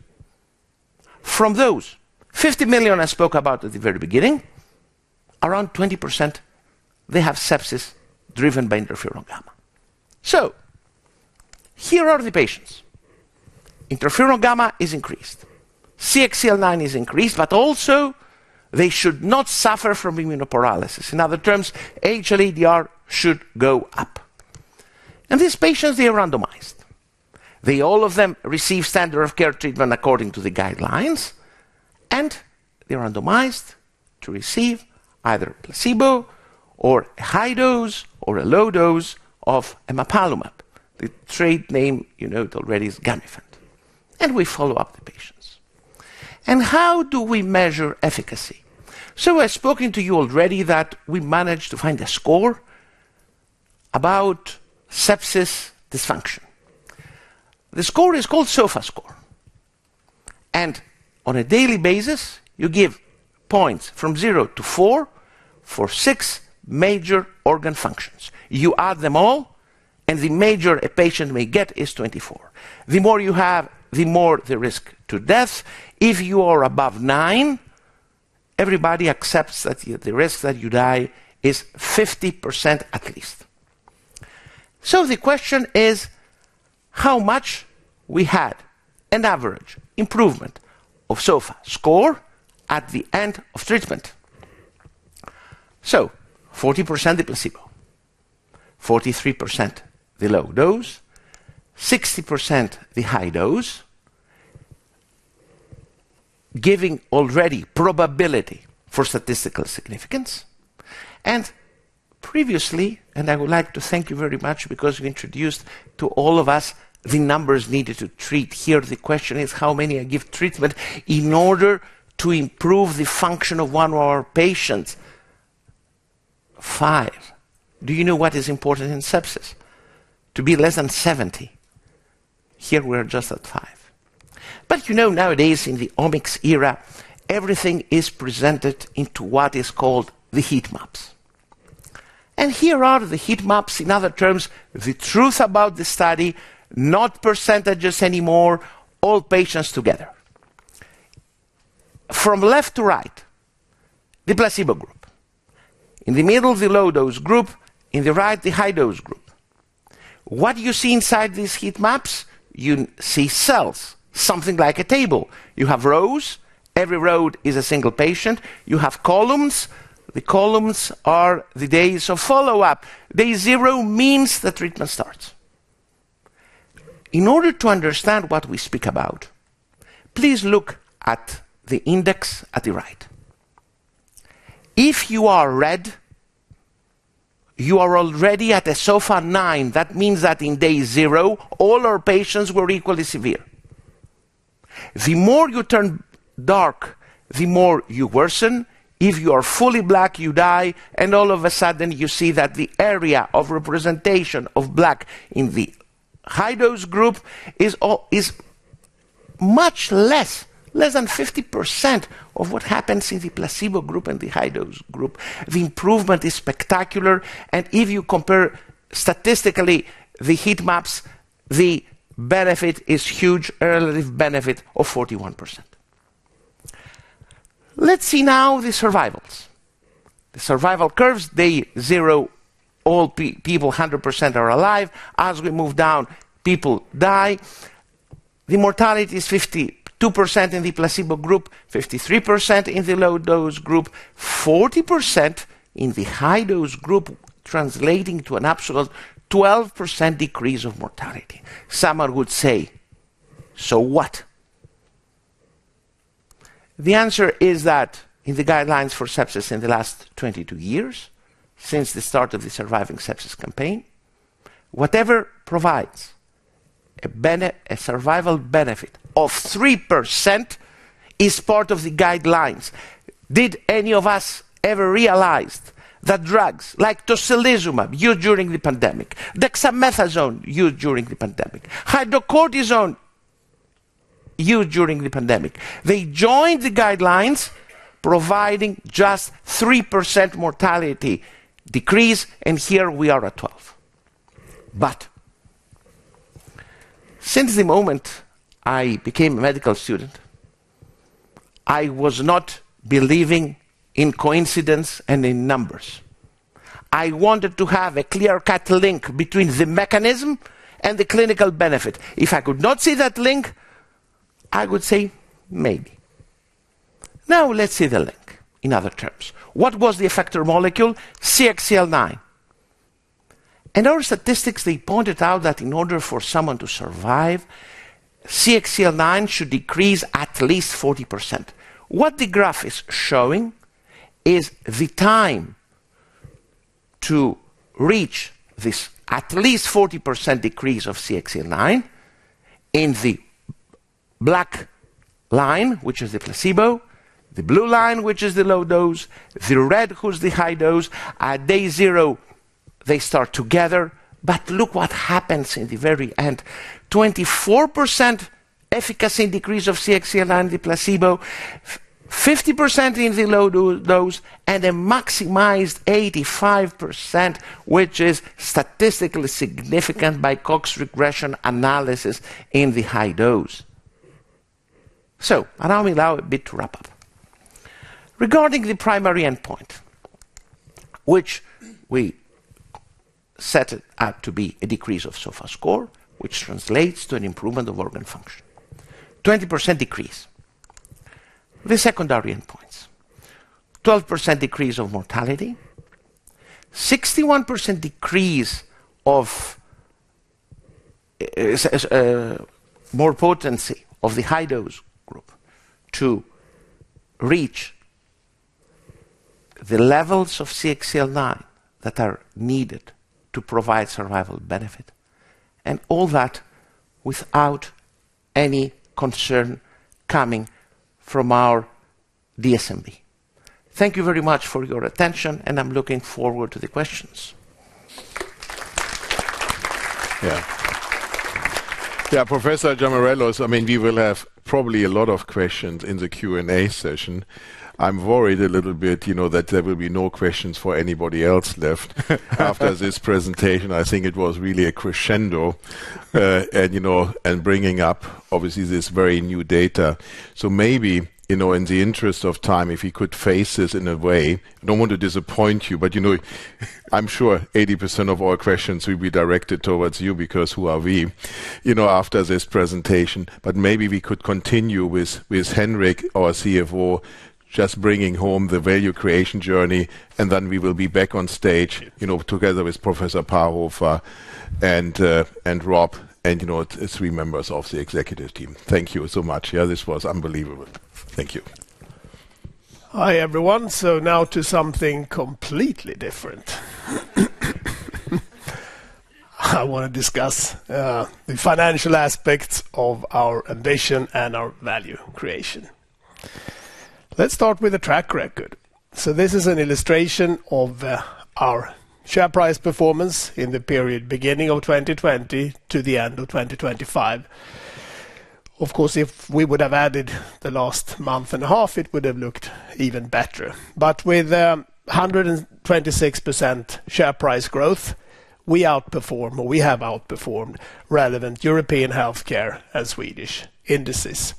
from those 50 million I spoke about at the very beginning, around 20%, they have sepsis driven by interferon gamma. So here are the patients. Interferon gamma is increased, CXCL9 is increased, but also they should not suffer from immunoparalysis. In other terms, HLA-DR should go up. And these patients, they are randomized. They, all of them, receive standard of care treatment according to the guidelines, and they're randomized to receive either a placebo or a high dose or a low dose of emapalumab. The trade name, you know it already, is Gamifant, and we follow up the patients. And how do we measure efficacy? So I've spoken to you already that we managed to find a score about sepsis dysfunction. The score is called SOFA score, and on a daily basis, you give points from 0 to 4 for 6 major organ functions. You add them all, and the major a patient may get is 24. The more you have, the more the risk to death. If you are above 9, everybody accepts that the risk that you die is 50% at least. So the question is, how much we had an average improvement of SOFA score at the end of treatment? So 40%, the placebo, 43%, the low dose, 60%, the high dose, giving already probability for statistical significance. And previously, and I would like to thank you very much because you introduced to all of us the numbers needed to treat. Here, the question is, how many I give treatment in order to improve the function of one of our patients? 5. Do you know what is important in sepsis? To be less than 70. Here we are just at 5. But you know, nowadays, in the omics era, everything is presented into what is called the heat maps. And here are the heat maps, in other terms, the truth about the study, not percentages anymore, all patients together. From left to right, the placebo group, in the middle, the low-dose group, in the right, the high-dose group. What you see inside these heat maps? You see cells, something like a table. You have rows, every row is a single patient. You have columns, the columns are the days of follow-up. Day zero means the treatment starts. In order to understand what we speak about, please look at the index at the right. If you are red, you are already at a SOFA 9. That means that in day zero, all our patients were equally severe. The more you turn dark, the more you worsen. If you are fully black, you die, and all of a sudden, you see that the area of representation of black in the high-dose group is much less, less than 50% of what happens in the placebo group and the high-dose group. The improvement is spectacular, and if you compare statistically the heat maps, the benefit is huge, a relative benefit of 41%. Let's see now the survivals. The survival curves, day zero, all people, 100% are alive. As we move down, people die. The mortality is 52% in the placebo group, 53% in the low-dose group, 40% in the high-dose group, translating to an absolute 12% decrease of mortality. Someone would say, "So what?" The answer is that in the guidelines for sepsis in the last 22 years, since the start of the Surviving Sepsis Campaign, whatever provides a survival benefit of 3% is part of the guidelines. Did any of us ever realized that drugs like tocilizumab, used during the pandemic, dexamethasone, used during the pandemic, hydrocortisone, used during the pandemic, they joined the guidelines providing just 3% mortality decrease, and here we are at 12%. But since the moment I became a medical student, I was not believing in coincidence and in numbers. I wanted to have a clear-cut link between the mechanism and the clinical benefit. If I could not see that link, I would say, "Maybe." Now, let's see the link. In other terms, what was the effector molecule? CXCL9. In our statistics, they pointed out that in order for someone to survive, CXCL9 should decrease at least 40%. What the graph is showing is the time to reach this at least 40% decrease of CXCL9 in the black line, which is the placebo, the blue line, which is the low dose, the red, which is the high dose. At day zero, they start together, but look what happens in the very end. 24% efficacy and decrease of CXCL9 in the placebo, 50% in the low dose, and a maximized 85%, which is statistically significant by Cox regression analysis in the high dose. So allow me now a bit to wrap up. Regarding the primary endpoint, which we set it up to be a decrease of SOFA score, which translates to an improvement of organ function, 20% decrease. The secondary endpoints, 12% decrease of mortality, 61% decrease of more potency of the high-dose group to reach the levels of CXCL9 that are needed to provide survival benefit, and all that without any concern coming from our DSMB. Thank you very much for your attention, and I'm looking forward to the questions. Yeah. Yeah, Professor Giamarellos, I mean, we will have probably a lot of questions in the Q&A session. I'm worried a little bit, you know, that there will be no questions for anybody else left after this presentation. I think it was really a crescendo, and, you know, and bringing up, obviously, this very new data. So maybe, you know, in the interest of time, if you could face this in a way, I don't want to disappoint you, but, you know, I'm sure 80% of all questions will be directed towards you because who are we, you know, after this presentation? But maybe we could continue with Henrik, our CFO, just bringing home the value creation journey, and then we will be back on stage, you know, together with Professor Parhofer, and Rob, and, you know, the three members of the executive team. Thank you so much. Yeah, this was unbelievable. Thank you. Hi, everyone. So now to something completely different. I wanna discuss the financial aspects of our ambition and our value creation. Let's start with the track record. So this is an illustration of our share price performance in the period beginning of 2020 to the end of 2025. Of course, if we would have added the last month and a half, it would have looked even better. But with 126% share price growth, we outperform or we have outperformed relevant European healthcare and Swedish indices.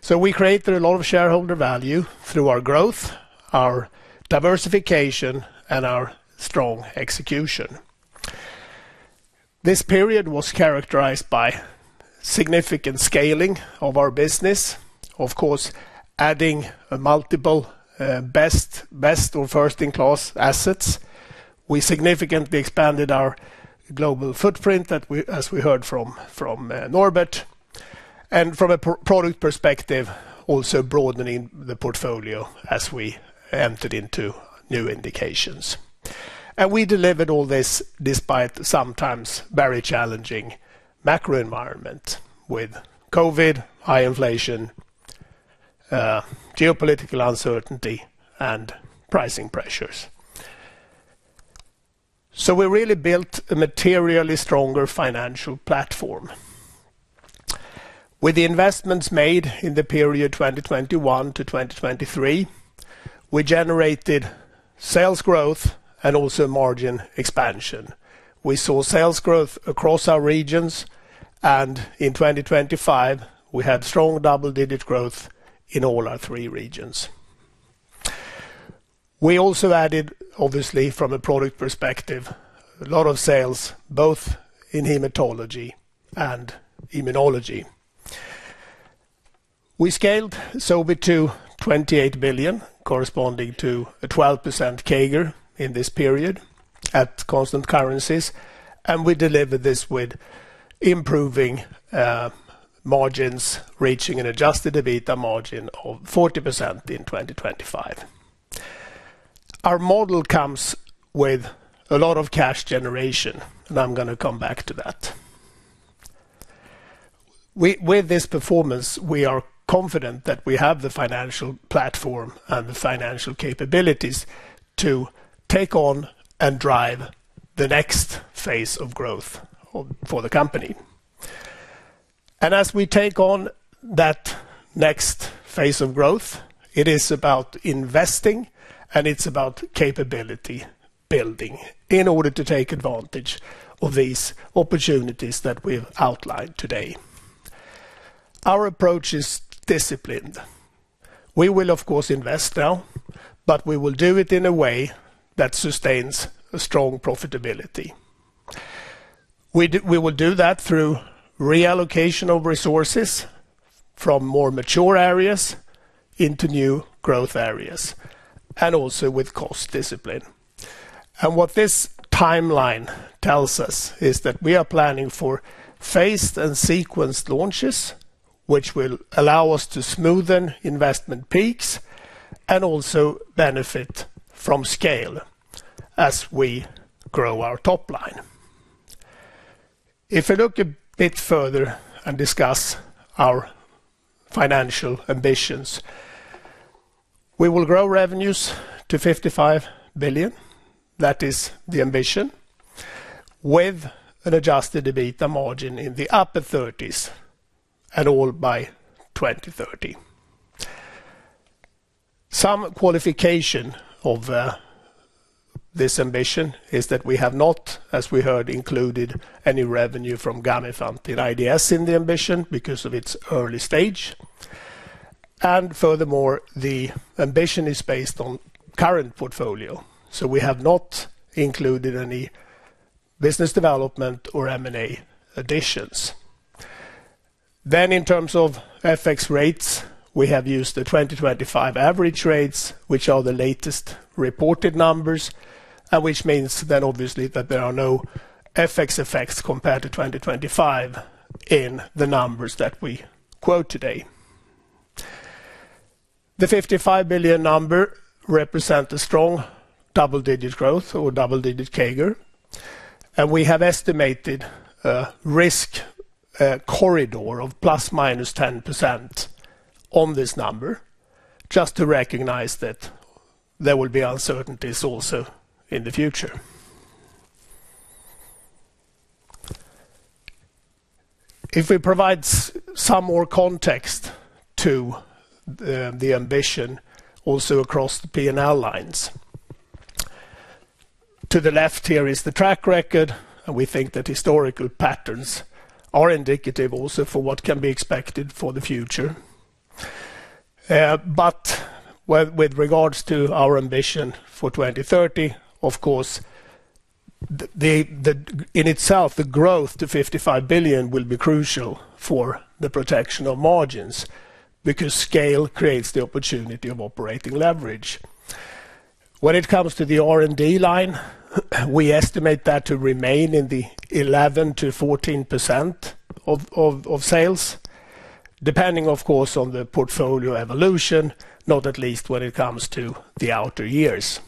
So we created a lot of shareholder value through our growth, our diversification, and our strong execution. This period was characterized by significant scaling of our business. Of course, adding a multiple best or first-in-class assets. We significantly expanded our global footprint that we... As we heard from Norbert, and from a product perspective, also broadening the portfolio as we entered into new indications. We delivered all this despite sometimes very challenging macro environment with COVID, high inflation, geopolitical uncertainty, and pricing pressures. We really built a materially stronger financial platform. With the investments made in the period 2021 to 2023, we generated sales growth and also margin expansion. We saw sales growth across our regions, and in 2025, we had strong double-digit growth in all our three regions. We also added, obviously, from a product perspective, a lot of sales, both in hematology and immunology. We scaled Sobi to 28 billion, corresponding to a 12% CAGR in this period at constant currencies, and we delivered this with improving margins, reaching an adjusted EBITDA margin of 40% in 2025. Our model comes with a lot of cash generation, and I'm gonna come back to that. With this performance, we are confident that we have the financial platform and the financial capabilities to take on and drive the next phase of growth for the company. As we take on that next phase of growth, it is about investing, and it's about capability building in order to take advantage of these opportunities that we've outlined today. Our approach is disciplined. We will, of course, invest now, but we will do it in a way that sustains a strong profitability. We will do that through reallocation of resources from more mature areas into new growth areas, and also with cost discipline. And what this timeline tells us is that we are planning for phased and sequenced launches, which will allow us to smoothen investment peaks and also benefit from scale as we grow our top line. If we look a bit further and discuss our financial ambitions, we will grow revenues to 55 billion. That is the ambition, with an adjusted EBITDA margin in the upper 30s%, and all by 2030. Some qualification of this ambition is that we have not, as we heard, included any revenue from Gamifant in IDS in the ambition because of its early stage. And furthermore, the ambition is based on current portfolio, so we have not included any business development or M&A additions. In terms of FX rates, we have used the 2025 average rates, which are the latest reported numbers, which means then obviously that there are no FX effects compared to 2025 in the numbers that we quote today. The 55 billion number represent a strong double-digit growth or double-digit CAGR, and we have estimated risk corridor of ±10% on this number, just to recognize that there will be uncertainties also in the future. If we provide some more context to the ambition, also across the P&L lines. To the left, here is the track record, and we think that historical patterns are indicative also for what can be expected for the future. But with regards to our ambition for 2030, of course, the, the, the... In itself, the growth to 55 billion will be crucial for the protection of margins, because scale creates the opportunity of operating leverage. When it comes to the R&D line, we estimate that to remain in the 11%-14% of sales, depending, of course, on the portfolio evolution, not at least when it comes to the outer years.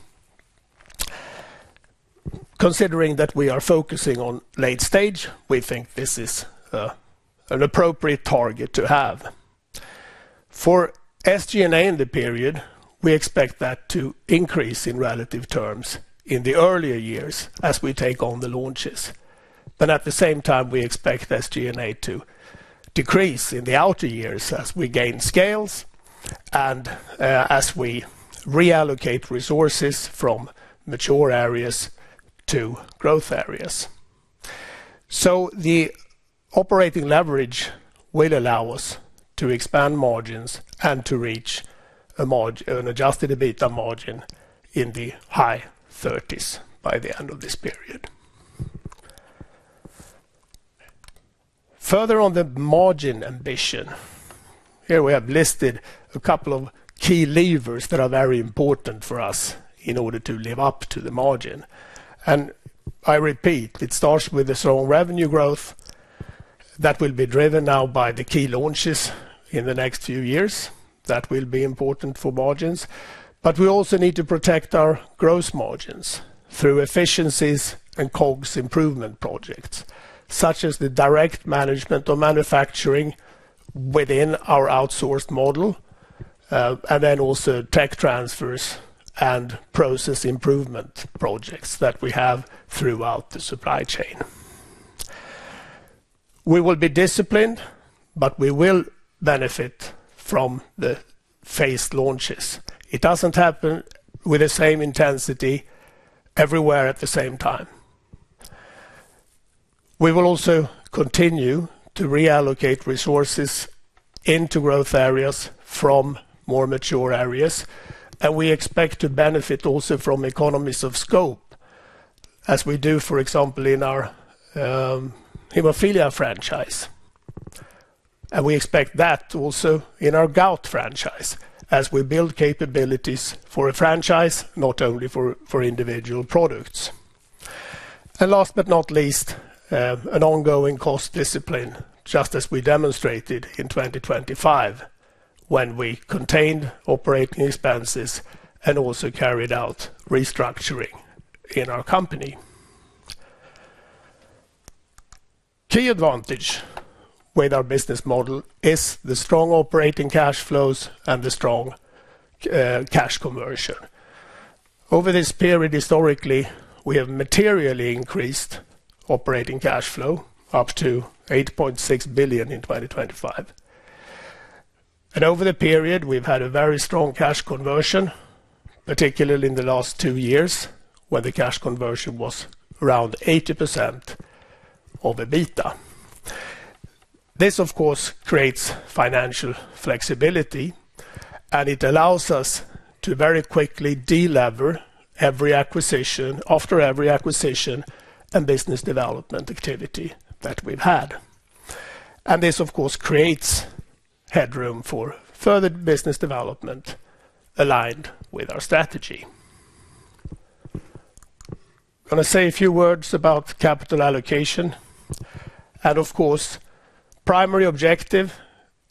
Considering that we are focusing on late stage, we think this is an appropriate target to have. For SG&A in the period, we expect that to increase in relative terms in the earlier years as we take on the launches. But at the same time, we expect SG&A to decrease in the outer years as we gain scales and as we reallocate resources from mature areas to growth areas. So the operating leverage will allow us to expand margins and to reach a margin, an adjusted EBITDA margin in the high 30s% by the end of this period. Further on the margin ambition, here we have listed a couple of key levers that are very important for us in order to live up to the margin. And I repeat, it starts with the strong revenue growth that will be driven now by the key launches in the next few years. That will be important for margins. But we also need to protect our gross margins through efficiencies and COGS improvement projects, such as the direct management of manufacturing within our outsourced model, and then also tech transfers and process improvement projects that we have throughout the supply chain. We will be disciplined, but we will benefit from the phased launches. It doesn't happen with the same intensity everywhere at the same time. We will also continue to reallocate resources into growth areas from more mature areas, and we expect to benefit also from economies of scope, as we do, for example, in our hemophilia franchise. And we expect that also in our gout franchise, as we build capabilities for a franchise, not only for, for individual products. And last but not least, an ongoing cost discipline, just as we demonstrated in 2025, when we contained operating expenses and also carried out restructuring in our company. Key advantage with our business model is the strong operating cash flows and the strong, cash conversion. Over this period, historically, we have materially increased operating cash flow up to 8.6 billion in 2025. Over the period, we've had a very strong cash conversion, particularly in the last two years, when the cash conversion was around 80% of EBITDA. This, of course, creates financial flexibility, and it allows us to very quickly delever every acquisition, after every acquisition and business development activity that we've had. This, of course, creates headroom for further business development aligned with our strategy. I'm going to say a few words about capital allocation. Of course, primary objective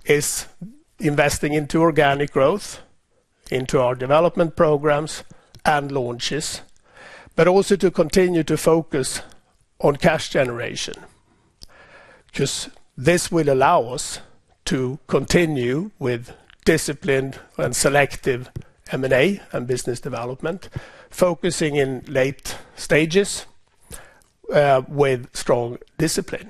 is investing into organic growth... into our development programs and launches, but also to continue to focus on cash generation. Because this will allow us to continue with disciplined and selective M&A and business development, focusing in late stages, with strong discipline.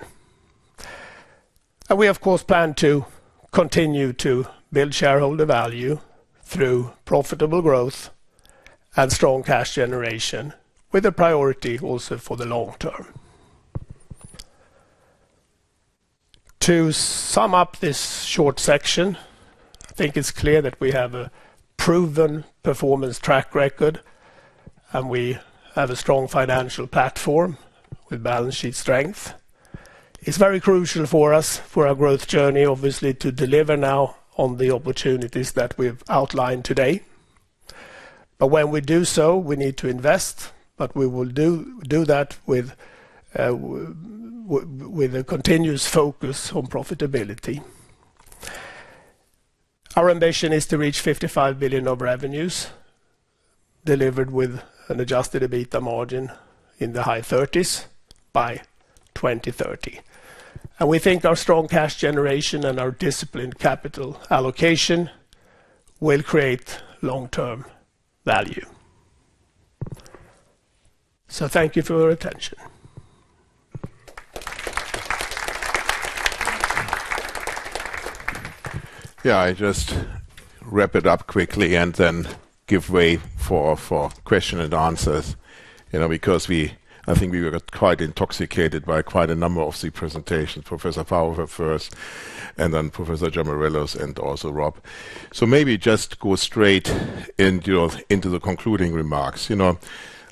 We, of course, plan to continue to build shareholder value through profitable growth and strong cash generation, with a priority also for the long term. To sum up this short section, I think it's clear that we have a proven performance track record, and we have a strong financial platform with balance sheet strength. It's very crucial for us, for our growth journey, obviously, to deliver now on the opportunities that we've outlined today. But when we do so, we need to invest, but we will do that with a continuous focus on profitability. Our ambition is to reach 55 billion of revenues, delivered with an adjusted EBITDA margin in the high 30s by 2030. And we think our strong cash generation and our disciplined capital allocation will create long-term value. So thank you for your attention. Yeah, I just wrap it up quickly and then give way for question and answers, you know, because I think we were quite intoxicated by quite a number of the presentations, Professor Parhofer first, and then Professor Giamarellos-Bourboulis, and also Rob. So maybe just go straight into your concluding remarks. You know,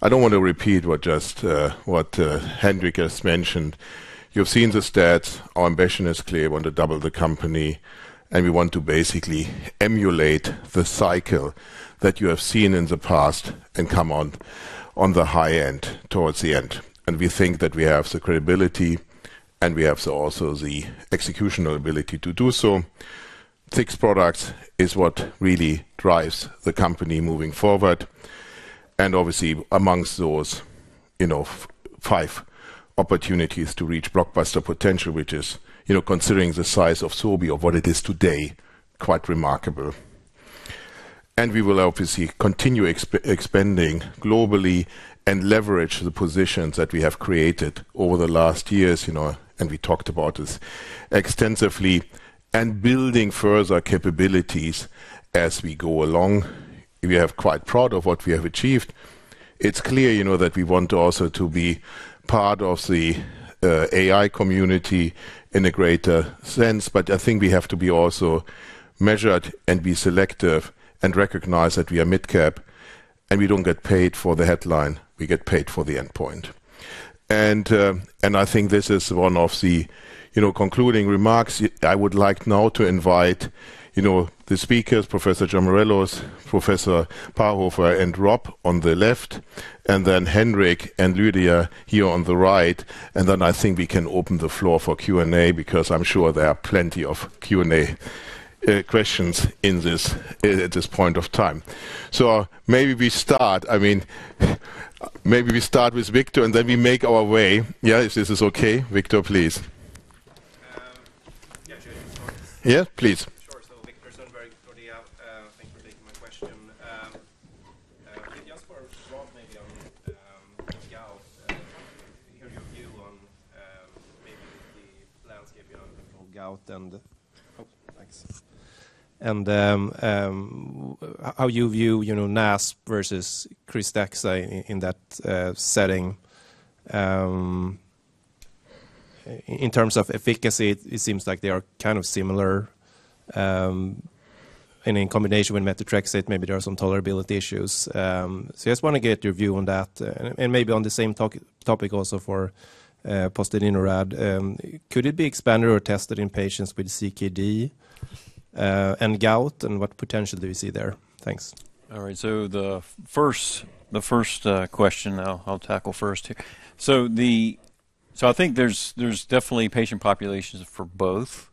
I don't want to repeat what just, what, Henrik has mentioned. You've seen the stats. Our ambition is clear: we want to double the company, and we want to basically emulate the cycle that you have seen in the past and come on, on the high end, towards the end. And we think that we have the credibility, and we have so also the executional ability to do so. Six products is what really drives the company moving forward, and obviously, among those, you know, five opportunities to reach blockbuster potential, which is, you know, considering the size of Sobi of what it is today, quite remarkable. And we will obviously continue expanding globally and leverage the positions that we have created over the last years, you know, and we talked about this extensively, and building further capabilities as we go along. We are quite proud of what we have achieved. It's clear, you know, that we want to also to be part of the AI community in a greater sense, but I think we have to be also measured and be selective and recognize that we are mid-cap, and we don't get paid for the headline. We get paid for the endpoint. I think this is one of the, you know, concluding remarks. I would like now to invite, you know, the speakers, Professor Giamarellos-Bourboulis, Professor Parhofer, and Rob on the left, and then Henrik and Lydia here on the right, and then I think we can open the floor for Q&A, because I'm sure there are plenty of Q&A questions in this... at this point of time. So maybe we start, I mean, maybe we start with Viktor, and then we make our way. Yeah, if this is okay. Viktor, please. Yeah, sure. Yeah, please. Sure. So Viktor Sundberg, Nordea. Thanks for taking my question. Just for Rob, maybe on gout. Hear your view on maybe the landscape on gout and, oh, thanks. How you view, you know, NASP versus KRYSTEXXA in that setting. In terms of efficacy, it seems like they are kind of similar. And in combination with methotrexate, maybe there are some tolerability issues. So I just want to get your view on that, and maybe on the same topic also for pozdeutinurad. Could it be expanded or tested in patients with CKD and gout, and what potential do you see there? Thanks. All right. So the first, the first question I'll, I'll tackle first here. So I think there's, there's definitely patient populations for both,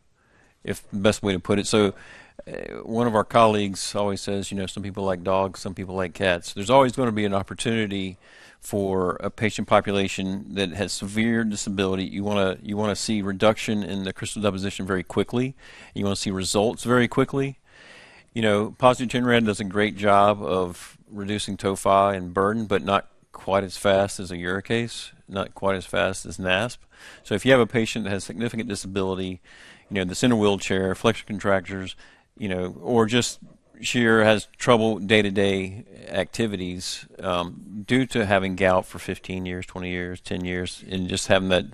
if the best way to put it. So, one of our colleagues always says, you know, "Some people like dogs, some people like cats." There's always gonna be an opportunity for a patient population that has severe disability. You wanna, you wanna see reduction in the crystal deposition very quickly. You want to see results very quickly. You know, Pozdeutinurad does a great job of reducing tophi and burden, but not quite as fast as a Uricase, not quite as fast as NASP. So if you have a patient that has significant disability, you know, that's in a wheelchair, flexion contractures, you know, or just severe or has trouble day-to-day activities, due to having gout for 15 years, 20 years, 10 years, and just having that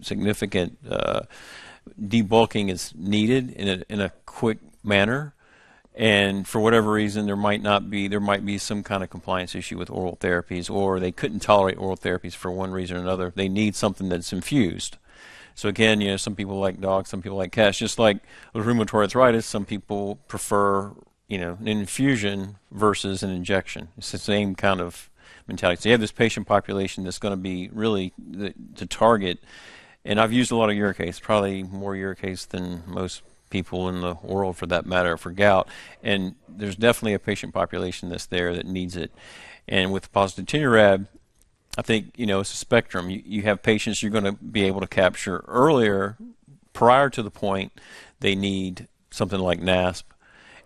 significant debulking is needed in a quick manner. And for whatever reason, there might be some kind of compliance issue with oral therapies, or they couldn't tolerate oral therapies for one reason or another. They need something that's infused. So again, you know, some people like dogs, some people like cats. Just like with rheumatoid arthritis, some people prefer, you know, an infusion versus an injection. It's the same kind of mentality. So you have this patient population that's gonna be really the target, and I've used a lot of Uricase, probably more Uricase than most people in the world, for that matter, for gout. There's definitely a patient population that's there that needs it. I think, you know, it's a spectrum. You have patients you're gonna be able to capture earlier, prior to the point they need something like NASP,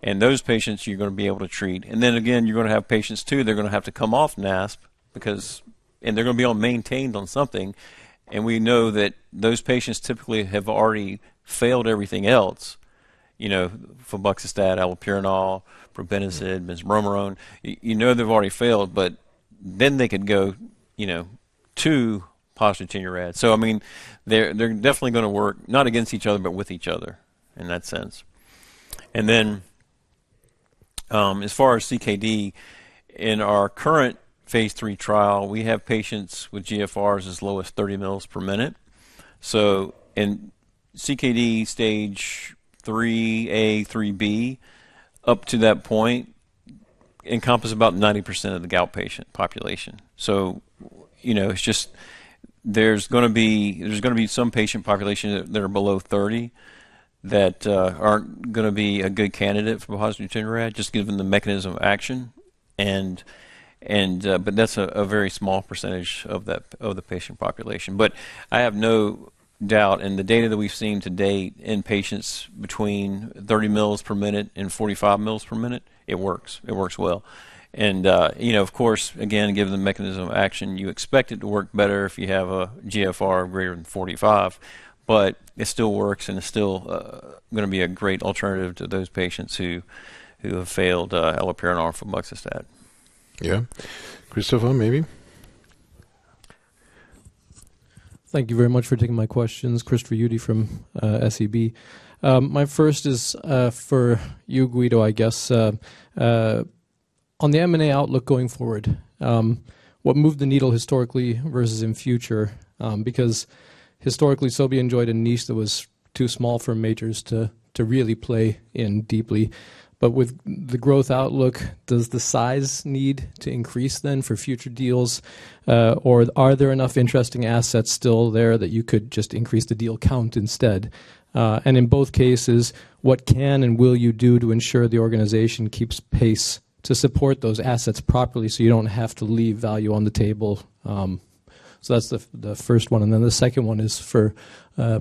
and those patients you're gonna be able to treat. Then again, you're gonna have patients, too, they're gonna have to come off NASP because—and they're gonna be maintained on something. We know that those patients typically have already failed everything else. You know, febuxostat, allopurinol, probenecid, benzbromarone. You know they've already failed, but then they could go, you know, to pozdeutinurad. I mean, they're definitely gonna work not against each other, but with each other in that sense. As far as CKD, in our current phase III trial, we have patients with GFRs as low as 30 mL per minute. In CKD stage 3A, 3B, up to that point, encompass about 90% of the gout patient population. You know, it's just-- there's gonna be, there's gonna be some patient population that are below 30, that aren't gonna be a good candidate for pozdeutinurad, just given the mechanism of action. That's a very small percentage of the patient population. I have no doubt, in the data that we've seen to date in patients between 30 mL per minute and 45 mL per minute, it works. It works well. You know, of course, again, given the mechanism of action, you expect it to work better if you have a GFR greater than 45. But it still works, and it's still gonna be a great alternative to those patients who have failed allopurinol, febuxostat. Yeah. Christopher, maybe? Thank you very much for taking my questions. Christopher Uhde from SEB. My first is for you, Guido, I guess, on the M&A outlook going forward, what moved the needle historically versus in future? Because historically, Sobi enjoyed a niche that was too small for majors to really play in deeply. But with the growth outlook, does the size need to increase then for future deals? Or are there enough interesting assets still there that you could just increase the deal count instead? And in both cases, what can and will you do to ensure the organization keeps pace to support those assets properly, so you don't have to leave value on the table? So that's the first one. And then the second one is for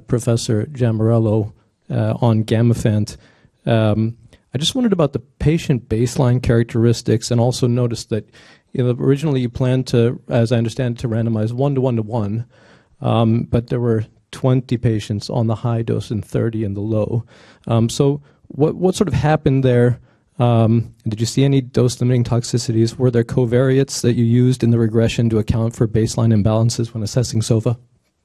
Professor Giamarellos-Bourboulis on Gamifant. I just wondered about the patient baseline characteristics and also noticed that, you know, originally you planned to, as I understand, to randomize 1:1:1, but there were 20 patients on the high dose and 30 in the low. So what sort of happened there? Did you see any dose-limiting toxicities? Were there covariates that you used in the regression to account for baseline imbalances when assessing SOFA?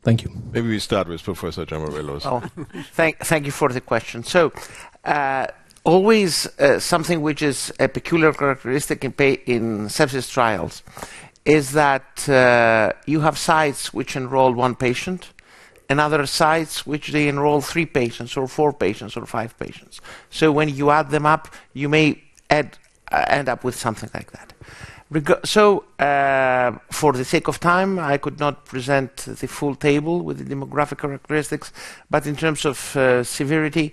Thank you. Maybe we start with Professor Giamarellos. Oh, thank you for the question. So, always something which is a peculiar characteristic in in sepsis trials is that you have sites which enroll one patient and other sites which they enroll three patients or four patients or five patients. So when you add them up, you may end up with something like that. So, for the sake of time, I could not present the full table with the demographic characteristics, but in terms of severity,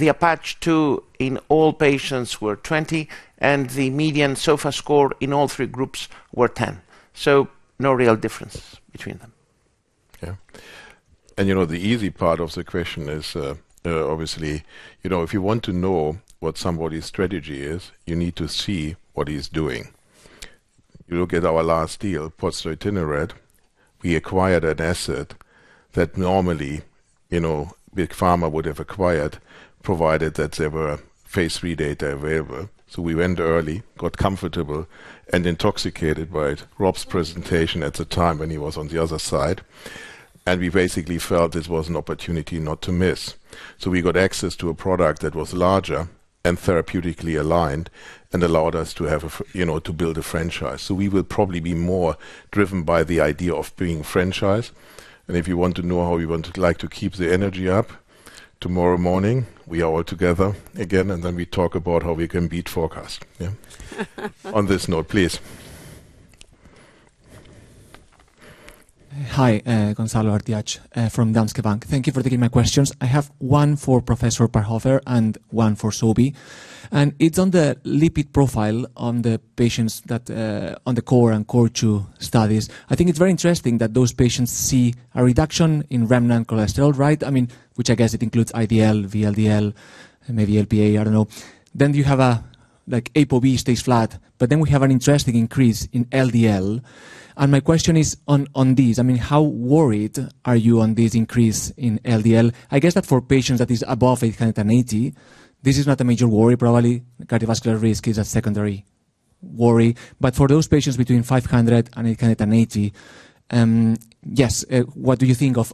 the APACHE II in all patients were 20, and the median SOFA score in all three groups were 10, so no real difference between them. Yeah. And, you know, the easy part of the question is, obviously, you know, if you want to know what somebody's strategy is, you need to see what he's doing. You look at our last deal, pozdeutinurad. We acquired an asset that normally, you know, big pharma would have acquired, provided that there were phase III data available. So we went early, got comfortable, and intoxicated by Rob's presentation at the time when he was on the other side, and we basically felt this was an opportunity not to miss. So we got access to a product that was larger and therapeutically aligned and allowed us to have a f- you know, to build a franchise. So we will probably be more driven by the idea of being franchise. If you want to know how we want to like to keep the energy up, tomorrow morning, we are all together again, and then we talk about how we can beat forecast. Yeah. On this note, please. Hi, Gonzalo Artiach from Danske Bank. Thank you for taking my questions. I have one for Professor Parhofer and one for Sobi, and it's on the lipid profile on the patients that on the core and core two studies. I think it's very interesting that those patients see a reduction in remnant cholesterol, right? I mean, which I guess it includes IDL, VLDL, and maybe Lp(a), I don't know. Then you have a, like, ApoB stays flat, but then we have an interesting increase in LDL. And my question is on this, I mean, how worried are you on this increase in LDL? I guess that for patients that is above 880 mg, this is not a major worry, probably. Cardiovascular risk is a secondary worry. But for those patients between 500 mg and 880 mg, what do you think of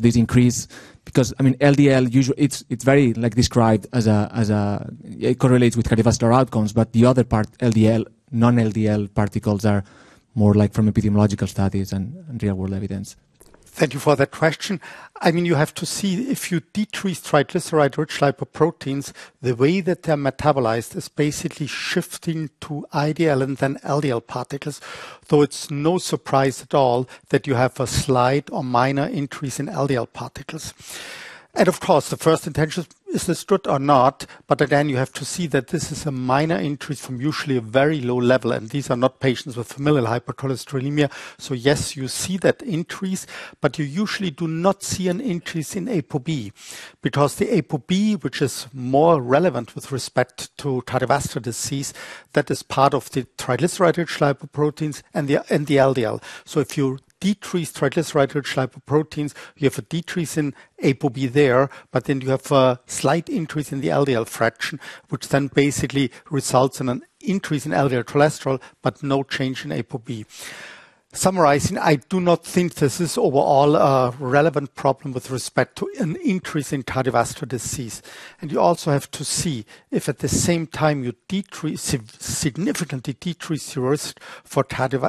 this increase? Because, I mean, LDL usually... It's very, like, described as a it correlates with cardiovascular outcomes, but the other part, LDL, non-LDL particles, are more like from epidemiological studies and real-world evidence. Thank you for that question. I mean, you have to see if you decrease triglyceride-rich lipoproteins, the way that they're metabolized is basically shifting to IDL and then LDL particles, though it's no surprise at all that you have a slight or minor increase in LDL particles. And of course, the first intention is this good or not? But again, you have to see that this is a minor increase from usually a very low level, and these are not patients with familial hypercholesterolemia. So yes, you see that increase, but you usually do not see an increase in ApoB. Because the ApoB, which is more relevant with respect to cardiovascular disease, that is part of the triglyceride-rich lipoproteins and the LDL. So if you decrease triglyceride-rich lipoproteins, you have a decrease in ApoB there, but then you have a slight increase in the LDL fraction, which then basically results in an increase in LDL cholesterol, but no change in ApoB. Summarizing, I do not think this is overall a relevant problem with respect to an increase in cardiovascular disease. You also have to see if, at the same time, you decrease, significantly decrease your risk for acute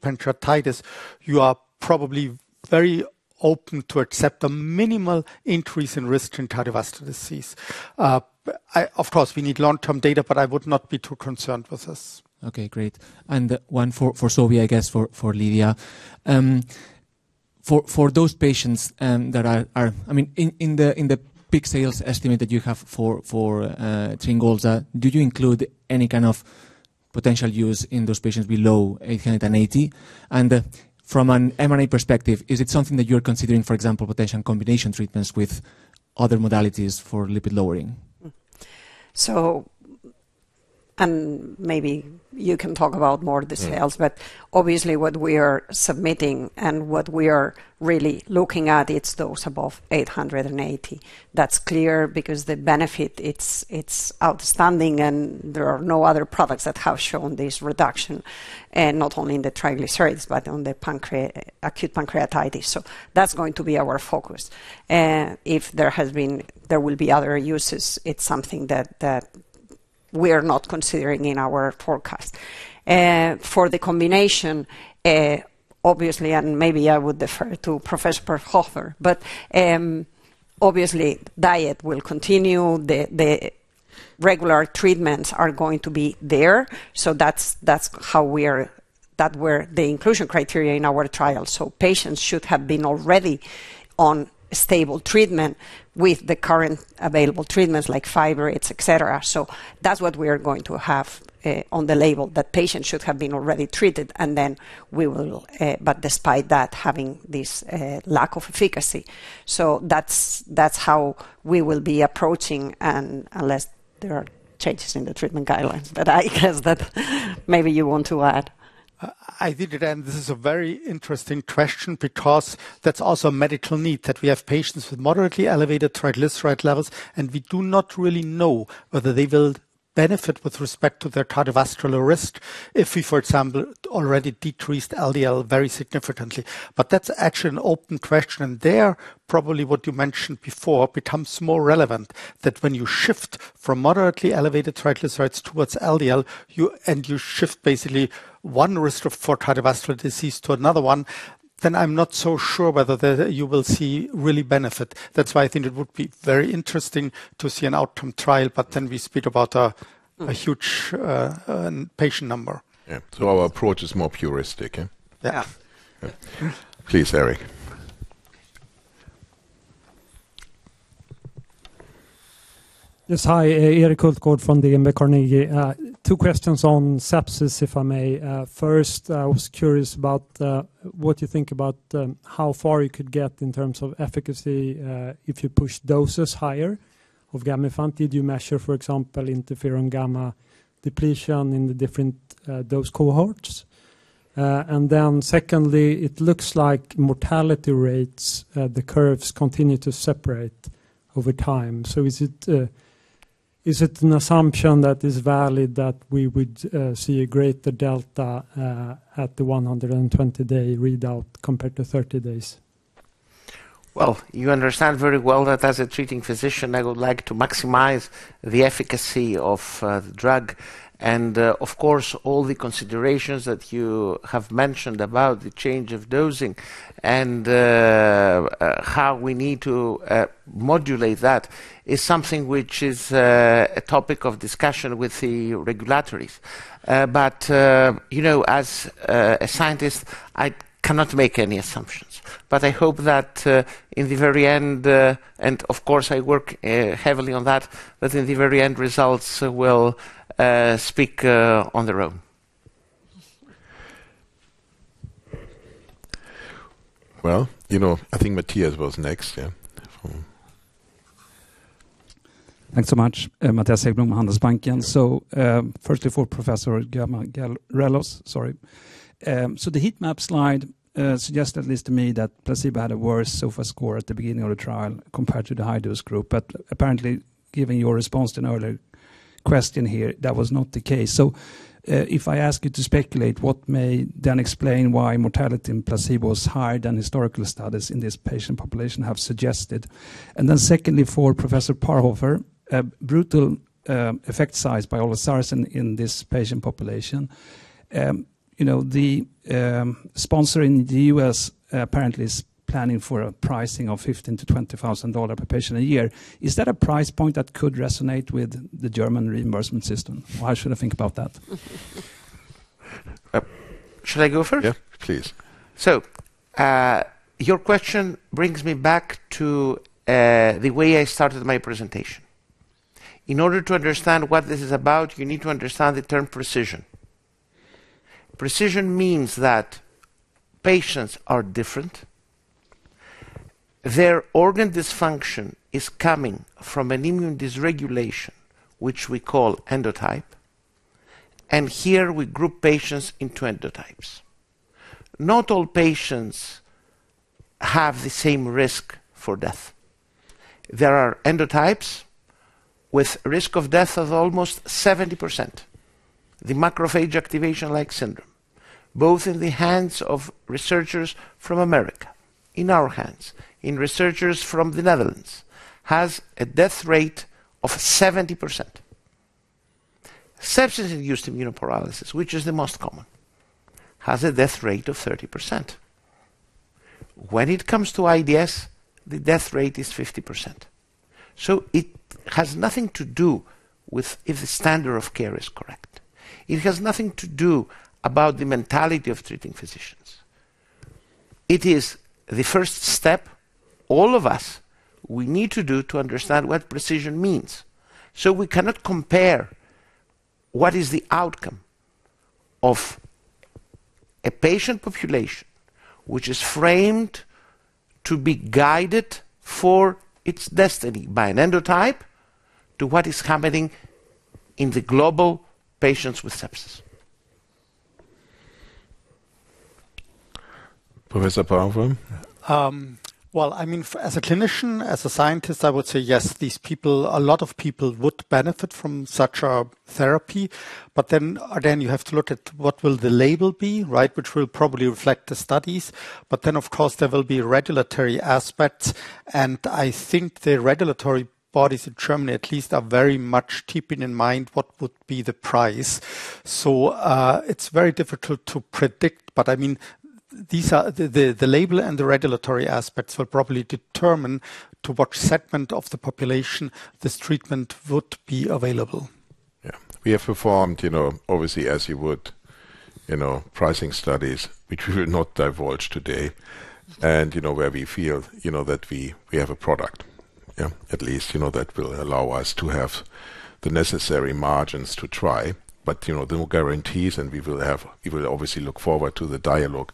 pancreatitis, you are probably very open to accept a minimal increase in risk in cardiovascular disease. Of course, we need long-term data, but I would not be too concerned with this. Okay, great. And one for Sobi, I guess, for Lydia. For those patients that are—I mean, in the peak sales estimate that you have for TRYNGOLZA, do you include any kind of potential use in those patients below 880 mg? And from an M&A perspective, is it something that you're considering, for example, potential combination treatments with other modalities for lipid lowering? And maybe you can talk about more the sales? Mm-hmm. But obviously, what we are submitting and what we are really looking at, it's those above 880 mg. That's clear because the benefit, it's outstanding, and there are no other products that have shown this reduction, not only in the triglycerides, but on the acute pancreatitis. So that's going to be our focus. If there has been—there will be other uses, it's something that we are not considering in our forecast. For the combination, obviously, and maybe I would defer to Professor Parhofer, but obviously, diet will continue. The regular treatments are going to be there, so that's how we are—that were the inclusion criteria in our trial. So patients should have been already on stable treatment with the current available treatments like fibrates, et cetera. So that's what we are going to have on the label, that patients should have been already treated, and then we will, but despite that, having this lack of efficacy. So that's how we will be approaching, and unless there are changes in the treatment guidelines. But I guess that maybe you want to add. I think that, and this is a very interesting question because that's also a medical need, that we have patients with moderately elevated triglyceride levels, and we do not really know whether they will benefit with respect to their cardiovascular risk if we, for example, already decreased LDL very significantly. But that's actually an open question, and there, probably what you mentioned before becomes more relevant, that when you shift from moderately elevated triglycerides towards LDL, you and you shift basically one risk for cardiovascular disease to another one, then I'm not so sure whether you will see really benefit. That's why I think it would be very interesting to see an outcome trial, but then we speak about a huge patient number. Yeah. So our approach is more puristic, eh? Yeah. Please, Eric. Yes, hi. Eric Hultagard from DNB Carnegie. Two questions on sepsis, if I may. First, I was curious about what you think about how far you could get in terms of efficacy if you push doses higher of Gamifant. Did you measure, for example, interferon gamma depletion in the different dose cohorts? And then secondly, it looks like mortality rates, the curves continue to separate over time. So is it an assumption that is valid that we would see a greater delta at the 120-day readout compared to 30 days? Well, you understand very well that as a treating physician, I would like to maximize the efficacy of the drug. And, of course, all the considerations that you have mentioned about the change of dosing and how we need to modulate that is something which is a topic of discussion with the regulators. But you know, as a scientist, I cannot make any assumptions, but I hope that in the very end, and of course, I work heavily on that, but in the very end, results will speak on their own. Well, you know, I think Mattias was next, yeah, so. Thanks so much. Matthias Haggblom from Handelsbanken. Firstly, for Professor Giamarellos, sorry. So the heat map slide suggests, at least to me, that placebo had a worse SOFA score at the beginning of the trial compared to the high-dose group. But apparently, given your response to an earlier question here, that was not the case. So, if I ask you to speculate, what may then explain why mortality in placebo was higher than historical studies in this patient population have suggested? And then secondly, for Professor Parhofer, a brutal effect size by olezarsen in this patient population. You know, the sponsor in the U.S., apparently, is planning for a pricing of $15,000-$20,000 per patient a year. Is that a price point that could resonate with the German reimbursement system, or how should I think about that? Should I go first? Yeah, please. So, your question brings me back to the way I started my presentation. In order to understand what this is about, you need to understand the term precision. Precision means that patients are different. Their organ dysfunction is coming from an immune dysregulation, which we call endotype, and here we group patients into endotypes. Not all patients have the same risk for death. There are endotypes with risk of death of almost 70%. The macrophage activation syndrome, both in the hands of researchers from America, in our hands, in researchers from the Netherlands, has a death rate of 70%. Sepsis-induced immunoparalysis, which is the most common, has a death rate of 30%. When it comes to IDS, the death rate is 50%. So it has nothing to do with if the standard of care is correct. It has nothing to do about the mentality of treating physicians. It is the first step all of us we need to do to understand what precision means. So we cannot compare what is the outcome of a patient population, which is framed to be guided for its destiny by an endotype, to what is happening in the global patients with sepsis. Professor Parhofer? Well, I mean, as a clinician, as a scientist, I would say yes, these people, a lot of people would benefit from such a therapy, but then, again, you have to look at what will the label be, right? Which will probably reflect the studies. But then, of course, there will be regulatory aspects, and I think the regulatory bodies in Germany at least, are very much keeping in mind what would be the price. So, it's very difficult to predict, but I mean, these are... The label and the regulatory aspects will probably determine to what segment of the population this treatment would be available. Yeah. We have performed, you know, obviously, as you would, you know, pricing studies, which we will not divulge today, and, you know, where we feel, you know, that we, we have a product. Yeah, at least, you know, that will allow us to have the necessary margins to try. But, you know, there are no guarantees, and we will have, we will obviously look forward to the dialogue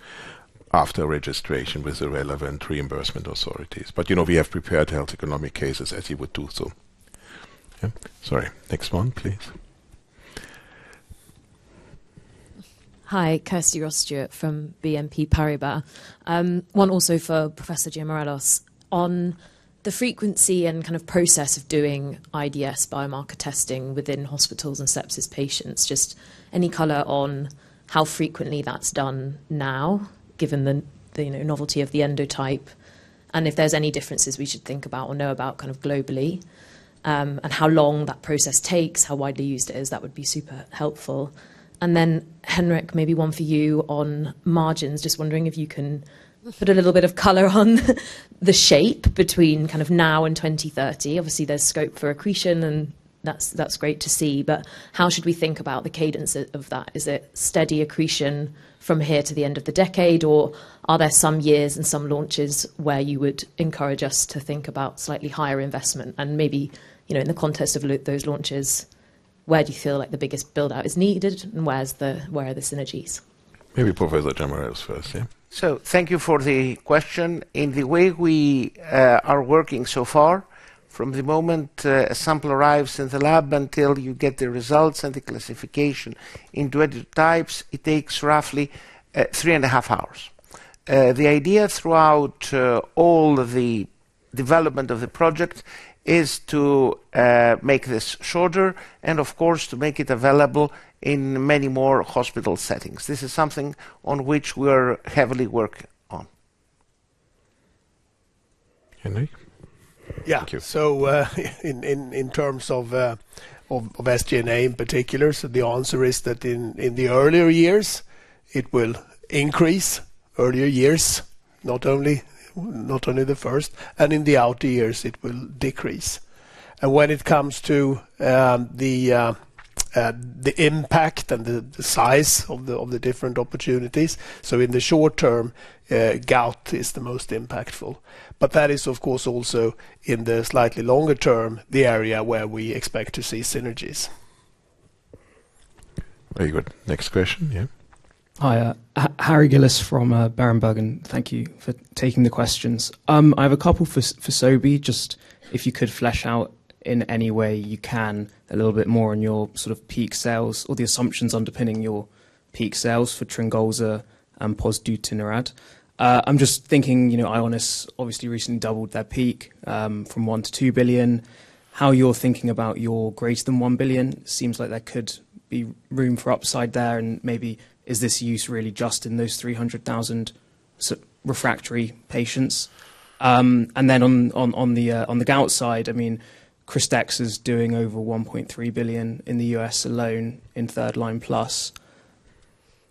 after registration with the relevant reimbursement authorities. But, you know, we have prepared health economic cases as you would do so. Yeah. Sorry. Next one, please. Hi, Kirsty Ross-Stewart from BNP Paribas. One also for Professor Giamarellos-Bourboulis. On the frequency and kind of process of doing IDS biomarker testing within hospitals and sepsis patients, just any color on how frequently that's done now, given the, the, you know, novelty of the endotype, and if there's any differences we should think about or know about kind of globally, and how long that process takes, how widely used it is, that would be super helpful. And then, Henrik, maybe one for you on margins. Just wondering if you can put a little bit of color on the shape between kind of now and 2030. Obviously, there's scope for accretion, and that's, that's great to see, but how should we think about the cadence of, of that? Is it steady accretion from here to the end of the decade, or are there some years and some launches where you would encourage us to think about slightly higher investment and maybe, you know, in the context of those launches, where do you feel like the biggest build-out is needed, and where are the synergies? Maybe Professor Giamarellos-Bourboulis first. Yeah. Thank you for the question. In the way we are working so far, from the moment a sample arrives in the lab until you get the results and the classification into endotypes, it takes roughly 3.5 hours. The idea throughout all of the development of the project is to make this shorter and, of course, to make it available in many more hospital settings. This is something on which we are heavily working on. Henrik? Yeah. Thank you. In terms of SG&A in particular, the answer is that in the earlier years, it will increase. Earlier years, not only the first, and in the outer years, it will decrease. When it comes to the impact and the size of the different opportunities, in the short term, gout is the most impactful. But that is, of course, also in the slightly longer term, the area where we expect to see synergies. Very good. Next question. Yeah. Hi, Harry Gillis from Berenberg. Thank you for taking the questions. I have a couple for Sobi. Just if you could flesh out in any way you can, a little bit more on your sort of peak sales or the assumptions underpinning your peak sales for TRYNGOLZA and pozdeutinurad. I'm just thinking, you know, Ionis obviously recently doubled their peak from $1 billion to $2 billion. How you're thinking about your greater than $1 billion seems like there could be room for upside there, and maybe is this use really just in those 300,000 sort of refractory patients? And then on the gout side, I mean, KRYSTEXXA is doing over $1.3 billion in the U.S. alone in third line plus.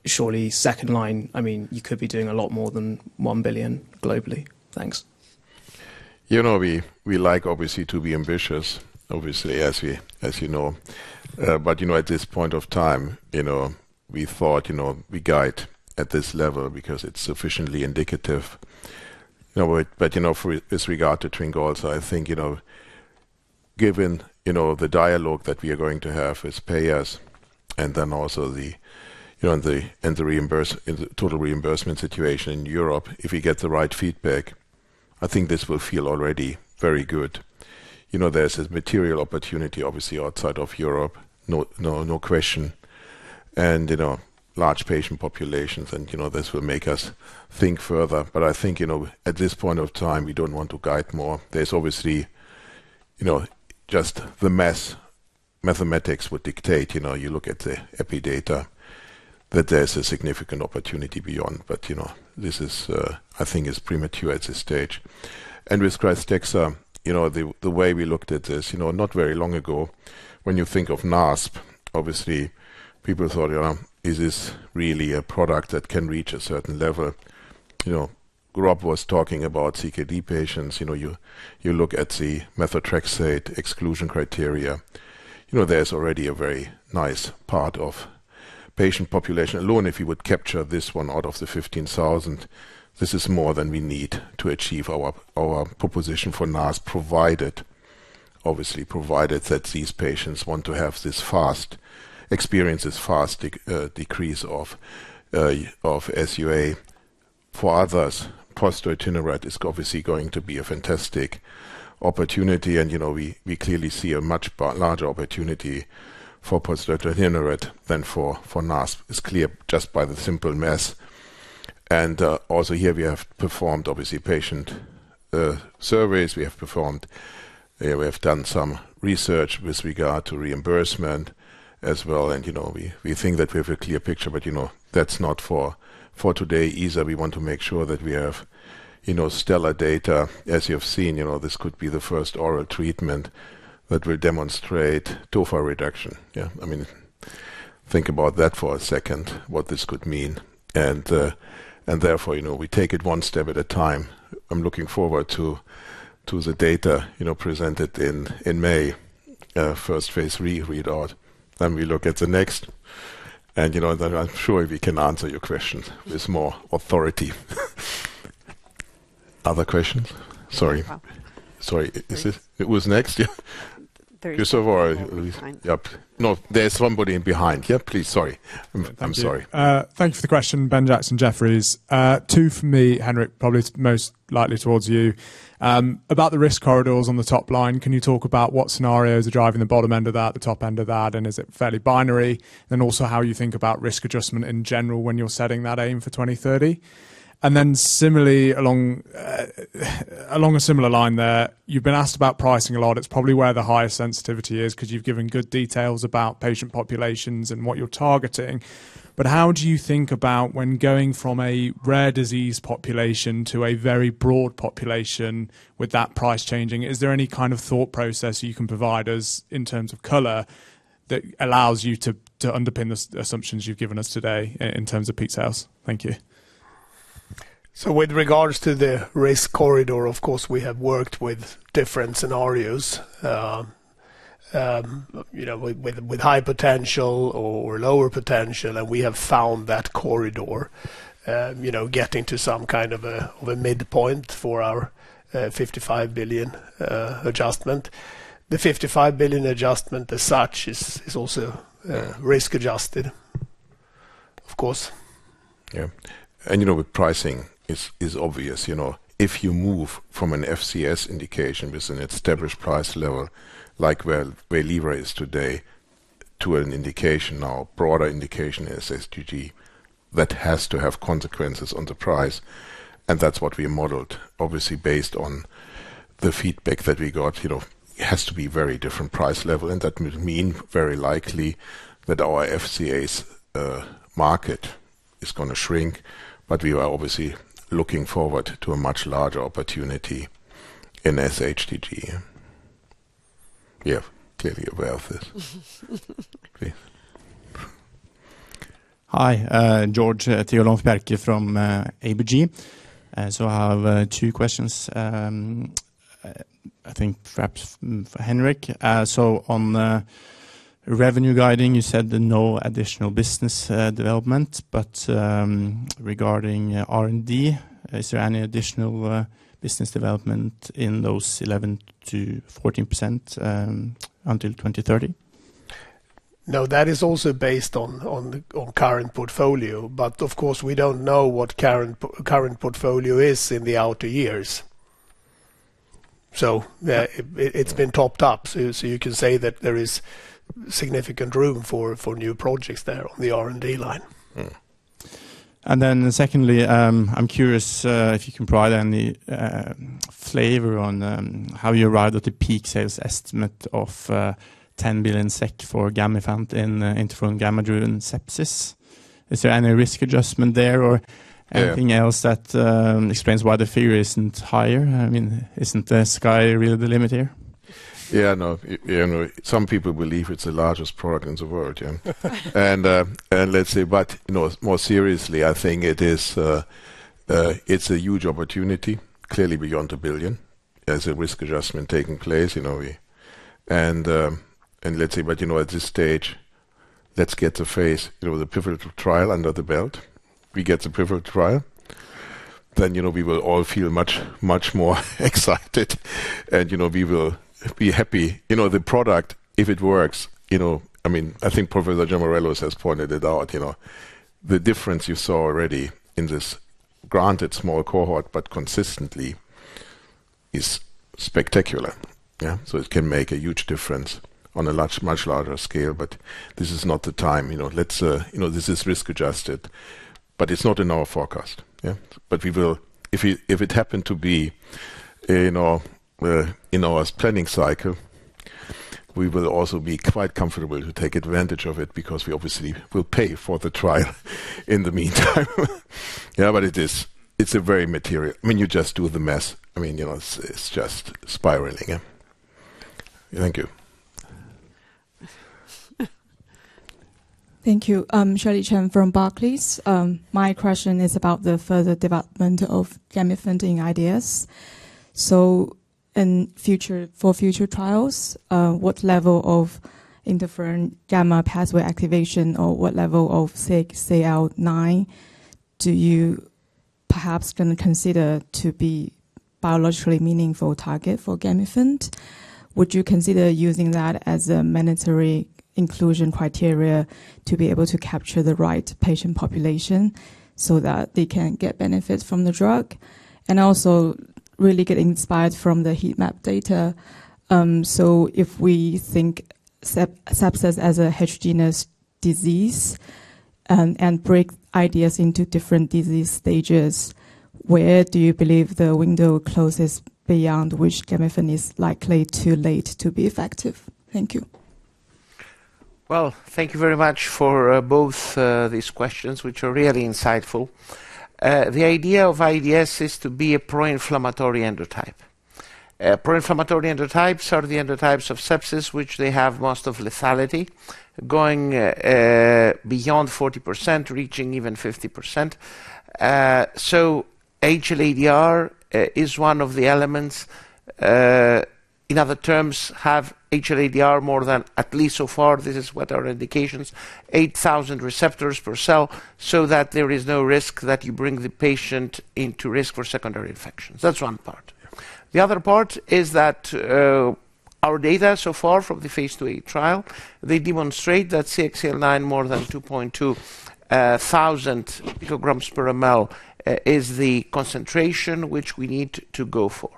Surely, second line, I mean, you could be doing a lot more than 1 billion globally. Thanks. You know, we, we like obviously to be ambitious, obviously, as we, as you know. But, you know, at this point of time, you know, we thought, you know, we guide at this level because it's sufficiently indicative. You know, but, you know, for with regard to TRYNGOLZA, so I think, you know, given, you know, the dialogue that we are going to have with payers, and then also the, you know, the, and the reimbursement—the total reimbursement situation in Europe, if we get the right feedback, I think this will feel already very good. You know, there's a material opportunity, obviously, outside of Europe, no, no, no question. And, you know, large patient populations, and, you know, this will make us think further. But I think, you know, at this point of time, we don't want to guide more. There's obviously, you know, just the math, mathematics would dictate, you know, you look at the epi data, that there's a significant opportunity beyond, but, you know, this is, I think is premature at this stage. And with KRYSTEXXA, you know, the, the way we looked at this, you know, not very long ago, when you think of NASP, obviously, people thought, "Well, is this really a product that can reach a certain level?" You know, Rob was talking about CKD patients. You know, you, you look at the methotrexate exclusion criteria, you know, there's already a very nice part of patient population. Alone, if you would capture this one out of the 15,000, this is more than we need to achieve our, our proposition for NASP, provided, obviously, provided that these patients want to have this fast-- experience this fast decrease of, of SUA. For others, pozdeutinurad is obviously going to be a fantastic opportunity, and, you know, we, we clearly see a much larger opportunity for pozdeutinurad than for, for NASH. It's clear just by the simple math. And also here, we have performed obviously patient surveys. We have performed, we have done some research with regard to reimbursement as well, and, you know, we, we think that we have a clear picture, but, you know, that's not for, for today either. We want to make sure that we have, you know, stellar data. As you have seen, you know, this could be the first oral treatment that will demonstrate tophi reduction. Yeah. I mean, think about that for a second, what this could mean. And therefore, you know, we take it one step at a time. I'm looking forward to the data, you know, presented in May, first phase III read out, then we look at the next. And, you know, then I'm sure we can answer your question with more authority. Other questions? Sorry. No problem. Sorry. It was next? Yeah. There is... Yep. No, there's somebody in behind. Yeah, please. Sorry. I'm sorry. Thank you for the question. Ben Jackson, Jefferies. Two for me, Henrik, probably most likely towards you. About the risk corridors on the top line, can you talk about what scenarios are driving the bottom end of that, the top end of that, and is it fairly binary? Then also, how you think about risk adjustment in general when you're setting that aim for 2030. And then similarly, along a similar line there, you've been asked about pricing a lot. It's probably where the highest sensitivity is, 'cause you've given good details about patient populations and what you're targeting. But how do you think about when going from a rare disease population to a very broad population with that price changing? Is there any kind of thought process you can provide us in terms of color, that allows you to underpin the assumptions you've given us today in terms of peak sales? Thank you. So with regards to the risk corridor, of course, we have worked with different scenarios, you know, with high potential or lower potential, and we have found that corridor, you know, getting to some kind of a midpoint for our 55 billion adjustment. The 55 billion adjustment as such is also risk adjusted, of course. Yeah. You know, with pricing is obvious. You know, if you move from an FCS indication with an established price level, like where Waylivra is today, to an indication now, broader indication in sHTG, that has to have consequences on the price, and that's what we modeled. Obviously, based on the feedback that we got, you know, it has to be very different price level, and that would mean very likely that our FCS market is gonna shrink, but we are obviously looking forward to a much larger opportunity in sHTG. You're clearly aware of this. Hi, George Tigalonov-Berke from ABG. So I have two questions, I think perhaps for Henrik. So on revenue guidance, you said that no additional business development, but regarding R&D, is there any additional business development in those 11%-14% until 2030? No, that is also based on current portfolio, but of course, we don't know what current portfolio is in the outer years. So, it's been topped up, so you can say that there is significant room for new projects there on the R&D line. Mm-hmm. And then secondly, I'm curious if you can provide any flavor on how you arrived at the peak sales estimate of 10 billion SEK for Gamifant in Interferon Gamma-Driven Sepsis. Is there any risk adjustment there or... Yeah. Anything else that explains why the figure isn't higher? I mean, isn't the sky really the limit here? Yeah, no, you know, some people believe it's the largest product in the world, yeah? And, let's say, but, you know, more seriously, I think it is, it's a huge opportunity, clearly beyond 1 billion, as a risk adjustment taking place, you know, we. And, let's say, but, you know, at this stage, let's get the phase, you know, the PIVOTAL trial under the belt. We get the PIVOTAL trial, then, you know, we will all feel much, much more excited, and, you know, we will be happy. You know, the product, if it works, you know, I mean, I think Professor Giamarellos has pointed it out, you know. The difference you saw already in this granted small cohort, but consistently, is spectacular. Yeah? So it can make a huge difference on a large, much larger scale, but this is not the time. You know, let's. You know, this is risk-adjusted, but it's not in our forecast. Yeah? But we will. If it, if it happened to be in our, in our planning cycle, we will also be quite comfortable to take advantage of it because we obviously will pay for the trial in the meantime. Yeah, but it is, it's a very material. I mean, you just do the math. I mean, you know, it's, it's just spiraling, yeah. Thank you. Thank you. Shirley Chen from Barclays. My question is about the further development of Gamifant ideas. So in future for future trials, what level of interferon gamma pathway activation or what level of CXCL9 do you perhaps gonna consider to be biologically meaningful target for Gamifant? Would you consider using that as a mandatory inclusion criteria to be able to capture the right patient population so that they can get benefits from the drug? And also, really getting inspired from the heat map data, so if we think sepsis as a heterogeneous disease and break ideas into different disease stages, where do you believe the window closes beyond which Gamifant is likely too late to be effective? Thank you. Well, thank you very much for both these questions, which are really insightful. The idea of IDS is to be a pro-inflammatory endotype. Pro-inflammatory endotypes are the endotypes of sepsis, which they have most of lethality, going beyond 40%, reaching even 50%. So HLA-DR is one of the elements. In other terms, have HLA-DR more than at least so far, this is what our indications, 8,000 receptors per cell, so that there is no risk that you bring the patient into risk for secondary infections. That's one part. The other part is that our data so far from the phase IIa trial, they demonstrate that CXCL9 more than 2.2 thousand picograms per mL is the concentration which we need to go for.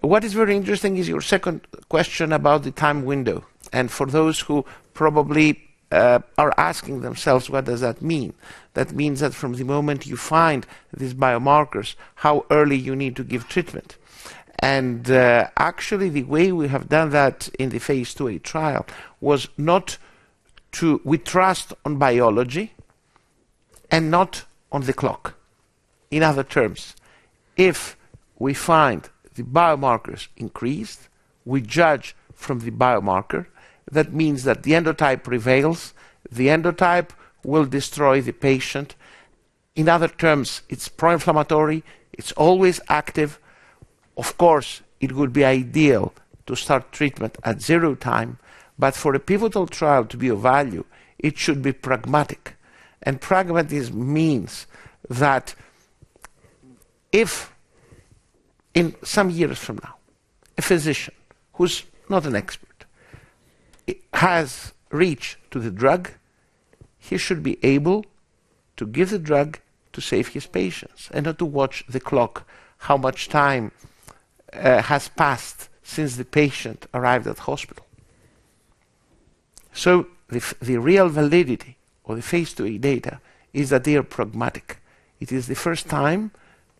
What is very interesting is your second question about the time window, and for those who probably are asking themselves, what does that mean? That means that from the moment you find these biomarkers, how early you need to give treatment. Actually, the way we have done that in the phase IIa trial was not to—we trust on biology and not on the clock. In other terms, if we find the biomarkers increased, we judge from the biomarker. That means that the endotype prevails, the endotype will destroy the patient. In other terms, it's pro-inflammatory, it's always active. Of course, it would be ideal to start treatment at zero time, but for a pivotal trial to be of value, it should be pragmatic. Pragmatic means that if in some years from now, a physician who's not an expert has reached to the drug, he should be able to give the drug to save his patients and not to watch the clock, how much time has passed since the patient arrived at the hospital. So the real validity of the phase IIa data is that they are pragmatic. It is the first time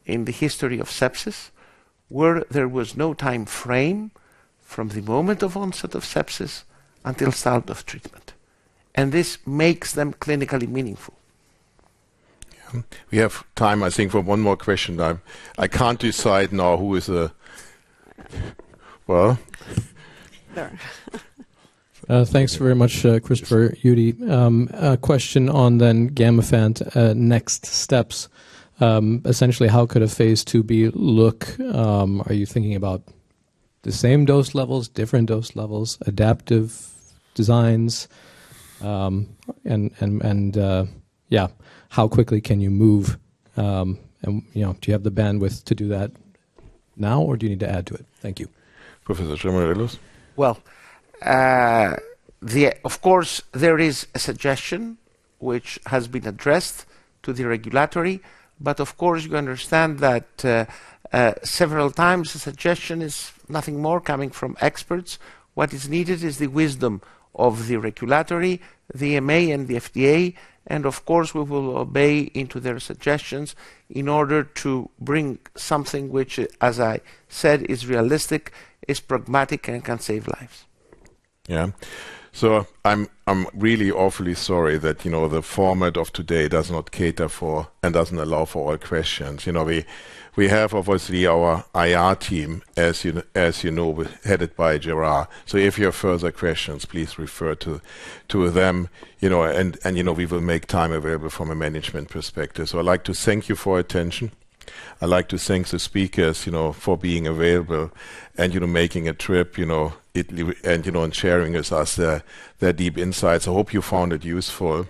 in the history of sepsis where there was no time frame from the moment of onset of sepsis until start of treatment, and this makes them clinically meaningful. Yeah. We have time, I think, for one more question now. I can't decide now who is the... Well? Thanks very much, Christopher Uhde. A question on the Gamifant, next steps. Essentially, how could a phase IIb look? Are you thinking about the same dose levels, different dose levels, adaptive designs? And, and, and, yeah, how quickly can you move, and, you know, do you have the bandwidth to do that now, or do you need to add to it? Thank you. Professor Giamarellos? Well, of course, there is a suggestion which has been addressed to the regulatory, but of course, you understand that, several times the suggestion is nothing more coming from experts. What is needed is the wisdom of the regulatory, the EMA and the FDA, and of course, we will obey into their suggestions in order to bring something which, as I said, is realistic, is pragmatic, and can save lives. Yeah. So I'm really awfully sorry that, you know, the format of today does not cater for and doesn't allow for all questions. You know, we have, obviously, our IR team, as you know, headed by Gerard. So if you have further questions, please refer to them, you know, and, you know, we will make time available from a management perspective. So I'd like to thank you for your attention. I'd like to thank the speakers, you know, for being available and, you know, making a trip, you know, Italy, and, you know, and sharing with us their deep insights. I hope you found it useful.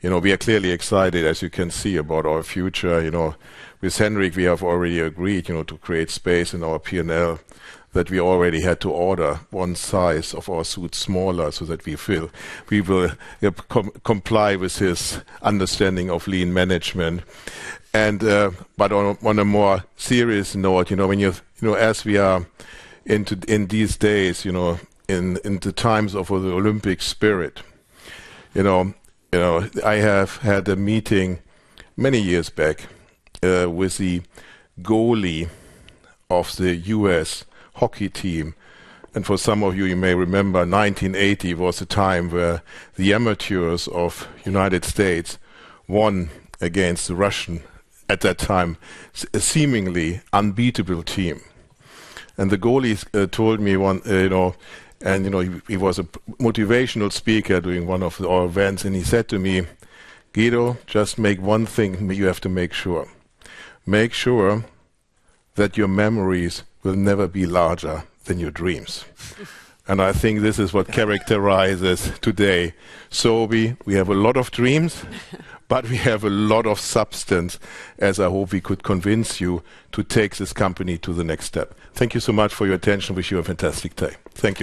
You know, we are clearly excited, as you can see, about our future. You know, with Henrik, we have already agreed, you know, to create space in our P&L, that we already had to order one size of our suit smaller so that we feel we will, yeah, comply with his understanding of lean management. But on a more serious note, you know, when you've— You know, as we are into, in these days, you know, in the times of the Olympic spirit, you know, I have had a meeting many years back with the goalie of the U.S. hockey team. And for some of you, you may remember, 1980 was a time where the amateurs of United States won against the Russian, at that time, a seemingly unbeatable team. The goalie told me one, you know. And, you know, he was a motivational speaker doing one of our events, and he said to me: "Guido, just make one thing you have to make sure. Make sure that your memories will never be larger than your dreams." And I think this is what characterizes today. So we have a lot of dreams, but we have a lot of substance, as I hope we could convince you to take this company to the next step. Thank you so much for your attention. Wish you a fantastic day. Thank you.